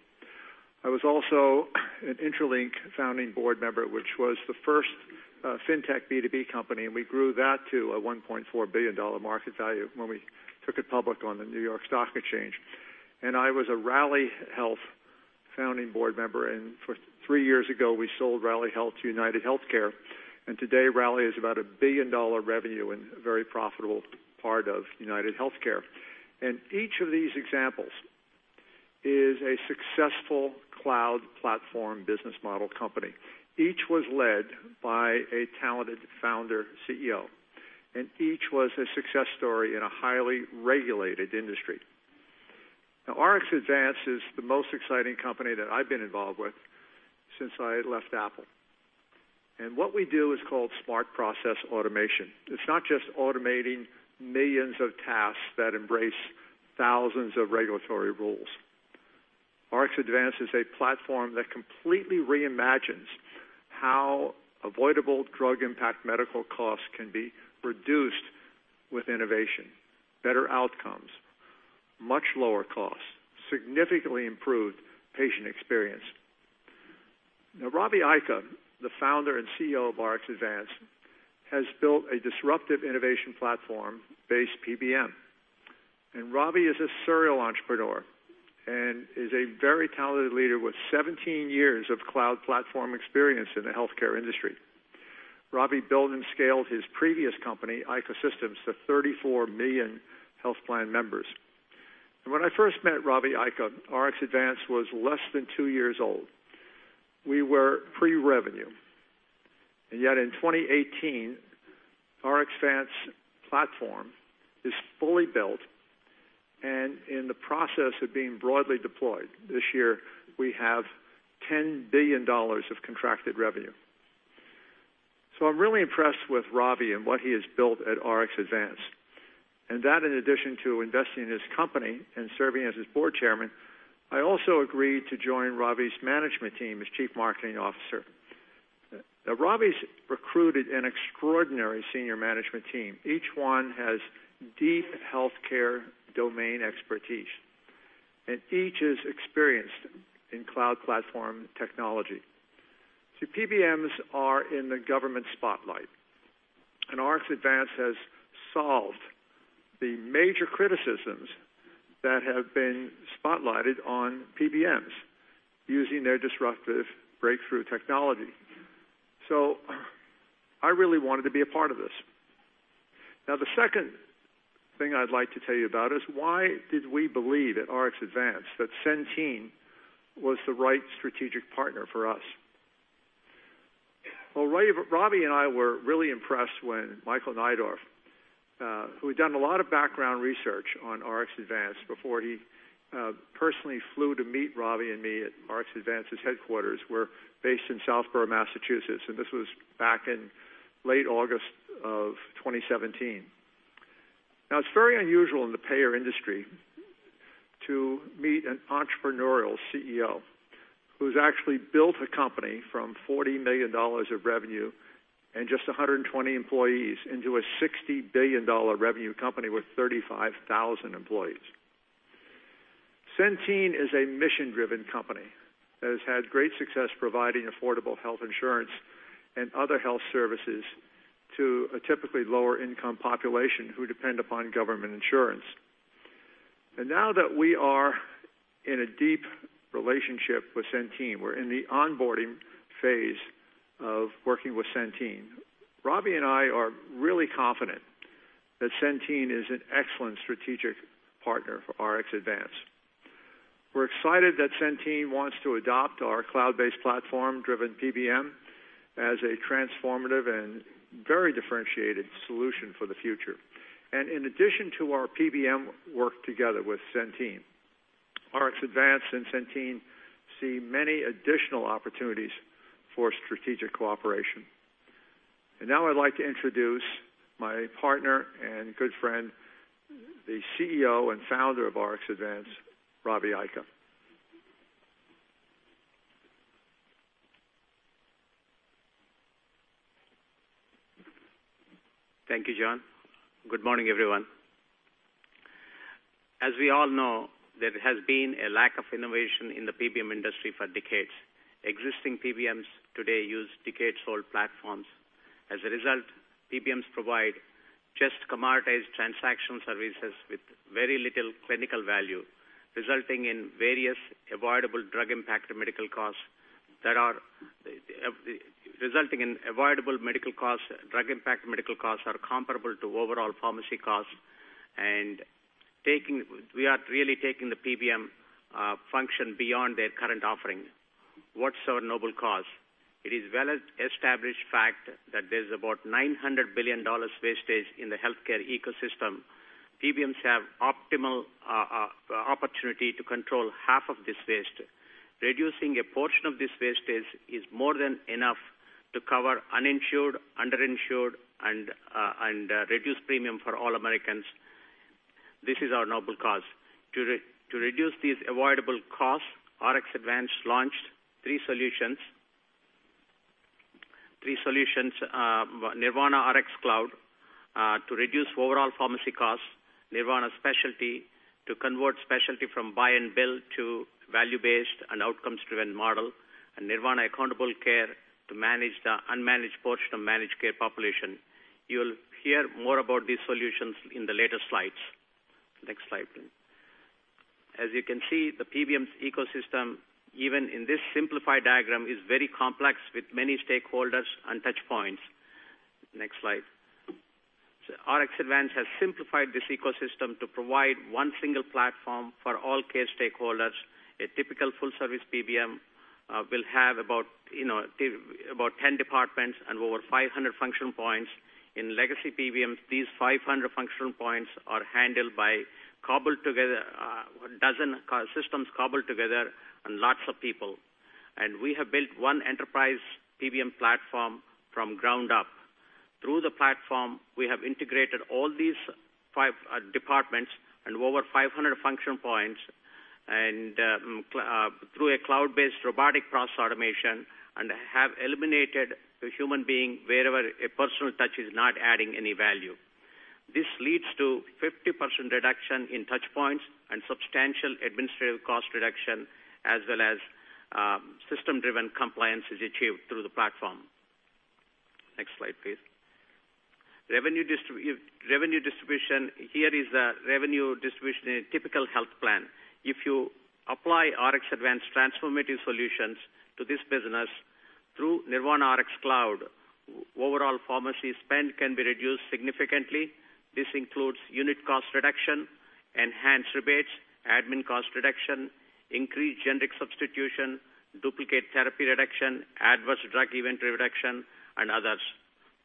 I was also an Interlink founding board member, which was the first fintech B2B company, we grew that to a $1.4 billion market value when we took it public on the New York Stock Exchange. I was a Rally Health founding board member, three years ago, we sold Rally Health to UnitedHealthcare, today, Rally is about a billion-dollar revenue and a very profitable part of UnitedHealthcare. Each of these examples is a successful cloud platform business model company. Each was led by a talented founder CEO, each was a success story in a highly regulated industry. RxAdvance is the most exciting company that I've been involved with since I left Apple, what we do is called smart process automation. It's not just automating millions of tasks that embrace thousands of regulatory rules. RxAdvance is a platform that completely reimagines how avoidable drug impact medical costs can be reduced with innovation, better outcomes, much lower costs, significantly improved patient experience. Ravi Ika, the founder and CEO of RxAdvance, has built a disruptive innovation platform-based PBM. Ravi is a serial entrepreneur and is a very talented leader with 17 years of cloud platform experience in the healthcare industry. Ravi built and scaled his previous company, Ika Systems, to 34 million health plan members. When I first met Ravi Ika, RxAdvance was less than two years old. We were pre-revenue. Yet in 2018, RxAdvance platform is fully built and in the process of being broadly deployed. This year, we have $10 billion of contracted revenue. I'm really impressed with Ravi and what he has built at RxAdvance. That, in addition to investing in his company and serving as his board chairman, I also agreed to join Ravi's management team as Chief Marketing Officer. Ravi's recruited an extraordinary senior management team. Each one has deep healthcare domain expertise, and each is experienced in cloud platform technology. PBMs are in the government spotlight, RxAdvance has solved the major criticisms that have been spotlighted on PBMs using their disruptive breakthrough technology. I really wanted to be a part of this. The second thing I'd like to tell you about is why did we believe at RxAdvance that Centene was the right strategic partner for us? Ravi and I were really impressed when Michael Neidorff, who had done a lot of background research on RxAdvance before he personally flew to meet Ravi and me at RxAdvance's headquarters, we're based in Southborough, Massachusetts, this was back in late August of 2017. It's very unusual in the payer industry to meet an entrepreneurial CEO who's actually built a company from $40 million of revenue and just 120 employees into a $60 billion revenue company with 35,000 employees. Centene is a mission-driven company that has had great success providing affordable health insurance and other health services to a typically lower income population who depend upon government insurance. Now that we are in a deep relationship with Centene, we're in the onboarding phase of working with Centene. Ravi and I are really confident that Centene is an excellent strategic partner for RxAdvance. We're excited that Centene wants to adopt our cloud-based platform-driven PBM as a transformative and very differentiated solution for the future. In addition to our PBM work together with Centene, RxAdvance and Centene see many additional opportunities for strategic cooperation. Now I'd like to introduce my partner and good friend, the CEO and founder of RxAdvance, Ravi Ika. Thank you, John. Good morning, everyone. There has been a lack of innovation in the PBM industry for decades. Existing PBMs today use decades-old platforms. Result, PBMs provide just commoditized transaction services with very little clinical value, resulting in avoidable medical costs, drug impact medical costs are comparable to overall pharmacy costs. We are really taking the PBM function beyond their current offering. What's our noble cause? It is well-established fact that there's about $900 billion wastage in the healthcare ecosystem. PBMs have optimal opportunity to control half of this waste. Reducing a portion of this wastage is more than enough to cover uninsured, underinsured, and reduced premium for all Americans. This is our noble cause. To reduce these avoidable costs, RxAdvance launched three solutions. RxAdvance Collaborative PBM Cloud, to reduce overall pharmacy costs. Nirvana Specialty, to convert specialty from buy and bill to value-based and outcomes-driven model. Nirvana Accountable Care, to manage the unmanaged portion of managed care population. You'll hear more about these solutions in the later slides. Next slide, please. As you can see, the PBM's ecosystem, even in this simplified diagram, is very complex with many stakeholders and touchpoints. Next slide. RxAdvance has simplified this ecosystem to provide one single platform for all care stakeholders. A typical full-service PBM will have about 10 departments and over 500 function points. In legacy PBMs, these 500 function points are handled by a dozen systems cobbled together and lots of people. We have built one enterprise PBM platform from ground up. Through the platform, we have integrated all these five departments and over 500 function points, and through a cloud-based robotic process automation, and have eliminated a human being wherever a personal touch is not adding any value. This leads to 50% reduction in touch points and substantial administrative cost reduction, as well as system-driven compliance is achieved through the platform. Next slide, please. Revenue distribution. Here is the revenue distribution in a typical health plan. If you apply RxAdvance transformative solutions to this business through Collaborative PBM Cloud, overall pharmacy spend can be reduced significantly. This includes unit cost reduction, enhanced rebates, admin cost reduction, increased generic substitution, duplicate therapy reduction, adverse drug event reduction, and others.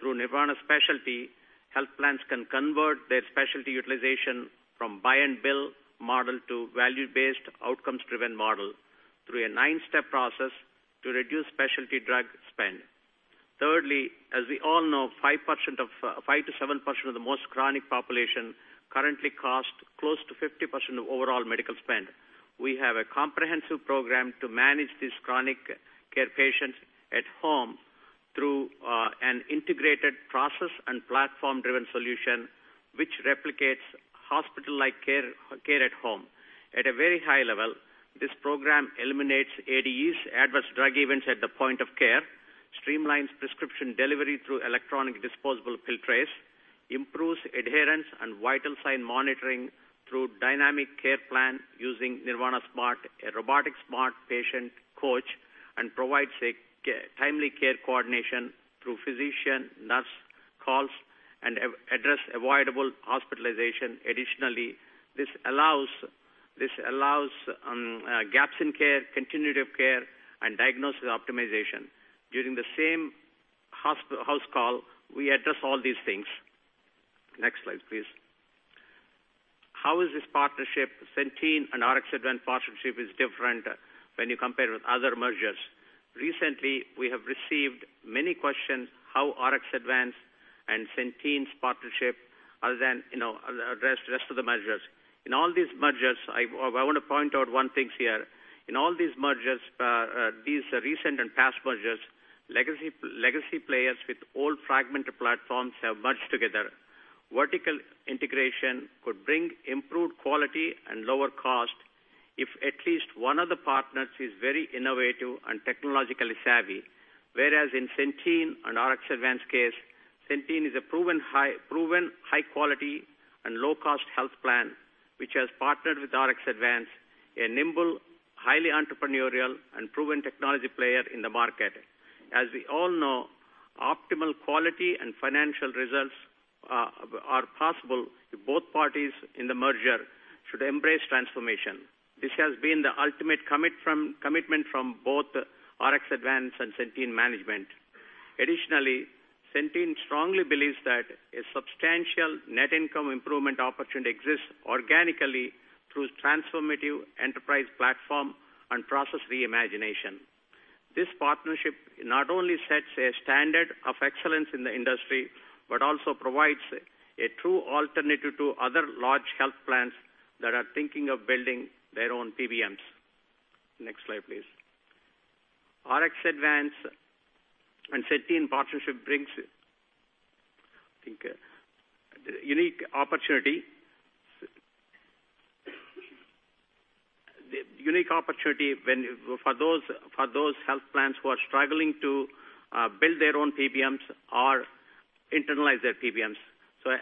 Through Nirvana Specialty, health plans can convert their specialty utilization from buy and bill model to value-based outcomes-driven model through a nine-step process to reduce specialty drug spend. Thirdly, as we all know, 5%-7% of the most chronic population currently cost close to 50% of overall medical spend. We have a comprehensive program to manage these chronic care patients at home through an integrated process and platform-driven solution, which replicates hospital-like care at home. At a very high level, this program eliminates ADEs, adverse drug events, at the point of care, streamlines prescription delivery through electronic disposable pill trays, improves adherence and vital sign monitoring through dynamic care plan using Nirvana Smart, a robotic smart patient coach, and provides a timely care coordination through physician, nurse calls, and address avoidable hospitalization. Additionally, this allows gaps in care, continuity of care, and diagnosis optimization. During the same house call, we address all these things. Next slide, please. How is this partnership, Centene and RxAdvance partnership is different when you compare with other mergers. Recently, we have received many questions how RxAdvance and Centene's partnership are different from the rest of the mergers. I want to point out one thing here. In all these recent and past mergers, legacy players with old fragmented platforms have merged together. Vertical integration could bring improved quality and lower cost if at least one of the partners is very innovative and technologically savvy. Whereas in Centene and RxAdvance case, Centene is a proven high-quality and low-cost health plan, which has partnered with RxAdvance, a nimble, highly entrepreneurial, and proven technology player in the market. As we all know, optimal quality and financial results are possible if both parties in the merger should embrace transformation. This has been the ultimate commitment from both RxAdvance and Centene management. Additionally, Centene strongly believes that a substantial net income improvement opportunity exists organically through transformative enterprise platform and process reimagination. This partnership not only sets a standard of excellence in the industry, but also provides a true alternative to other large health plans that are thinking of building their own PBMs. Next slide, please. RxAdvance and Centene partnership brings, a unique opportunity for those health plans who are struggling to build their own PBMs or internalize their PBMs.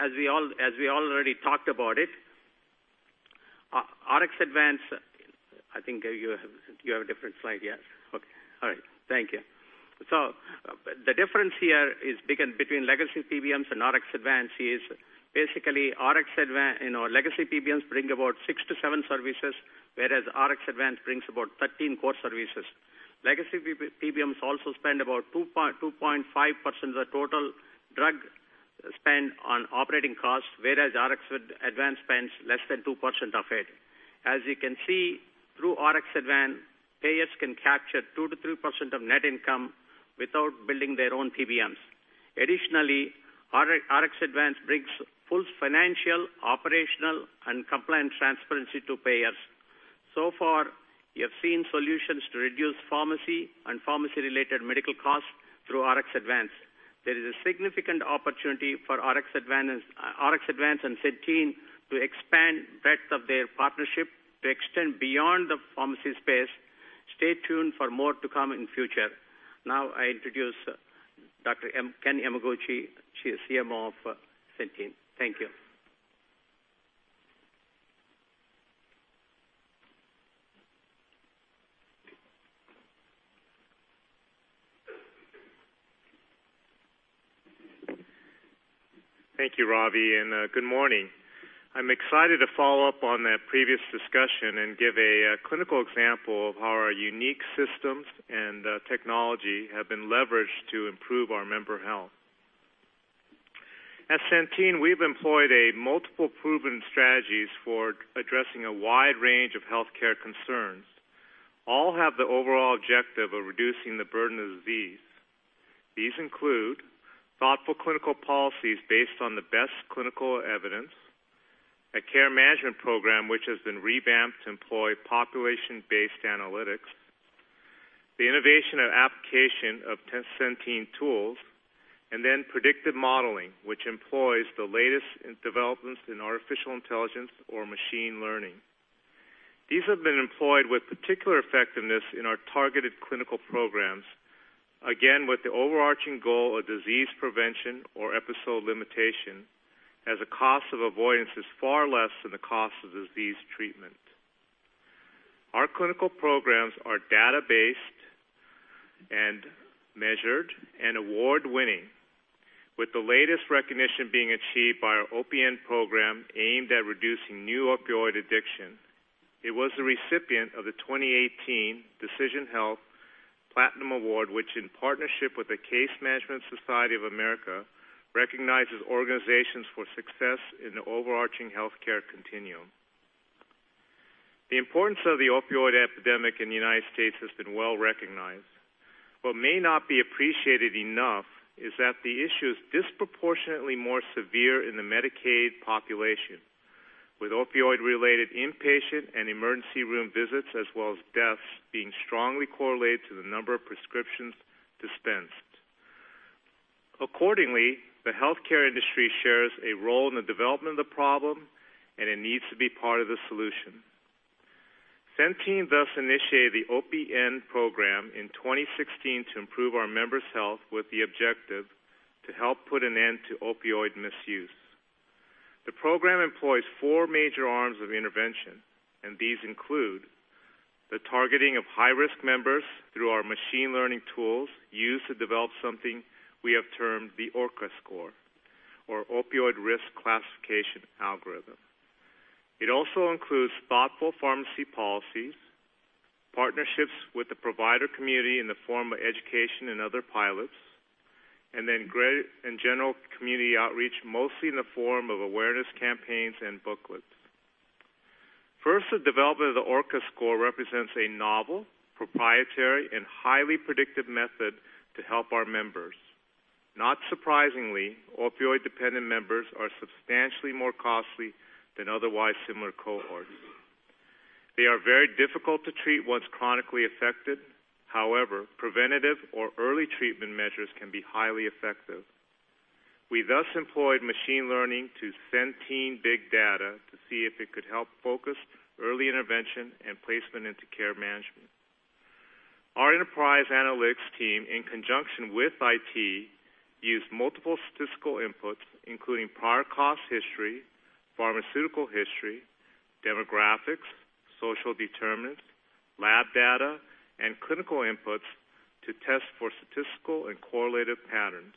As we already talked about it, RxAdvance. I think you have a different slide. Yes. Okay. All right. Thank you. The difference here between legacy PBMs and RxAdvance is basically legacy PBMs bring about six to seven services, whereas RxAdvance brings about 13 core services. Legacy PBMs also spend about 2.5% of the total drug spend on operating costs, whereas RxAdvance spends less than 2% of it. As you can see, through RxAdvance, payers can capture 2%-3% of net income without building their own PBMs. Additionally, RxAdvance brings full financial, operational, and compliance transparency to payers. So far, you have seen solutions to reduce pharmacy and pharmacy-related medical costs through RxAdvance. There is a significant opportunity for RxAdvance and Centene to expand breadth of their partnership to extend beyond the pharmacy space. Stay tuned for more to come in future. Now, I introduce Dr. Ken Yamaguchi, CMO of Centene. Thank you. Thank you, Ravi, and good morning. I'm excited to follow up on that previous discussion and give a clinical example of how our unique systems and technology have been leveraged to improve our member health. At Centene, we've employed multiple proven strategies for addressing a wide range of healthcare concerns. All have the overall objective of reducing the burden of disease. These include thoughtful clinical policies based on the best clinical evidence, a care management program which has been revamped to employ population-based analytics, the innovation and application of Centene tools, and then predictive modeling, which employs the latest developments in artificial intelligence or machine learning. These have been employed with particular effectiveness in our targeted clinical programs, again, with the overarching goal of disease prevention or episode limitation, as the cost of avoidance is far less than the cost of disease treatment. Our clinical programs are data-based and measured and award-winning, with the latest recognition being achieved by our OpiEnd program aimed at reducing new opioid addiction. It was the recipient of the 2018 Decision Health Platinum Award, which, in partnership with the Case Management Society of America, recognizes organizations for success in the overarching healthcare continuum. The importance of the opioid epidemic in the U.S. has been well-recognized. What may not be appreciated enough is that the issue is disproportionately more severe in the Medicaid population, with opioid-related inpatient and emergency room visits, as well as deaths being strongly correlated to the number of prescriptions dispensed. Accordingly, the healthcare industry shares a role in the development of the problem, and it needs to be part of the solution. Centene thus initiated the OpiEnd program in 2016 to improve our members' health with the objective to help put an end to opioid misuse. The program employs four major arms of intervention. These include the targeting of high-risk members through our machine learning tools used to develop something we have termed the ORCA score, or Opioid Risk Classification Algorithm. It also includes thoughtful pharmacy policies, partnerships with the provider community in the form of education and other pilots, general community outreach, mostly in the form of awareness campaigns and booklets. First, the development of the ORCA score represents a novel, proprietary, and highly predictive method to help our members. Not surprisingly, opioid-dependent members are substantially more costly than otherwise similar cohorts. They are very difficult to treat once chronically affected. However, preventative or early treatment measures can be highly effective. We thus employed machine learning to Centene big data to see if it could help focus early intervention and placement into care management. Our enterprise analytics team, in conjunction with IT, used multiple statistical inputs, including prior cost history, pharmaceutical history, demographics, social determinants, lab data, and clinical inputs, to test for statistical and correlative patterns.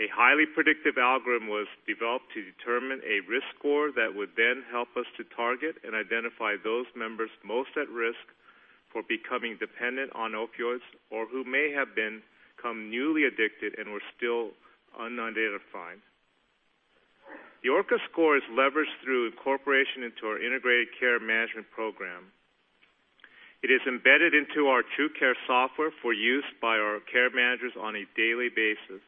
A highly predictive algorithm was developed to determine a risk score that would then help us to target and identify those members most at risk for becoming dependent on opioids or who may have become newly addicted and were still unidentified. The ORCA score is leveraged through incorporation into our integrated care management program. It is embedded into our TruCare software for use by our care managers on a daily basis.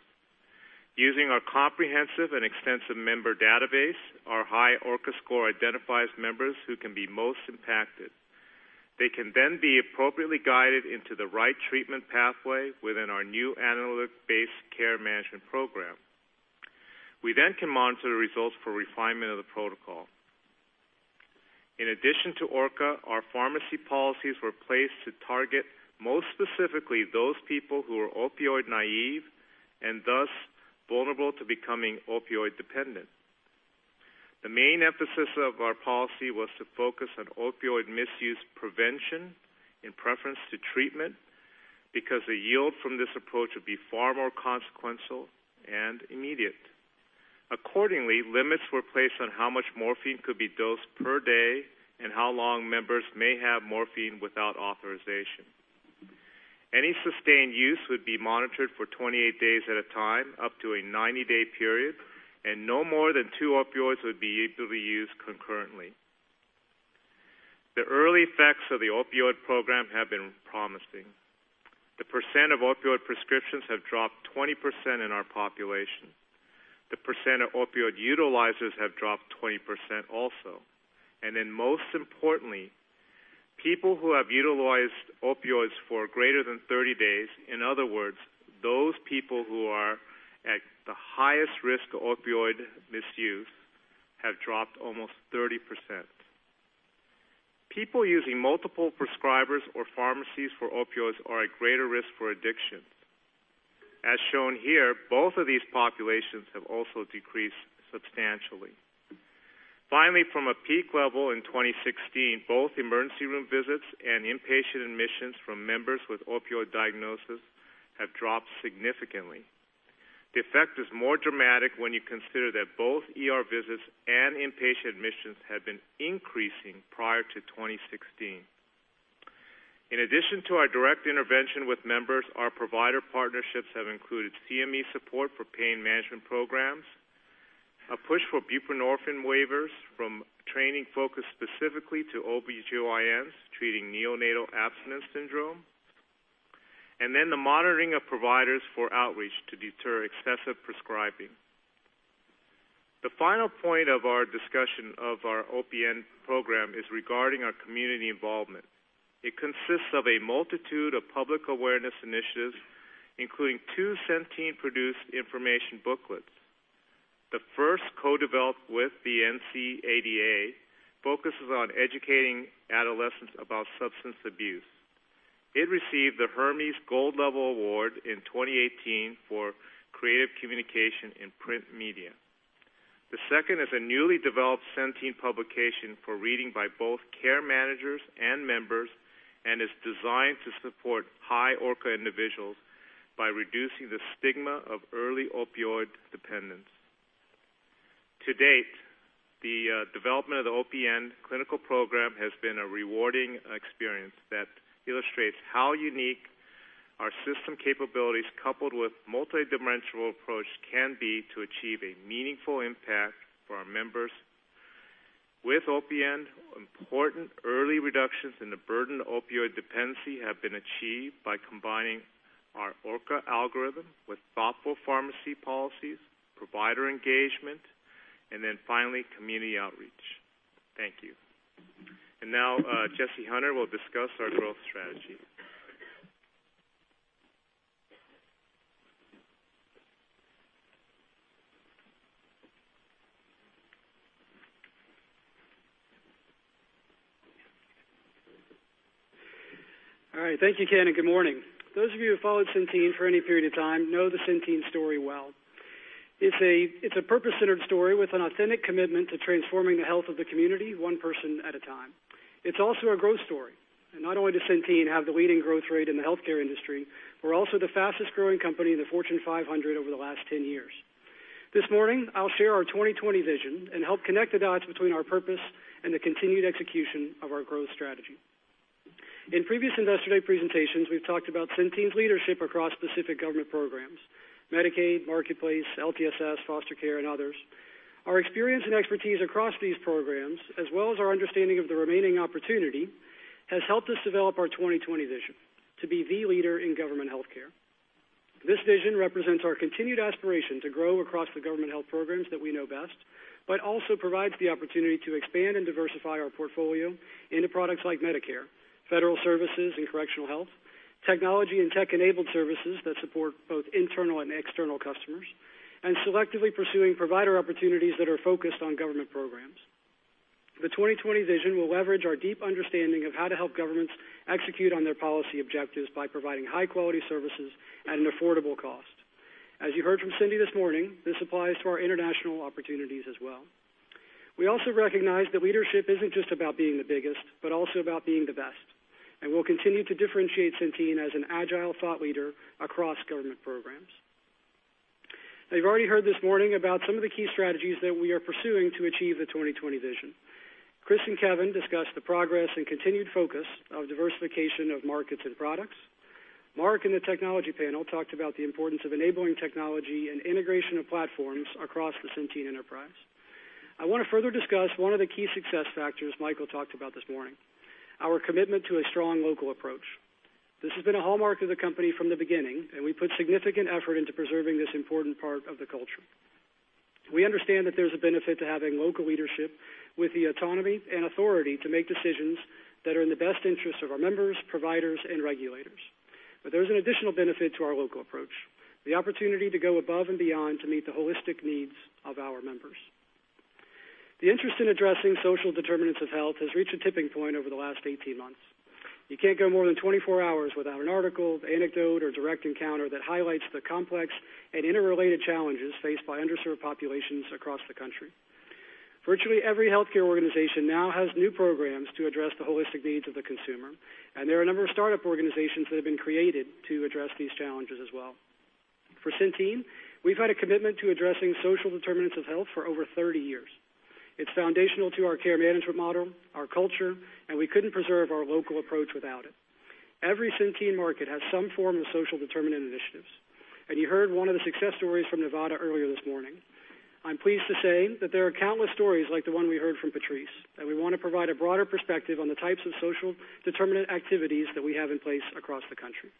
Using our comprehensive and extensive member database, our high ORCA score identifies members who can be most impacted. They can then be appropriately guided into the right treatment pathway within our new analytic-based care management program. We can monitor the results for refinement of the protocol. In addition to ORCA, our pharmacy policies were placed to target most specifically those people who are opioid naive and thus vulnerable to becoming opioid dependent. The main emphasis of our policy was to focus on opioid misuse prevention in preference to treatment because the yield from this approach would be far more consequential and immediate. Accordingly, limits were placed on how much morphine could be dosed per day and how long members may have morphine without authorization. Any sustained use would be monitored for 28 days at a time, up to a 90-day period, and no more than two opioids would be able to be used concurrently. The early effects of the opioid program have been promising. The percent of opioid prescriptions have dropped 20% in our population. The percent of opioid utilizers have dropped 20% also. Most importantly, people who have utilized opioids for greater than 30 days, in other words, those people who are at the highest risk of opioid misuse, have dropped almost 30%. People using multiple prescribers or pharmacies for opioids are at greater risk for addiction. As shown here, both of these populations have also decreased substantially. Finally, from a peak level in 2016, both emergency room visits and inpatient admissions from members with opioid diagnosis have dropped significantly. The effect is more dramatic when you consider that both ER visits and inpatient admissions had been increasing prior to 2016. In addition to our direct intervention with members, our provider partnerships have included CME support for pain management programs, a push for buprenorphine waivers from training focused specifically to OB-GYNs treating neonatal abstinence syndrome, and then the monitoring of providers for outreach to deter excessive prescribing. The final point of our discussion of our OpiEnd program is regarding our community involvement. It consists of a multitude of public awareness initiatives, including two Centene-produced information booklets. The first, co-developed with the NCADA, focuses on educating adolescents about substance abuse. It received the Hermes Gold Award in 2018 for creative communication in print media. The second is a newly developed Centene publication for reading by both care managers and members, and is designed to support high ORCA individuals by reducing the stigma of early opioid dependence. To date, the development of the OpiEnd clinical program has been a rewarding experience that illustrates how unique our system capabilities, coupled with multidimensional approach, can be to achieve a meaningful impact for our members. With OpiEnd, important early reductions in the burden of opioid dependency have been achieved by combining our ORCA algorithm with thoughtful pharmacy policies, provider engagement, and then finally, community outreach. Thank you. Now, Jesse Hunter will discuss our growth strategy. Thank you, Ken. Good morning. Those of you who followed Centene for any period of time know the Centene story well. It's a purpose-centered story with an authentic commitment to transforming the health of the community one person at a time. Not only does Centene have the leading growth rate in the healthcare industry, we're also the fastest-growing company in the Fortune 500 over the last 10 years. This morning, I'll share our 2020 vision and help connect the dots between our purpose and the continued execution of our growth strategy. In previous Investor Day presentations, we've talked about Centene's leadership across specific government programs, Medicaid, Marketplace, LTSS, Foster Care, and others. Our experience and expertise across these programs, as well as our understanding of the remaining opportunity, has helped us develop our 2020 vision, to be the leader in government healthcare. This vision represents our continued aspiration to grow across the government health programs that we know best, but also provides the opportunity to expand and diversify our portfolio into products like Medicare, federal services and correctional health, technology and tech-enabled services that support both internal and external customers, and selectively pursuing provider opportunities that are focused on government programs. The 2020 vision will leverage our deep understanding of how to help governments execute on their policy objectives by providing high-quality services at an affordable cost. As you heard from Cindy this morning, this applies to our international opportunities as well. We also recognize that leadership isn't just about being the biggest, but also about being the best. We'll continue to differentiate Centene as an agile thought leader across government programs. You've already heard this morning about some of the key strategies that we are pursuing to achieve the 2020 vision. Chris and Kevin discussed the progress and continued focus of diversification of markets and products. Mark and the technology panel talked about the importance of enabling technology and integration of platforms across the Centene enterprise. I want to further discuss one of the key success factors Michael talked about this morning, our commitment to a strong local approach. This has been a hallmark of the company from the beginning. We put significant effort into preserving this important part of the culture. We understand that there's a benefit to having local leadership with the autonomy and authority to make decisions that are in the best interest of our members, providers, and regulators. There's an additional benefit to our local approach, the opportunity to go above and beyond to meet the holistic needs of our members. The interest in addressing social determinants of health has reached a tipping point over the last 18 months. You can't go more than 24 hours without an article, anecdote, or direct encounter that highlights the complex and interrelated challenges faced by underserved populations across the country. Virtually every healthcare organization now has new programs to address the holistic needs of the consumer. There are a number of startup organizations that have been created to address these challenges as well. For Centene, we've had a commitment to addressing social determinants of health for over 30 years. It's foundational to our care management model, our culture. We couldn't preserve our local approach without it. Every Centene market has some form of social determinant initiatives. You heard one of the success stories from Nevada earlier this morning. I'm pleased to say that there are countless stories like the one we heard from Patrice. We want to provide a broader perspective on the types of social determinant activities that we have in place across the country.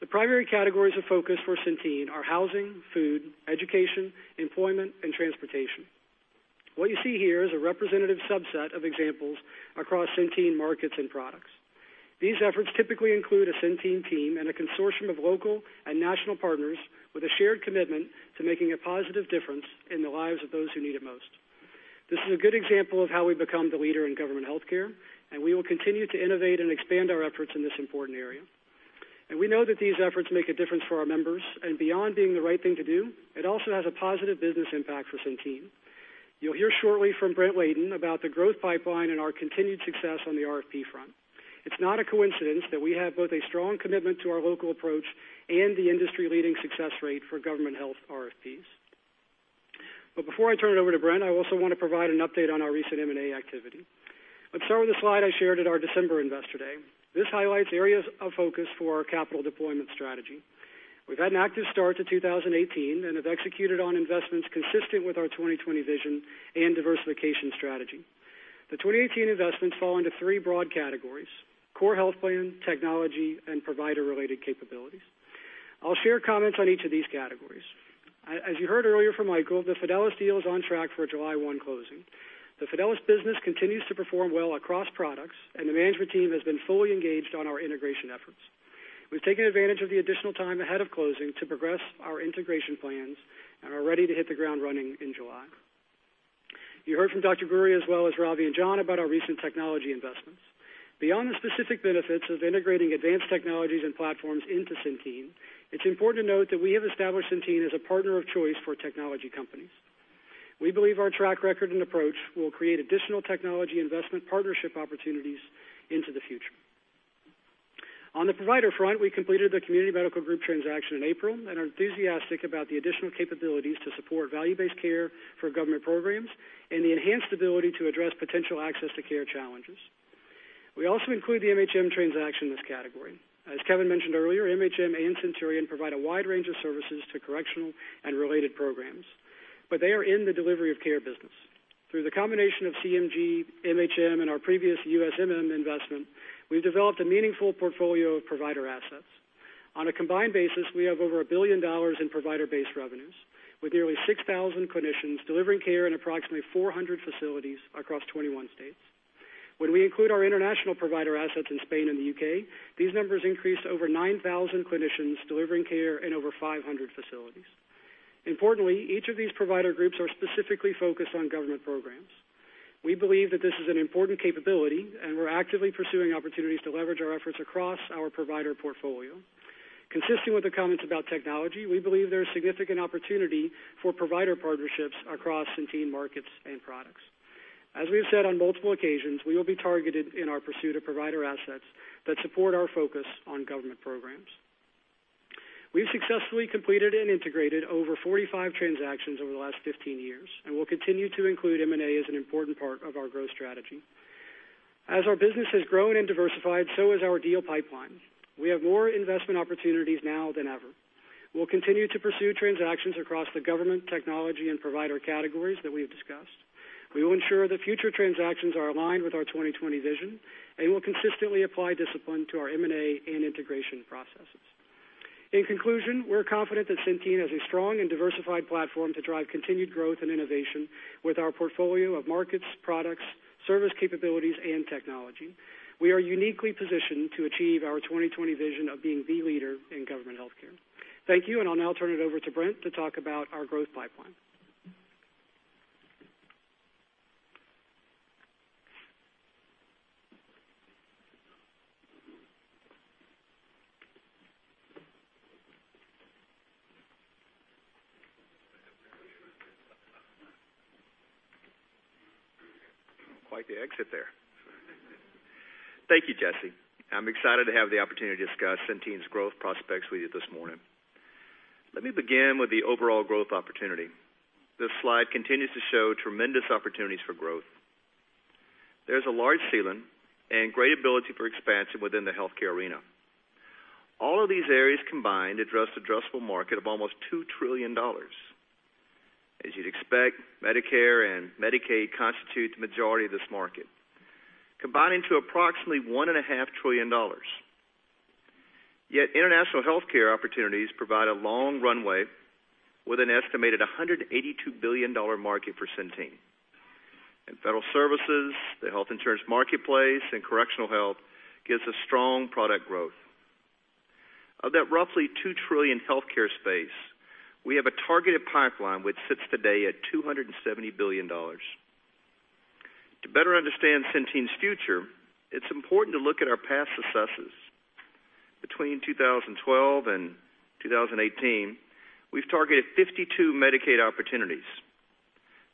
The primary categories of focus for Centene are housing, food, education, employment, and transportation. What you see here is a representative subset of examples across Centene markets and products. These efforts typically include a Centene team and a consortium of local and national partners with a shared commitment to making a positive difference in the lives of those who need it most. This is a good example of how we've become the leader in government healthcare. We will continue to innovate and expand our efforts in this important area. We know that these efforts make a difference for our members. Beyond being the right thing to do, it also has a positive business impact for Centene. You'll hear shortly from Brent Layton about the growth pipeline and our continued success on the RFP front. It's not a coincidence that we have both a strong commitment to our local approach and the industry-leading success rate for government health RFPs. Before I turn it over to Brent, I also want to provide an update on our recent M&A activity. Let's start with the slide I shared at our December Investor Day. This highlights areas of focus for our capital deployment strategy. We've had an active start to 2018 and have executed on investments consistent with our 2020 vision and diversification strategy. The 2018 investments fall into 3 broad categories: core health plan, technology, and provider-related capabilities. I'll share comments on each of these categories. As you heard earlier from Michael, the Fidelis deal is on track for a July 1 closing. The Fidelis business continues to perform well across products, and the management team has been fully engaged on our integration efforts. We've taken advantage of the additional time ahead of closing to progress our integration plans and are ready to hit the ground running in July. You heard from Dr. Ghouri, as well as Ravi and John, about our recent technology investments. Beyond the specific benefits of integrating advanced technologies and platforms into Centene, it's important to note that we have established Centene as a partner of choice for technology companies. We believe our track record and approach will create additional technology investment partnership opportunities into the future. On the provider front, we completed the Community Medical Group transaction in April and are enthusiastic about the additional capabilities to support value-based care for government programs and the enhanced ability to address potential access to care challenges. We also include the MHM transaction in this category. As Kevin mentioned earlier, MHM and Centurion provide a wide range of services to correctional and related programs, but they are in the delivery of care business. Through the combination of CMG, MHM, and our previous USMM investment, we've developed a meaningful portfolio of provider assets. On a combined basis, we have over $1 billion in provider-based revenues, with nearly 6,000 clinicians delivering care in approximately 400 facilities across 21 states. When we include our international provider assets in Spain and the U.K., these numbers increase to over 9,000 clinicians delivering care in over 500 facilities. Importantly, each of these provider groups are specifically focused on government programs. We believe that this is an important capability, and we're actively pursuing opportunities to leverage our efforts across our provider portfolio. Consistent with the comments about technology, we believe there is significant opportunity for provider partnerships across Centene markets and products. As we have said on multiple occasions, we will be targeted in our pursuit of provider assets that support our focus on government programs. We've successfully completed and integrated over 45 transactions over the last 15 years and will continue to include M&A as an important part of our growth strategy. As our business has grown and diversified, has our deal pipeline. We have more investment opportunities now than ever. We'll continue to pursue transactions across the government, technology, and provider categories that we have discussed. We will ensure that future transactions are aligned with our 2020 vision, and we'll consistently apply discipline to our M&A and integration processes. In conclusion, we're confident that Centene has a strong and diversified platform to drive continued growth and innovation with our portfolio of markets, products, service capabilities, and technology. We are uniquely positioned to achieve our 2020 vision of being the leader in government healthcare. Thank you, and I'll now turn it over to Brent to talk about our growth pipeline. Quite the exit there. Thank you, Jesse. I am excited to have the opportunity to discuss Centene's growth prospects with you this morning. Let me begin with the overall growth opportunity. This slide continues to show tremendous opportunities for growth. There is a large ceiling and great ability for expansion within the healthcare arena. All of these areas combined address an addressable market of almost $2 trillion. As you would expect, Medicare and Medicaid constitute the majority of this market, combining to approximately $1.5 trillion. Yet international healthcare opportunities provide a long runway with an estimated $182 billion market for Centene. In federal services, the health insurance marketplace, and correctional health gives us strong product growth. Of that roughly $2 trillion healthcare space, we have a targeted pipeline which sits today at $270 billion. To better understand Centene's future, it is important to look at our past successes. Between 2012 and 2018, we have targeted 52 Medicaid opportunities.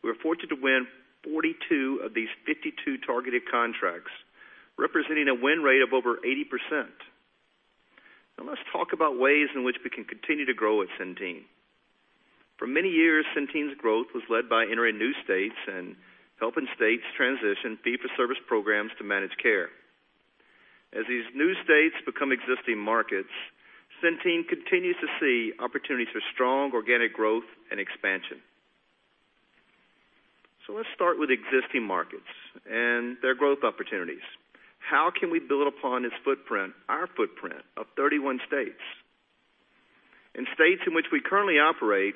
We were fortunate to win 42 of these 52 targeted contracts, representing a win rate of over 80%. Let's talk about ways in which we can continue to grow at Centene. For many years, Centene's growth was led by entering new states and helping states transition fee-for-service programs to managed care. As these new states become existing markets, Centene continues to see opportunities for strong organic growth and expansion. Let's start with existing markets and their growth opportunities. How can we build upon this footprint, our footprint, of 31 states? In states in which we currently operate,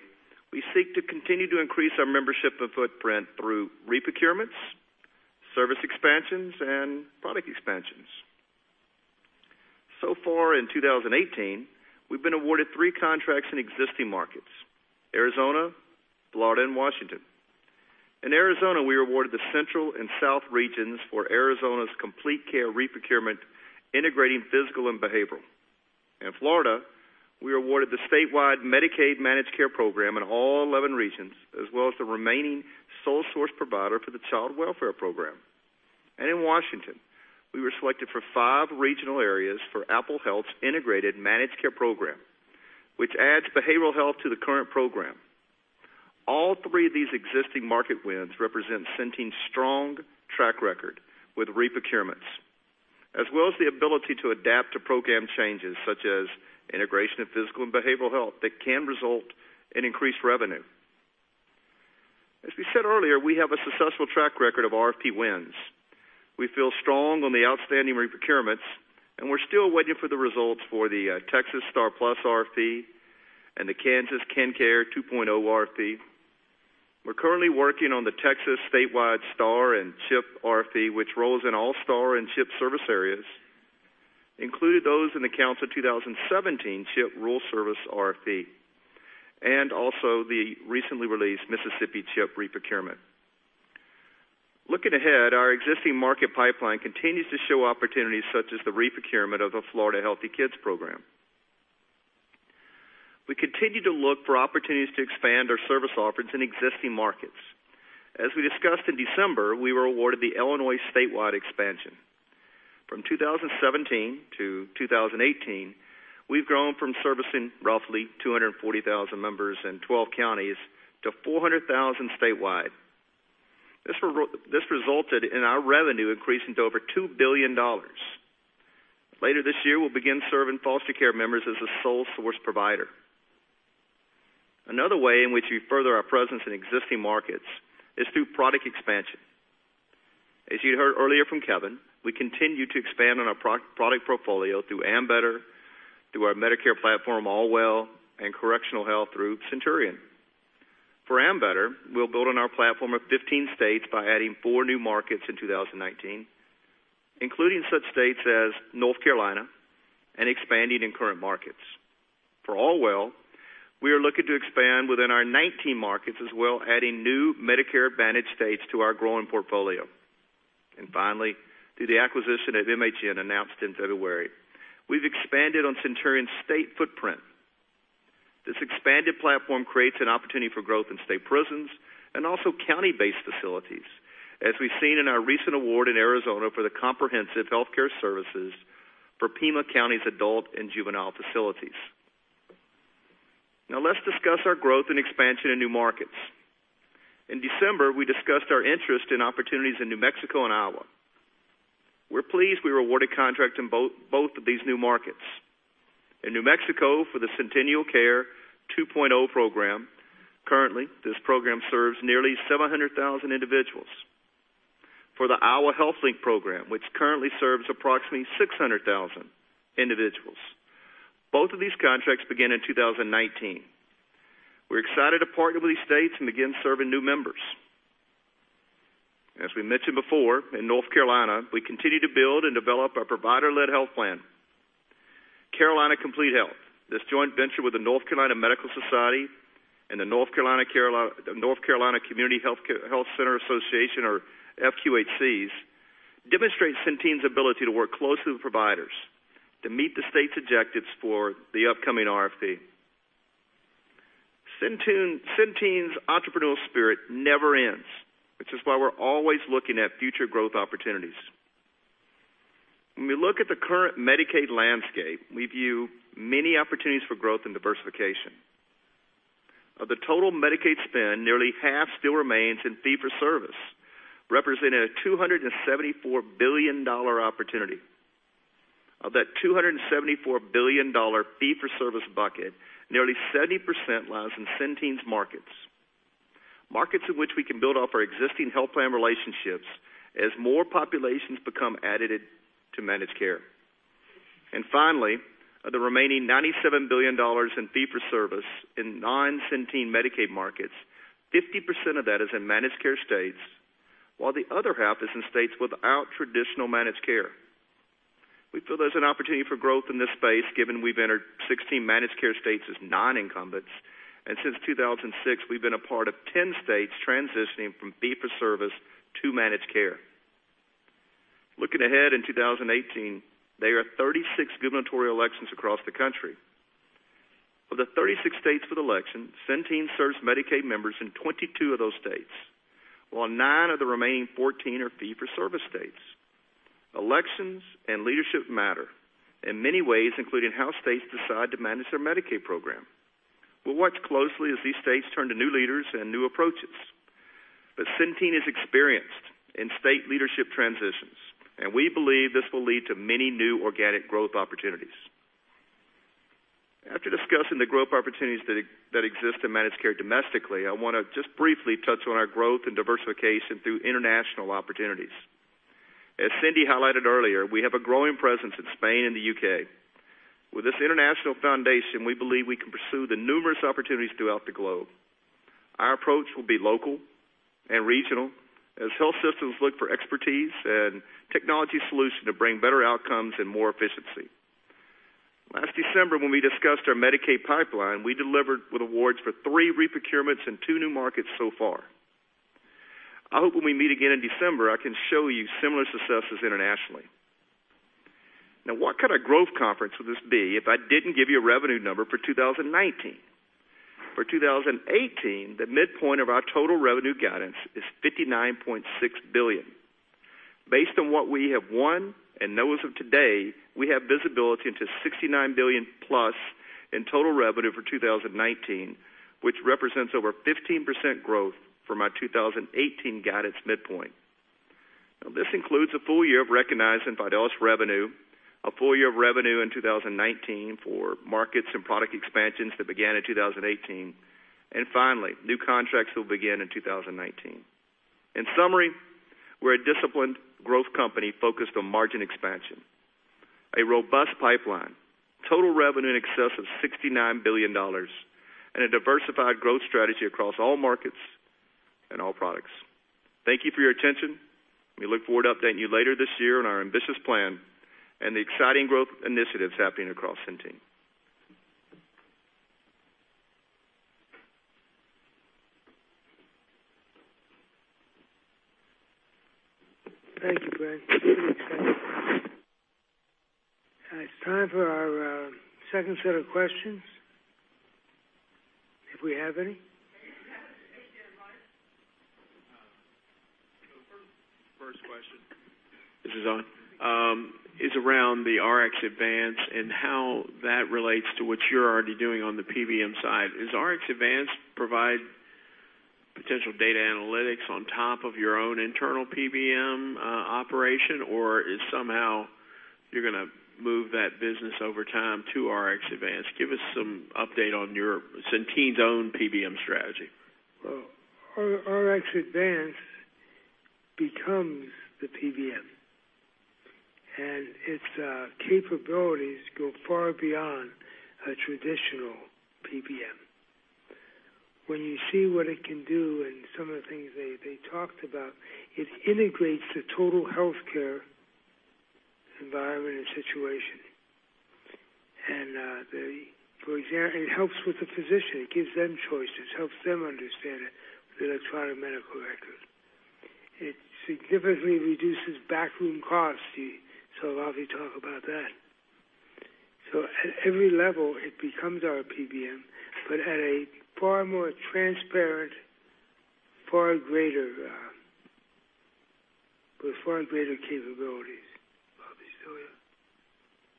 we seek to continue to increase our membership and footprint through re-procurements, service expansions, and product expansions. So far in 2018, we have been awarded three contracts in existing markets: Arizona, Florida, and Washington. In Arizona, we were awarded the Central and South regions for Arizona Complete Health re-procurement, integrating physical and behavioral. In Florida, we were awarded the statewide Medicaid managed care program in all 11 regions, as well as the remaining sole source provider for the child welfare program. In Washington, we were selected for five regional areas for Apple Health's integrated managed care program, which adds behavioral health to the current program. All three of these existing market wins represent Centene's strong track record with re-procurements, as well as the ability to adapt to program changes, such as integration of physical and behavioral health that can result in increased revenue. As we said earlier, we have a successful track record of RFP wins. We feel strong on the outstanding re-procurements. We are still waiting for the results for the Texas STAR+PLUS RFP and the Kansas KanCare 2.0 RFP. We are currently working on the Texas statewide STAR and CHIP RFP, which rolls in all STAR and CHIP service areas, including those in the accounts of 2017 CHIP rural service RFP, and also the recently released Mississippi CHIP re-procurement. Looking ahead, our existing market pipeline continues to show opportunities such as the re-procurement of the Florida Healthy Kids program. We continue to look for opportunities to expand our service offerings in existing markets. As we discussed in December, we were awarded the Illinois statewide expansion. From 2017 to 2018, we have grown from servicing roughly 240,000 members in 12 counties to 400,000 statewide. This resulted in our revenue increasing to over $2 billion. Later this year, we will begin serving foster care members as the sole source provider. Another way in which we further our presence in existing markets is through product expansion. As you heard earlier from Kevin, we continue to expand on our product portfolio through Ambetter, through our Medicare platform, Allwell, and correctional health through Centurion. For Ambetter, we'll build on our platform of 15 states by adding four new markets in 2019, including such states as North Carolina and expanding in current markets. For Allwell, we are looking to expand within our 19 markets, as well adding new Medicare Advantage states to our growing portfolio. Finally, through the acquisition of MHM Services announced in February, we've expanded on Centurion's state footprint. This expanded platform creates an opportunity for growth in state prisons and also county-based facilities, as we've seen in our recent award in Arizona for the comprehensive healthcare services for Pima County's adult and juvenile facilities. Now let's discuss our growth and expansion in new markets. In December, we discussed our interest in opportunities in New Mexico and Iowa. We're pleased we were awarded contract in both of these new markets. In New Mexico for the Centennial Care 2.0 program. Currently, this program serves nearly 700,000 individuals. For the Iowa Health Link program, which currently serves approximately 600,000 individuals. Both of these contracts begin in 2019. We're excited to partner with these states and begin serving new members. As we mentioned before, in North Carolina, we continue to build and develop our provider-led health plan, Carolina Complete Health. This joint venture with the North Carolina Medical Society and the North Carolina Community Health Center Association or FQHCs, demonstrates Centene's ability to work closely with providers to meet the state's objectives for the upcoming RFP. Centene's entrepreneurial spirit never ends, which is why we're always looking at future growth opportunities. When we look at the current Medicaid landscape, we view many opportunities for growth and diversification. Of the total Medicaid spend, nearly half still remains in fee-for-service, representing a $274 billion opportunity. Of that $274 billion fee-for-service bucket, nearly 70% lies in Centene's markets. Markets in which we can build off our existing health plan relationships as more populations become added to managed care. Finally, of the remaining $97 billion in fee-for-service in non-Centene Medicaid markets, 50% of that is in managed care states, while the other half is in states without traditional managed care. We feel there's an opportunity for growth in this space, given we've entered 16 managed care states as non-incumbents, and since 2006, we've been a part of 10 states transitioning from fee-for-service to managed care. Looking ahead in 2018, there are 36 gubernatorial elections across the country. Of the 36 states with elections, Centene serves Medicaid members in 22 of those states, while nine of the remaining 14 are fee-for-service states. Elections and leadership matter in many ways, including how states decide to manage their Medicaid program. We'll watch closely as these states turn to new leaders and new approaches. Centene is experienced in state leadership transitions, and we believe this will lead to many new organic growth opportunities. After discussing the growth opportunities that exist in managed care domestically, I want to just briefly touch on our growth and diversification through international opportunities. As Cindy highlighted earlier, we have a growing presence in Spain and the U.K. With this international foundation, we believe we can pursue the numerous opportunities throughout the globe. Our approach will be local and regional as health systems look for expertise and technology solution to bring better outcomes and more efficiency. Last December when we discussed our Medicaid pipeline, we delivered with awards for three re-procurements and two new markets so far. I hope when we meet again in December, I can show you similar successes internationally. Now, what kind of growth conference would this be if I didn't give you a revenue number for 2019? For 2018, the midpoint of our total revenue guidance is $59.6 billion. Based on what we have won, and know as of today, we have visibility into $69 billion plus in total revenue for 2019, which represents over 15% growth from our 2018 guidance midpoint. Now, this includes a full year of recognizing Fidelis revenue, a full year of revenue in 2019 for markets and product expansions that began in 2018, and finally, new contracts will begin in 2019. In summary, we're a disciplined growth company focused on margin expansion, a robust pipeline, total revenue in excess of $69 billion, and a diversified growth strategy across all markets and all products. Thank you for your attention. We look forward to updating you later this year on our ambitious plan and the exciting growth initiatives happening across Centene. Thank you, Brent. It's time for our second set of questions, if we have any. We have Mike. First question. Is this on? Is around the RxAdvance and how that relates to what you're already doing on the PBM side. Does RxAdvance provide potential data analytics on top of your own internal PBM operation, or is somehow you're going to move that business over time to RxAdvance? Give us some update on Centene's own PBM strategy. RxAdvance becomes the PBM, and its capabilities go far beyond a traditional PBM. When you see what it can do and some of the things they talked about, it integrates the total healthcare environment and situation. It helps with the physician. It gives them choices, helps them understand it with electronic medical records. It significantly reduces back room costs. Ravi talk about that. At every level, it becomes our PBM, but at a far more transparent, far greater capabilities. Ravi,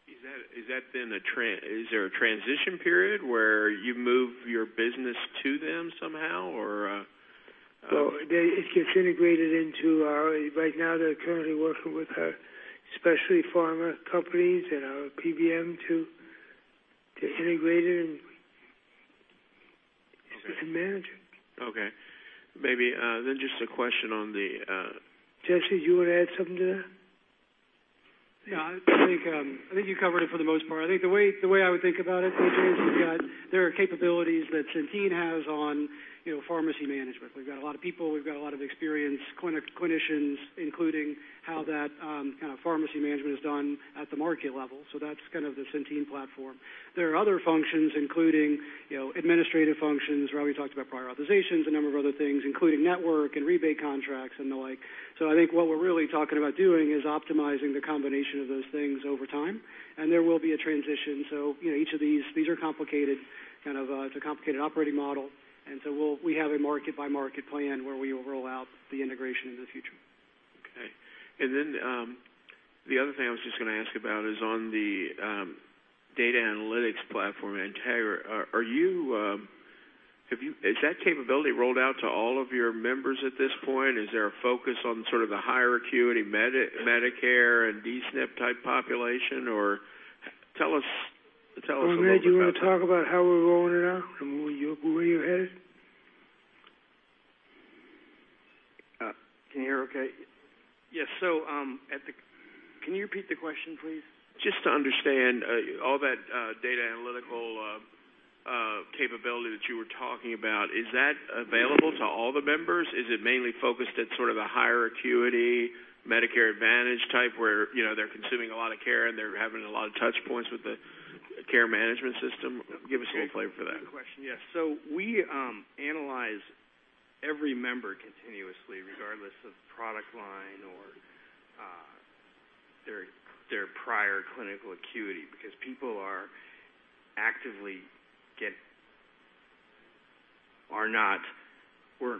yeah. Is there a transition period where you move your business to them somehow? Right now, they're currently working with our, especially pharma companies and our PBM to integrate it and manage it. Okay. Maybe just a question on the- Jesse, you want to add something to that? Yeah, I think you covered it for the most part. I think the way I would think about it, [inaudible] there are capabilities that Centene has on pharmacy management. We've got a lot of people, we've got a lot of experienced clinicians, including how that kind of pharmacy management is done at the market level. That's kind of the Centene platform. There are other functions, including administrative functions, where Ravi talked about prior authorizations, a number of other things, including network and rebate contracts and the like. I think what we're really talking about doing is optimizing the combination of those things over time, and there will be a transition. Each of these are complicated, kind of it's a complicated operating model. We have a market-by-market plan where we will roll out the integration in the future. Okay. The other thing I was just going to ask about is on the data analytics platform, Interpreta. Is that capability rolled out to all of your members at this point? Is there a focus on sort of the higher acuity Medicare and DSNP type population? Or tell us a little bit about that. Well, Brent, do you want to talk about how we're rolling it out and where you're headed? Can you hear okay? Yes. Can you repeat the question, please? Just to understand, all that data analytical capability that you were talking about, is that available to all the members? Is it mainly focused at sort of a higher acuity Medicare Advantage type, where they're consuming a lot of care, and they're having a lot of touch points with the care management system? Give us some flavor for that. Good question. Yes. We analyze every member continuously, regardless of product line or their prior clinical acuity because people weren't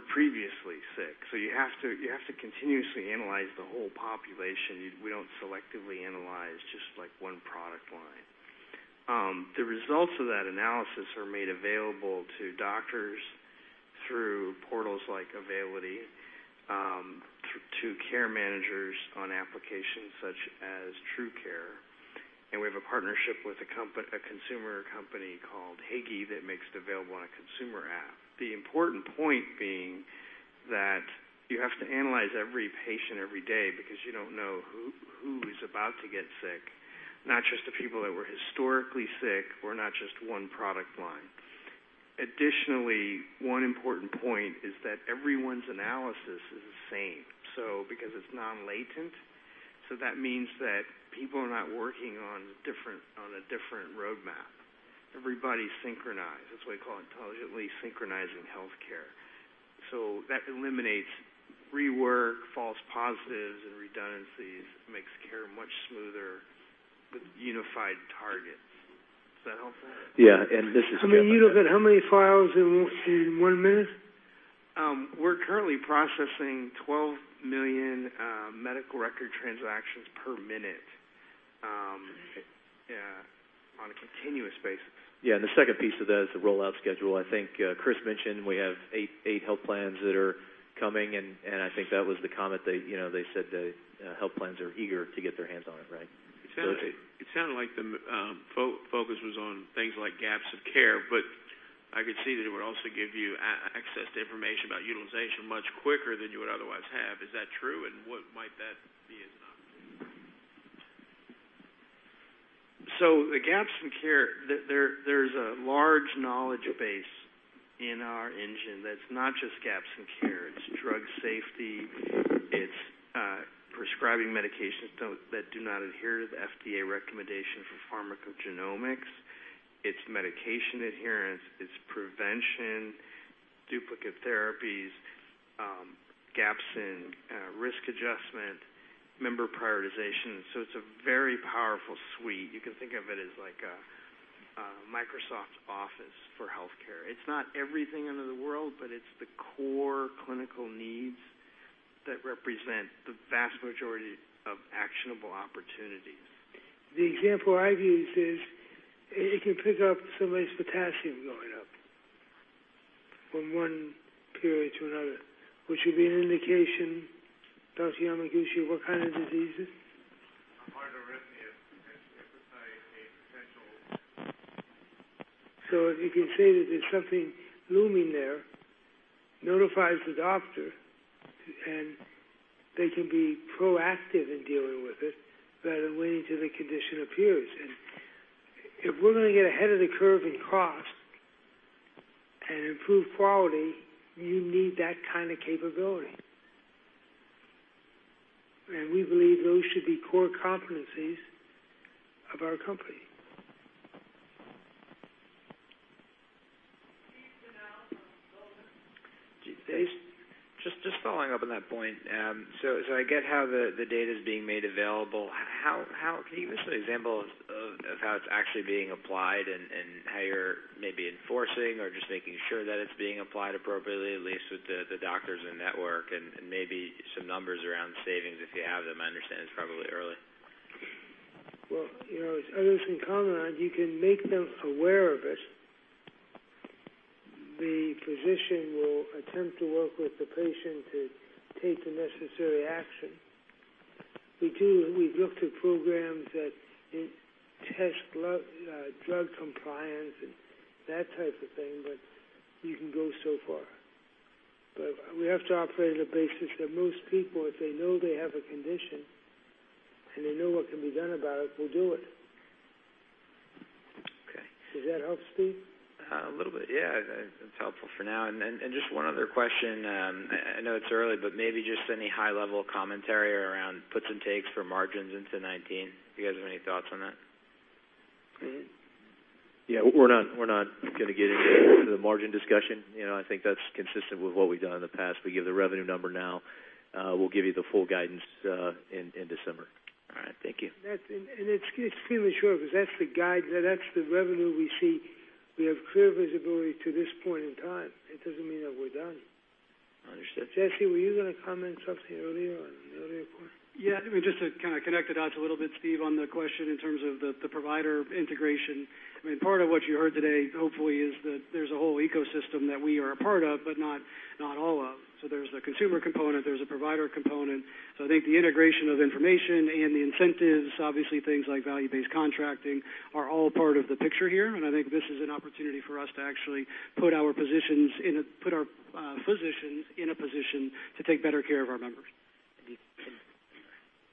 previously sick. You have to continuously analyze the whole population. We don't selectively analyze just one product line. The results of that analysis are made available to doctors through portals like Availity, to care managers on applications such as TruCare, and we have a partnership with a consumer company called Higi that makes it available on a consumer app. The important point being that you have to analyze every patient every day because you don't know who is about to get sick, not just the people that were historically sick or not just one product line. Additionally, one important point is that everyone's analysis is the same because it's non-latent. That means that people are not working on a different roadmap. Everybody's synchronized. That's why we call it intelligently synchronizing healthcare. That eliminates rework, false positives, and redundancies, makes care much smoother with unified targets. Is that helpful? Yeah. This is Jeff. You look at how many files in one minute? We're currently processing 12 million medical record transactions per minute on a continuous basis. The second piece of that is the rollout schedule. I think Chris mentioned we have eight health plans that are coming, and I think that was the comment, they said the health plans are eager to get their hands on it, right? It sounded like the focus was on things like gaps in care, I could see that it would also give you access to information about utilization much quicker than you would otherwise have. Is that true? What might that be as an opportunity? The gaps in care, there's a large knowledge base in our engine that's not just gaps in care, it's drug safety, it's prescribing medications that do not adhere to the FDA recommendation for pharmacogenomics. It's medication adherence, it's prevention, duplicate therapies, gaps in risk adjustment, member prioritization. It's a very powerful suite. You can think of it as like a Microsoft Office for healthcare. It's not everything under the world, it's the core clinical needs that represent the vast majority of actionable opportunities. The example I've used is it can pick up somebody's potassium going up from one period to another, which would be an indication, Dr. Yamaguchi, what kind of diseases? A heart arrhythmia, as you emphasize, a potential. If you can see that there's something looming there, notifies the doctor, and they can be proactive in dealing with it rather than waiting till the condition appears. If we're going to get ahead of the curve in cost and improve quality, you need that kind of capability. We believe those should be core competencies of our company. Steve Tanal from Goldman. Steve, just following up on that point. I get how the data's being made available. Can you give us an example of how it's actually being applied and how you're maybe enforcing or just making sure that it's being applied appropriately, at least with the doctors in network, and maybe some numbers around savings, if you have them? I understand it's probably early. Well, as others can comment on, you can make them aware of it. The physician will attempt to work with the patient to take the necessary action. We've looked at programs that test drug compliance and that type of thing, you can go so far. We have to operate on the basis that most people, if they know they have a condition, and they know what can be done about it, will do it. Okay. Does that help, Steve? A little bit. Yeah. That's helpful for now. Just one other question. I know it's early, maybe just any high-level commentary around puts and takes for margins into 2019. You guys have any thoughts on that? Yeah, we're not going to get into the margin discussion. I think that's consistent with what we've done in the past. We give the revenue number now. We'll give you the full guidance in December. All right. Thank you. It's extremely short because that's the revenue we see. We have clear visibility to this point in time. It doesn't mean that we're done. Understood. Jesse, were you going to comment something earlier on an earlier point? Yeah. Just to kind of connect the dots a little bit, Steve, on the question in terms of the provider integration. Part of what you heard today, hopefully, is that there's a whole ecosystem that we are a part of, but not all of. There's a consumer component, there's a provider component. I think the integration of information and the incentives, obviously things like value-based contracting, are all part of the picture here. I think this is an opportunity for us to actually put our physicians in a position to take better care of our members.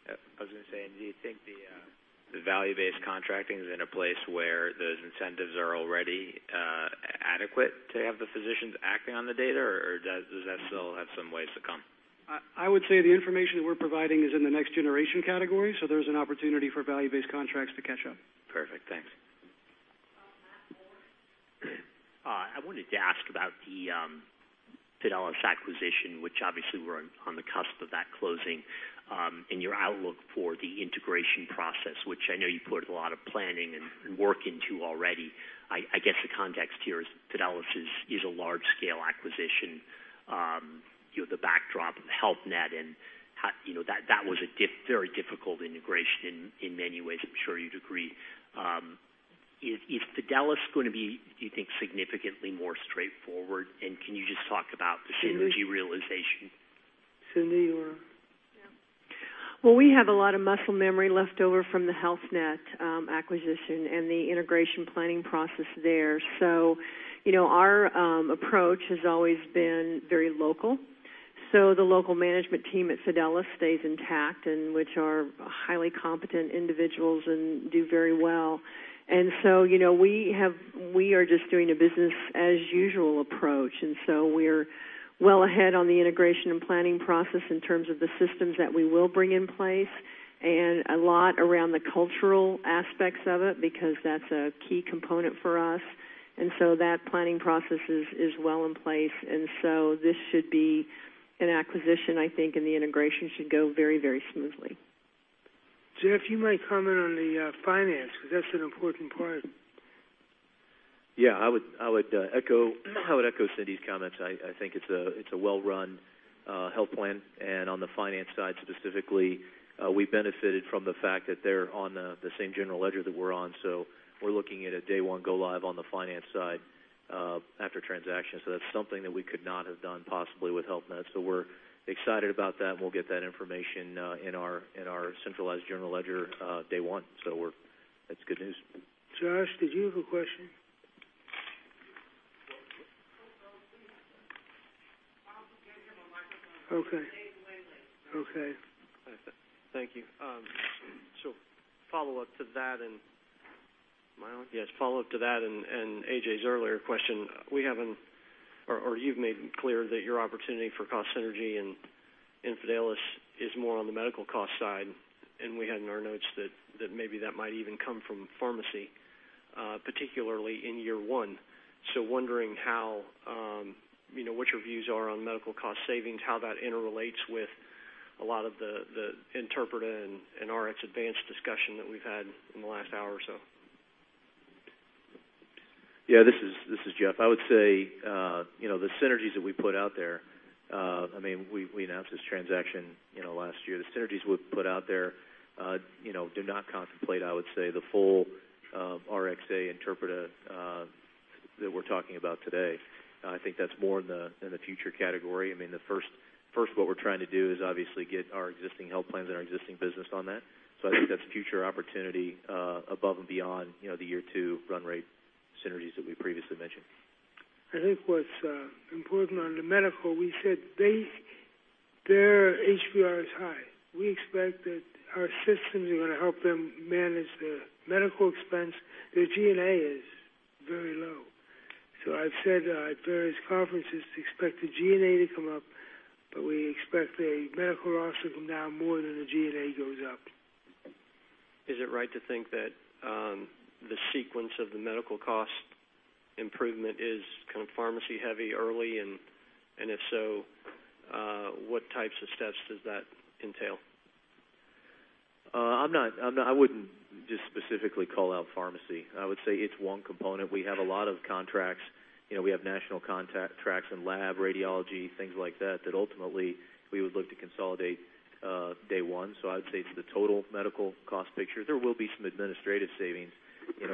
I was going to say, do you think the value-based contracting is in a place where those incentives are already adequate to have the physicians acting on the data, or does that still have some ways to come? I would say the information that we're providing is in the next generation category. There's an opportunity for value-based contracts to catch up. Perfect. Thanks. Matt Morris. I wanted to ask about the Fidelis acquisition, which obviously we're on the cusp of that closing, and your outlook for the integration process, which I know you put a lot of planning and work into already. I guess the context here is Fidelis is a large-scale acquisition. You have the backdrop of Health Net, and that was a very difficult integration in many ways. I'm sure you'd agree. Is Fidelis going to be, do you think, significantly more straightforward, and can you just talk about the synergy realization? Cindy, you were Yeah. Well, we have a lot of muscle memory left over from the Health Net acquisition and the integration planning process there. Our approach has always been very local. The local management team at Fidelis stays intact, and which are highly competent individuals and do very well. We are just doing a business as usual approach, and so we're well ahead on the integration and planning process in terms of the systems that we will bring in place and a lot around the cultural aspects of it, because that's a key component for us. That planning process is well in place, and so this should be an acquisition, I think, and the integration should go very smoothly. Jeff, you might comment on the finance, because that's an important part. I would echo Cindy's comments. I think it's a well-run health plan. On the finance side, specifically, we benefited from the fact that they're on the same general ledger that we're on. We're looking at a day one go live on the finance side after transaction. That's something that we could not have done possibly with Health Net. We're excited about that, and we'll get that information in our centralized general ledger day one. That's good news. Josh, did you have a question? Okay. Thank you. Follow-up to that and AJ's earlier question. You've made clear that your opportunity for cost synergy in Fidelis is more on the medical cost side, and we had in our notes that maybe that might even come from pharmacy, particularly in year one. Wondering what your views are on medical cost savings, how that interrelates with a lot of the Interpreta and RxAdvance discussion that we've had in the last hour or so. Yeah, this is Jeff. I would say, the synergies that we put out there, we announced this transaction last year. The synergies we put out there do not contemplate, I would say, the full RxAdvance Interpreta that we're talking about today. I think that's more in the future category. First, what we're trying to do is obviously get our existing health plans and our existing business on that. I think that's future opportunity above and beyond the year two run rate synergies that we previously mentioned. I think what's important on the medical, we said their MLR is high. We expect that our systems are going to help them manage their medical expense. Their G&A is very low. I've said at various conferences to expect the G&A to come up, but we expect a medical loss to come down more than the G&A goes up. Is it right to think that the sequence of the medical cost improvement is pharmacy heavy early? If so, what types of steps does that entail? I wouldn't just specifically call out pharmacy. I would say it's one component. We have a lot of contracts. We have national contracts in lab, radiology, things like that ultimately we would look to consolidate day one. I would say it's the total medical cost picture. There will be some administrative savings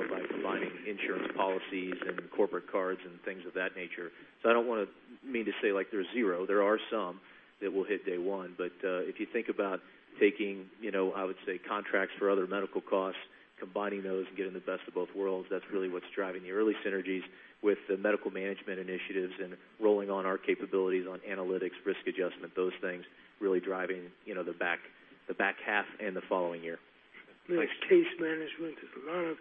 by combining insurance policies and corporate cards and things of that nature. I don't want to mean to say, like, they're zero. There are some that will hit day one. If you think about taking, I would say, contracts for other medical costs, combining those and getting the best of both worlds, that's really what's driving the early synergies with the medical management initiatives and rolling on our capabilities on analytics, risk adjustment, those things really driving the back half and the following year. There's case management. There's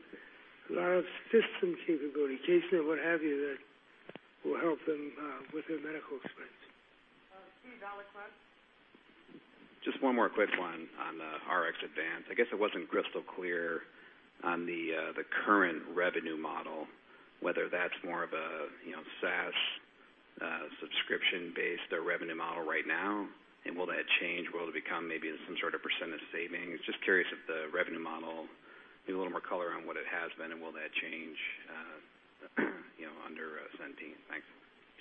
a lot of system capability, case management, what have you, that will help them with their medical expense. Steve. Just one more quick one on the RxAdvance. I guess it wasn't crystal clear on the current revenue model, whether that's more of a SaaS subscription-based revenue model right now, and will that change? Will it become maybe some sort of percentage savings? Just curious if the revenue model, I need a little more color on what it has been and will that change, under Centene. Thanks.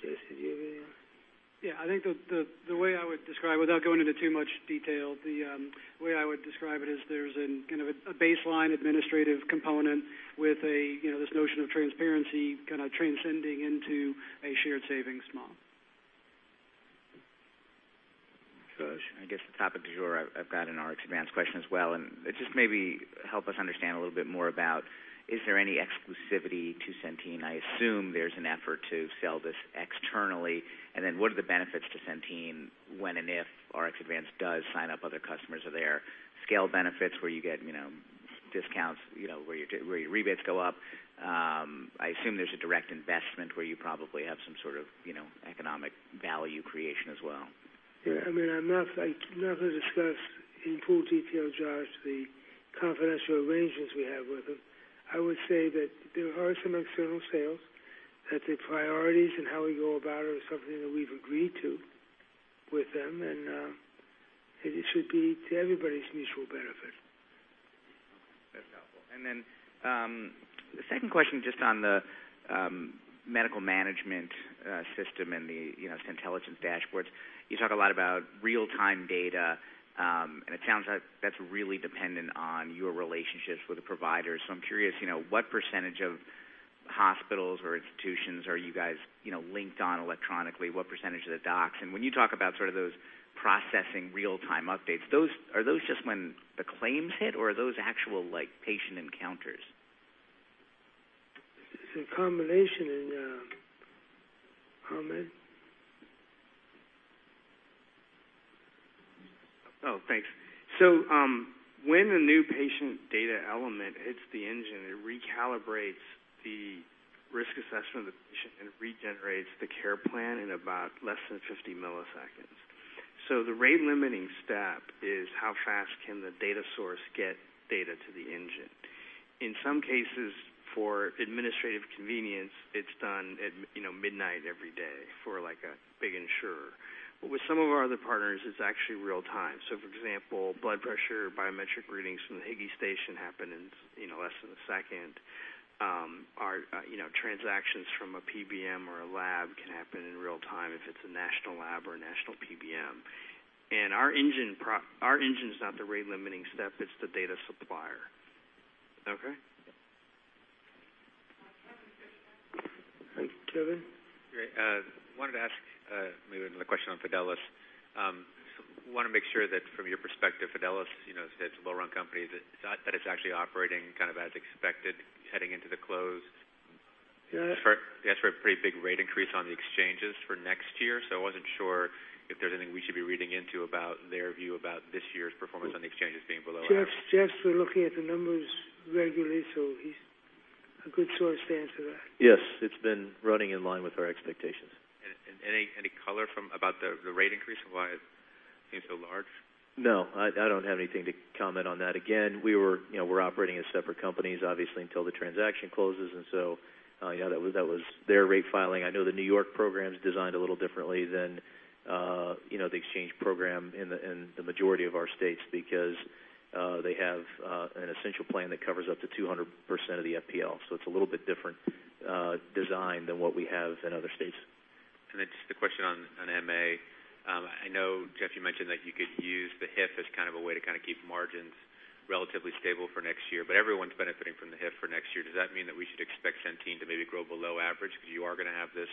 Jesse, do you have anything? Yeah. Without going into too much detail, the way I would describe it is there's a baseline administrative component with this notion of transparency kind of transcending into a shared savings model. Josh, I guess the topic du jour, I've got an RxAdvance question as well. Just maybe help us understand a little bit more about, is there any exclusivity to Centene? I assume there's an effort to sell this externally. Then what are the benefits to Centene when and if RxAdvance does sign up other customers? Are there scale benefits where you get discounts, where your rebates go up? I assume there's a direct investment where you probably have some sort of economic value creation as well. Yeah. I'm not going to discuss in full detail, Josh, the confidential arrangements we have with them. I would say that there are some external sales, that the priorities and how we go about it are something that we've agreed to with them, and it should be to everybody's mutual benefit. That's helpful. Then, the second question, just on the medical management system and the Centelligence dashboards. You talk a lot about real-time data, and it sounds like that's really dependent on your relationships with the providers. I'm curious, what percentage of hospitals or institutions are you guys linked on electronically? What percentage of the docs? When you talk about sort of those processing real-time updates, are those just when the claims hit or are those actual patient encounters? It's a combination. Ahmed? Oh, thanks. When the new patient data element hits the engine, it recalibrates the risk assessment of the patient and regenerates the care plan in about less than 50 milliseconds. The rate-limiting step is how fast can the data source get data to the engine. In some cases, for administrative convenience, it's done at midnight every day for a big insurer. With some of our other partners, it's actually real time. For example, blood pressure, biometric readings from the Higi station happen in less than a second. Transactions from a PBM or a lab can happen in real time if it's a national lab or a national PBM. Our engine's not the rate-limiting step, it's the data supplier. Okay? Kevin. Kevin? Great. Wanted to ask maybe another question on Fidelis. Want to make sure that from your perspective, Fidelis, it's a well-run company, that it's actually operating as expected heading into the close. Yeah. They asked for a pretty big rate increase on the exchanges for next year, I wasn't sure if there's anything we should be reading into about their view about this year's performance on the exchanges being below average. Jeff's been looking at the numbers regularly, he's a good source to answer that. Yes. It's been running in line with our expectations. Any color about the rate increase and why it seems so large? No, I don't have anything to comment on that. Again, we're operating as separate companies, obviously, until the transaction closes, that was their rate filing. I know the New York program's designed a little differently than the exchange program in the majority of our states because they have an essential plan that covers up to 200% of the FPL, it's a little bit different design than what we have in other states. Just a question on MA. I know, Jeff, you mentioned that you could use the HIF as a way to keep margins relatively stable for next year, everyone's benefiting from the HIF for next year. Does that mean that we should expect Centene to maybe grow below average because you are going to have this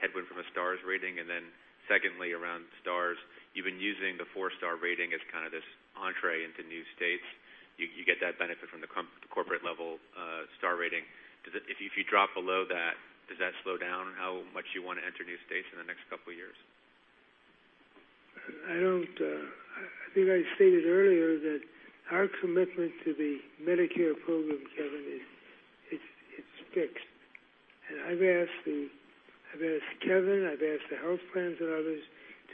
headwind from a STARS rating? Secondly, around STARS, you've been using the 4-STARS rating as this entrée into new states. You get that benefit from the corporate level STARS rating. If you drop below that, does that slow down how much you want to enter new states in the next couple of years? I think I stated earlier that our commitment to the Medicare program, Kevin, is fixed. I've asked Kevin, I've asked the health plans and others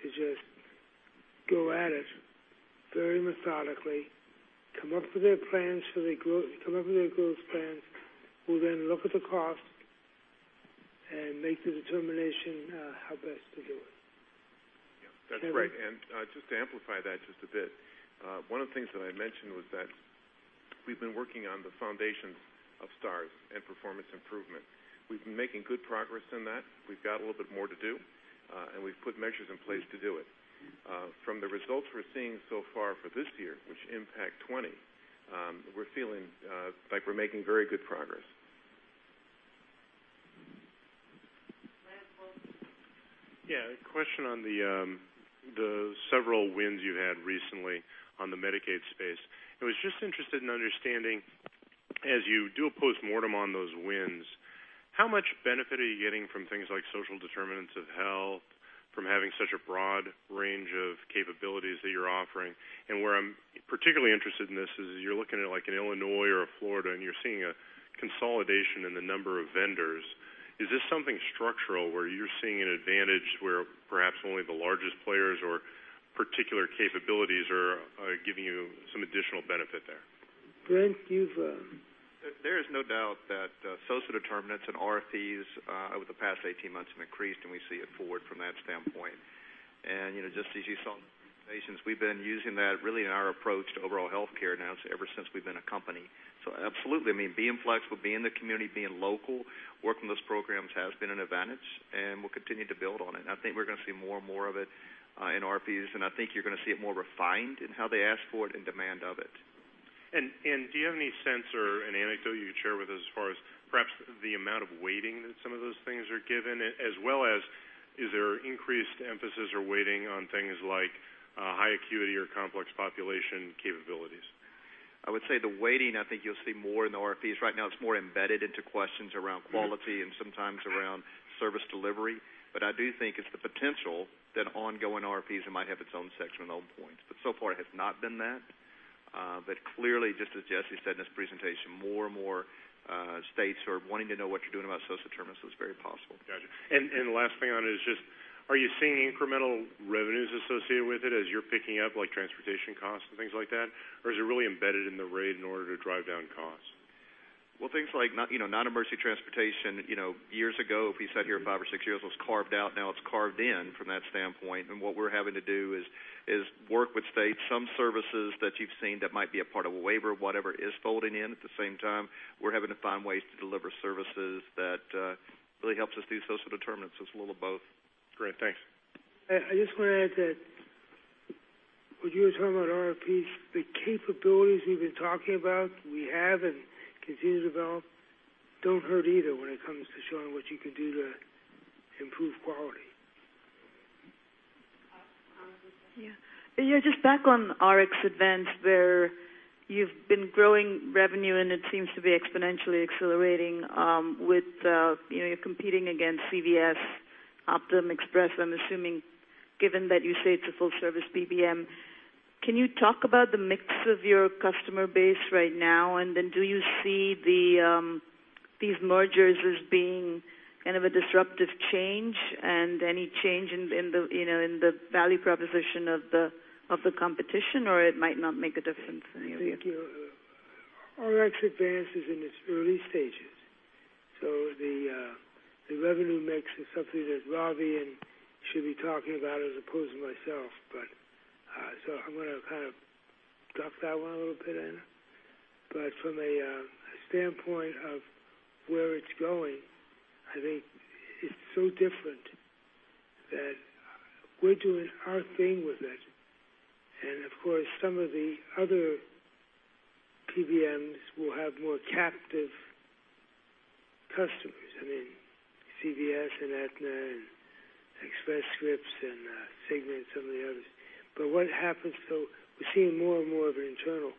to just go at it very methodically, come up with their growth plans. We'll then look at the cost and make the determination how best to do it. Kevin? That's right. Just to amplify that just a bit, one of the things that I mentioned was that we've been working on the foundations of STARS and performance improvement. We've been making good progress in that. We've got a little bit more to do, and we've put measures in place to do it. From the results we're seeing so far for this year, which impact 2020, we're feeling like we're making very good progress. Lance, go ahead. Yeah. A question on the several wins you had recently on the Medicaid space. I was just interested in understanding, as you do a postmortem on those wins, how much benefit are you getting from things like social determinants of health, from having such a broad range of capabilities that you're offering? Where I'm particularly interested in this is you're looking at like an Illinois or a Florida, and you're seeing a consolidation in the number of vendors. Is this something structural where you're seeing an advantage where perhaps only the largest players or particular capabilities are giving you some additional benefit there? Brent, you go. There is no doubt that social determinants and RFPs over the past 18 months have increased, we see it forward from that standpoint. Just as you saw in the presentations, we've been using that really in our approach to overall healthcare now ever since we've been a company. Absolutely. Being flexible, being in the community, being local, working those programs has been an advantage, we'll continue to build on it. I think we're going to see more and more of it in RFPs, I think you're going to see it more refined in how they ask for it and demand of it. Do you have any sense or an anecdote you could share with us as far as perhaps the amount of weighting that some of those things are given, as well as is there increased emphasis or weighting on things like high acuity or complex population capabilities? I would say the weighting, I think you'll see more in the RFPs. Right now it's more embedded into questions around quality and sometimes around service delivery. I do think it's the potential that ongoing RFPs, it might have its own section, its own points. So far, it has not been that. Clearly, just as Jesse said in his presentation, more and more states are wanting to know what you're doing about social determinants, so it's very possible. Got you. The last thing on it is just, are you seeing incremental revenues associated with it as you're picking up transportation costs and things like that? Is it really embedded in the rate in order to drive down costs? Well, things like non-emergency transportation, years ago, if we sat here five or six years, it was carved out, now it's carved in from that standpoint. What we're having to do is work with states. Some services that you've seen that might be a part of a waiver, whatever, is folding in. At the same time, we're having to find ways to deliver services that really helps us do social determinants. It's a little of both. Great. Thanks. I just want to add that when you were talking about RFPs, the capabilities we've been talking about, we have and continue to develop, don't hurt either when it comes to showing what you can do to improve quality. Yeah. Just back on the RxAdvance, where you've been growing revenue, and it seems to be exponentially accelerating, you're competing against CVS, Optum, Express, I'm assuming, given that you say it's a full service PBM. Can you talk about the mix of your customer base right now, and then do you see the These mergers as being kind of a disruptive change and any change in the value proposition of the competition, or it might not make a difference in any of you? Thank you. RxAdvance is in its early stages, the revenue mix is something that Ravi should be talking about as opposed to myself. I'm going to kind of duck that one a little bit, Anna. From a standpoint of where it's going, I think it's so different that we're doing our thing with it. Of course, some of the other PBMs will have more captive customers. I mean, CVS and Aetna and Express Scripts and Cigna and some of the others. What happens though, we're seeing more and more of it internal.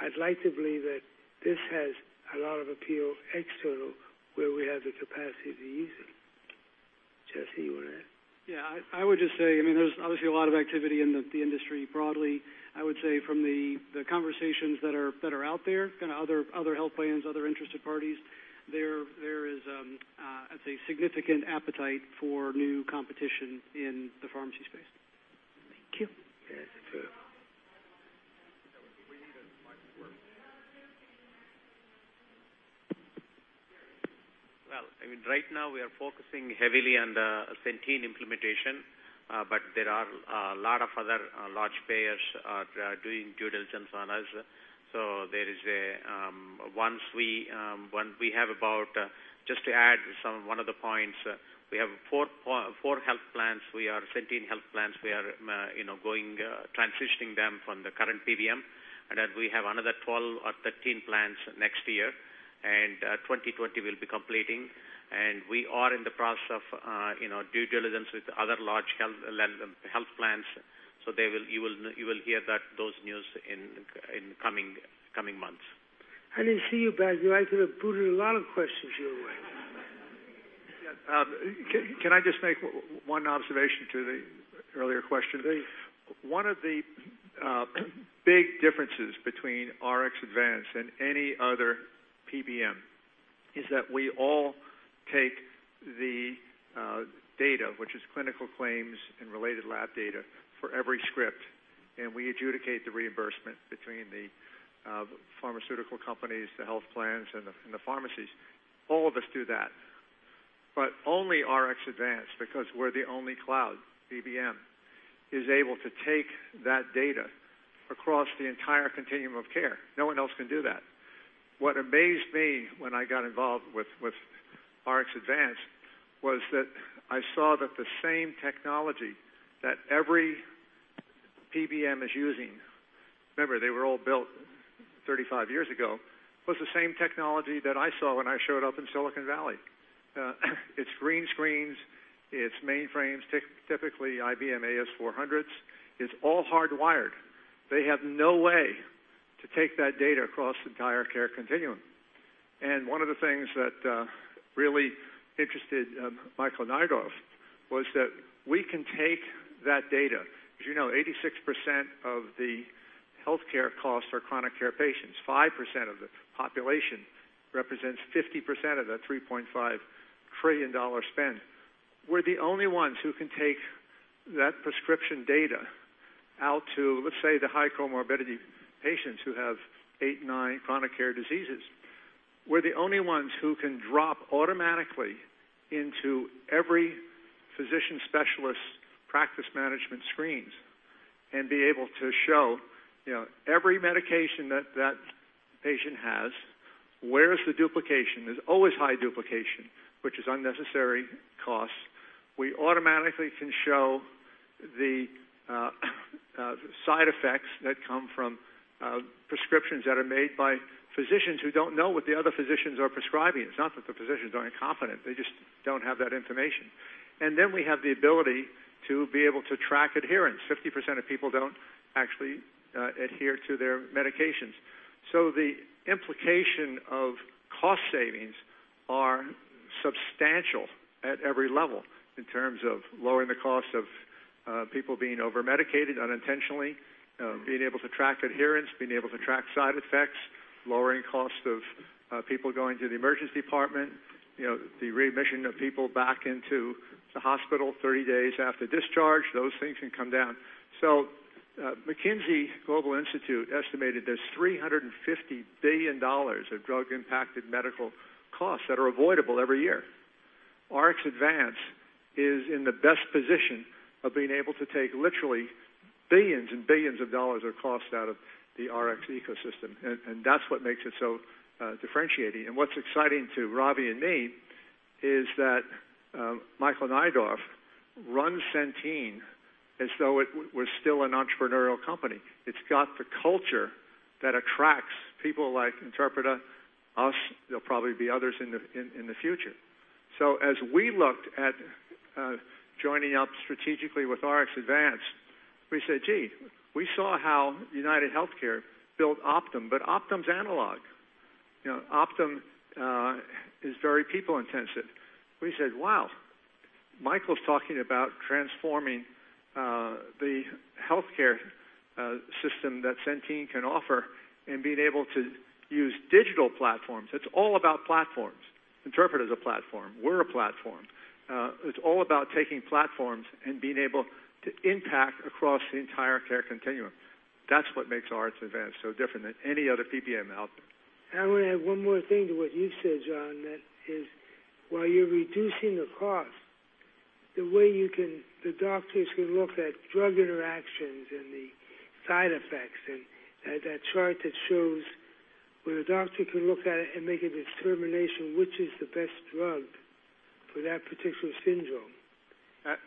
I'd like to believe that this has a lot of appeal external, where we have the capacity to use it. Jesse, you want to add? Yeah, I would just say, there's obviously a lot of activity in the industry broadly. I would say from the conversations that are out there, kind of other health plans, other interested parties, there is, I'd say, significant appetite for new competition in the pharmacy space. Thank you. Yes. Well, right now we are focusing heavily on the Centene implementation, there are a lot of other large players are doing due diligence on us. Once we have about, just to add one of the points, we have four health plans. We are Centene health plans. We are transitioning them from the current PBM, then we have another 12 or 13 plans next year, and 2020 we'll be completing. We are in the process of due diligence with other large health plans. You will hear those news in coming months. I didn't see you, Brad. You asked a lot of questions your way. Can I just make one observation to the earlier question? Please. One of the big differences between RxAdvance and any other PBM is that we all take the data, which is clinical claims and related lab data, for every script, and we adjudicate the reimbursement between the pharmaceutical companies, the health plans, and the pharmacies. All of us do that. Only RxAdvance, because we're the only cloud PBM, is able to take that data across the entire continuum of care. No one else can do that. What amazed me when I got involved with RxAdvance was that I saw that the same technology that every PBM is using, remember, they were all built 35 years ago, was the same technology that I saw when I showed up in Silicon Valley. It's green screens. It's mainframes, typically IBM AS/400s. It's all hardwired. They have no way to take that data across the entire care continuum. One of the things that really interested Michael Neidorff was that we can take that data. As you know, 86% of the healthcare costs are chronic care patients. 5% of the population represents 50% of the $3.5 trillion spend. We're the only ones who can take that prescription data out to, let's say, the high comorbidity patients who have eight, nine chronic care diseases. We're the only ones who can drop automatically into every physician specialist practice management screens and be able to show every medication that that patient has. Where is the duplication? There's always high duplication, which is unnecessary costs. We automatically can show the side effects that come from prescriptions that are made by physicians who don't know what the other physicians are prescribing. It's not that the physicians aren't competent. They just don't have that information. We have the ability to be able to track adherence. 50% of people don't actually adhere to their medications. The implication of cost savings are substantial at every level in terms of lowering the cost of people being over-medicated unintentionally, being able to track adherence, being able to track side effects, lowering cost of people going to the emergency department. The readmission of people back into the hospital 30 days after discharge. Those things can come down. McKinsey Global Institute estimated there's $350 billion of drug-impacted medical costs that are avoidable every year. RxAdvance is in the best position of being able to take literally billions and billions of dollars of cost out of the Rx ecosystem, and that's what makes it so differentiating. What's exciting to Ravi and me is that Michael Neidorff runs Centene as though it were still an entrepreneurial company. It's got the culture that attracts people like Interpreta, us, there'll probably be others in the future. As we looked at joining up strategically with RxAdvance, we said, "Gee, we saw how UnitedHealthcare built Optum, but Optum's analog." Optum is very people-intensive. We said, "Wow. Michael's talking about transforming the healthcare system that Centene can offer and being able to use digital platforms. It's all about platforms. Interpreta is a platform. We're a platform. It's all about taking platforms and being able to impact across the entire care continuum. That's what makes RxAdvance so different than any other PBM out there. I want to add one more thing to what you said, John, that is, while you're reducing the cost, the way the doctors can look at drug interactions and the side effects, and that chart that shows where the doctor can look at it and make a determination, which is the best drug for that particular syndrome.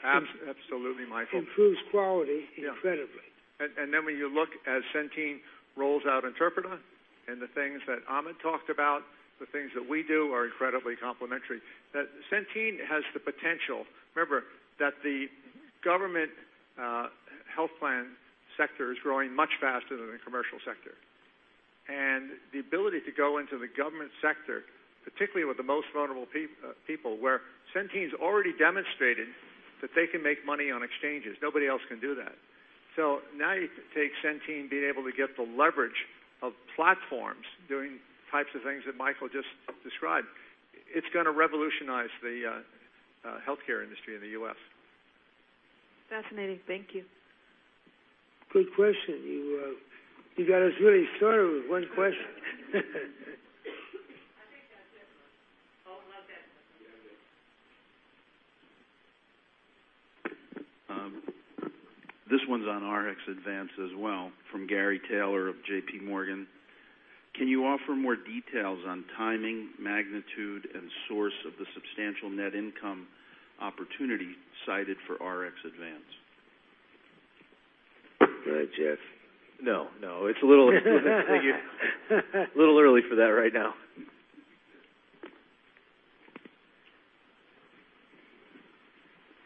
Absolutely, Michael. Improves quality incredibly. Yeah. Then when you look as Centene rolls out Interpreta and the things that Ahmed talked about, the things that we do are incredibly complementary. That Centene has the potential. Remember that the government health plan sector is growing much faster than the commercial sector. The ability to go into the government sector, particularly with the most vulnerable people, where Centene's already demonstrated that they can make money on exchanges. Nobody else can do that. Now you take Centene being able to get the leverage of platforms, doing types of things that Michael just described. It's going to revolutionize the healthcare industry in the U.S. Fascinating. Thank you. Good question. You got us really started with one question. I think that's it. Oh, one second. This one's on RxAdvance as well, from Gary Taylor of JPMorgan. Can you offer more details on timing, magnitude, and source of the substantial net income opportunity cited for RxAdvance? Go ahead, Jeff. No, it's a little early. A little early for that right now.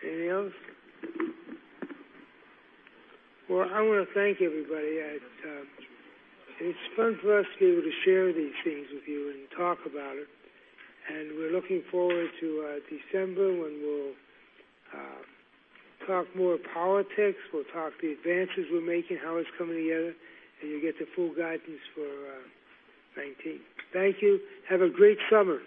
Anything else? Well, I want to thank everybody. It's fun for us to be able to share these things with you and talk about it. We're looking forward to December when we'll talk more politics, we'll talk the advances we're making, how it's coming together, and you'll get the full guidance for 2019. Thank you. Have a great summer.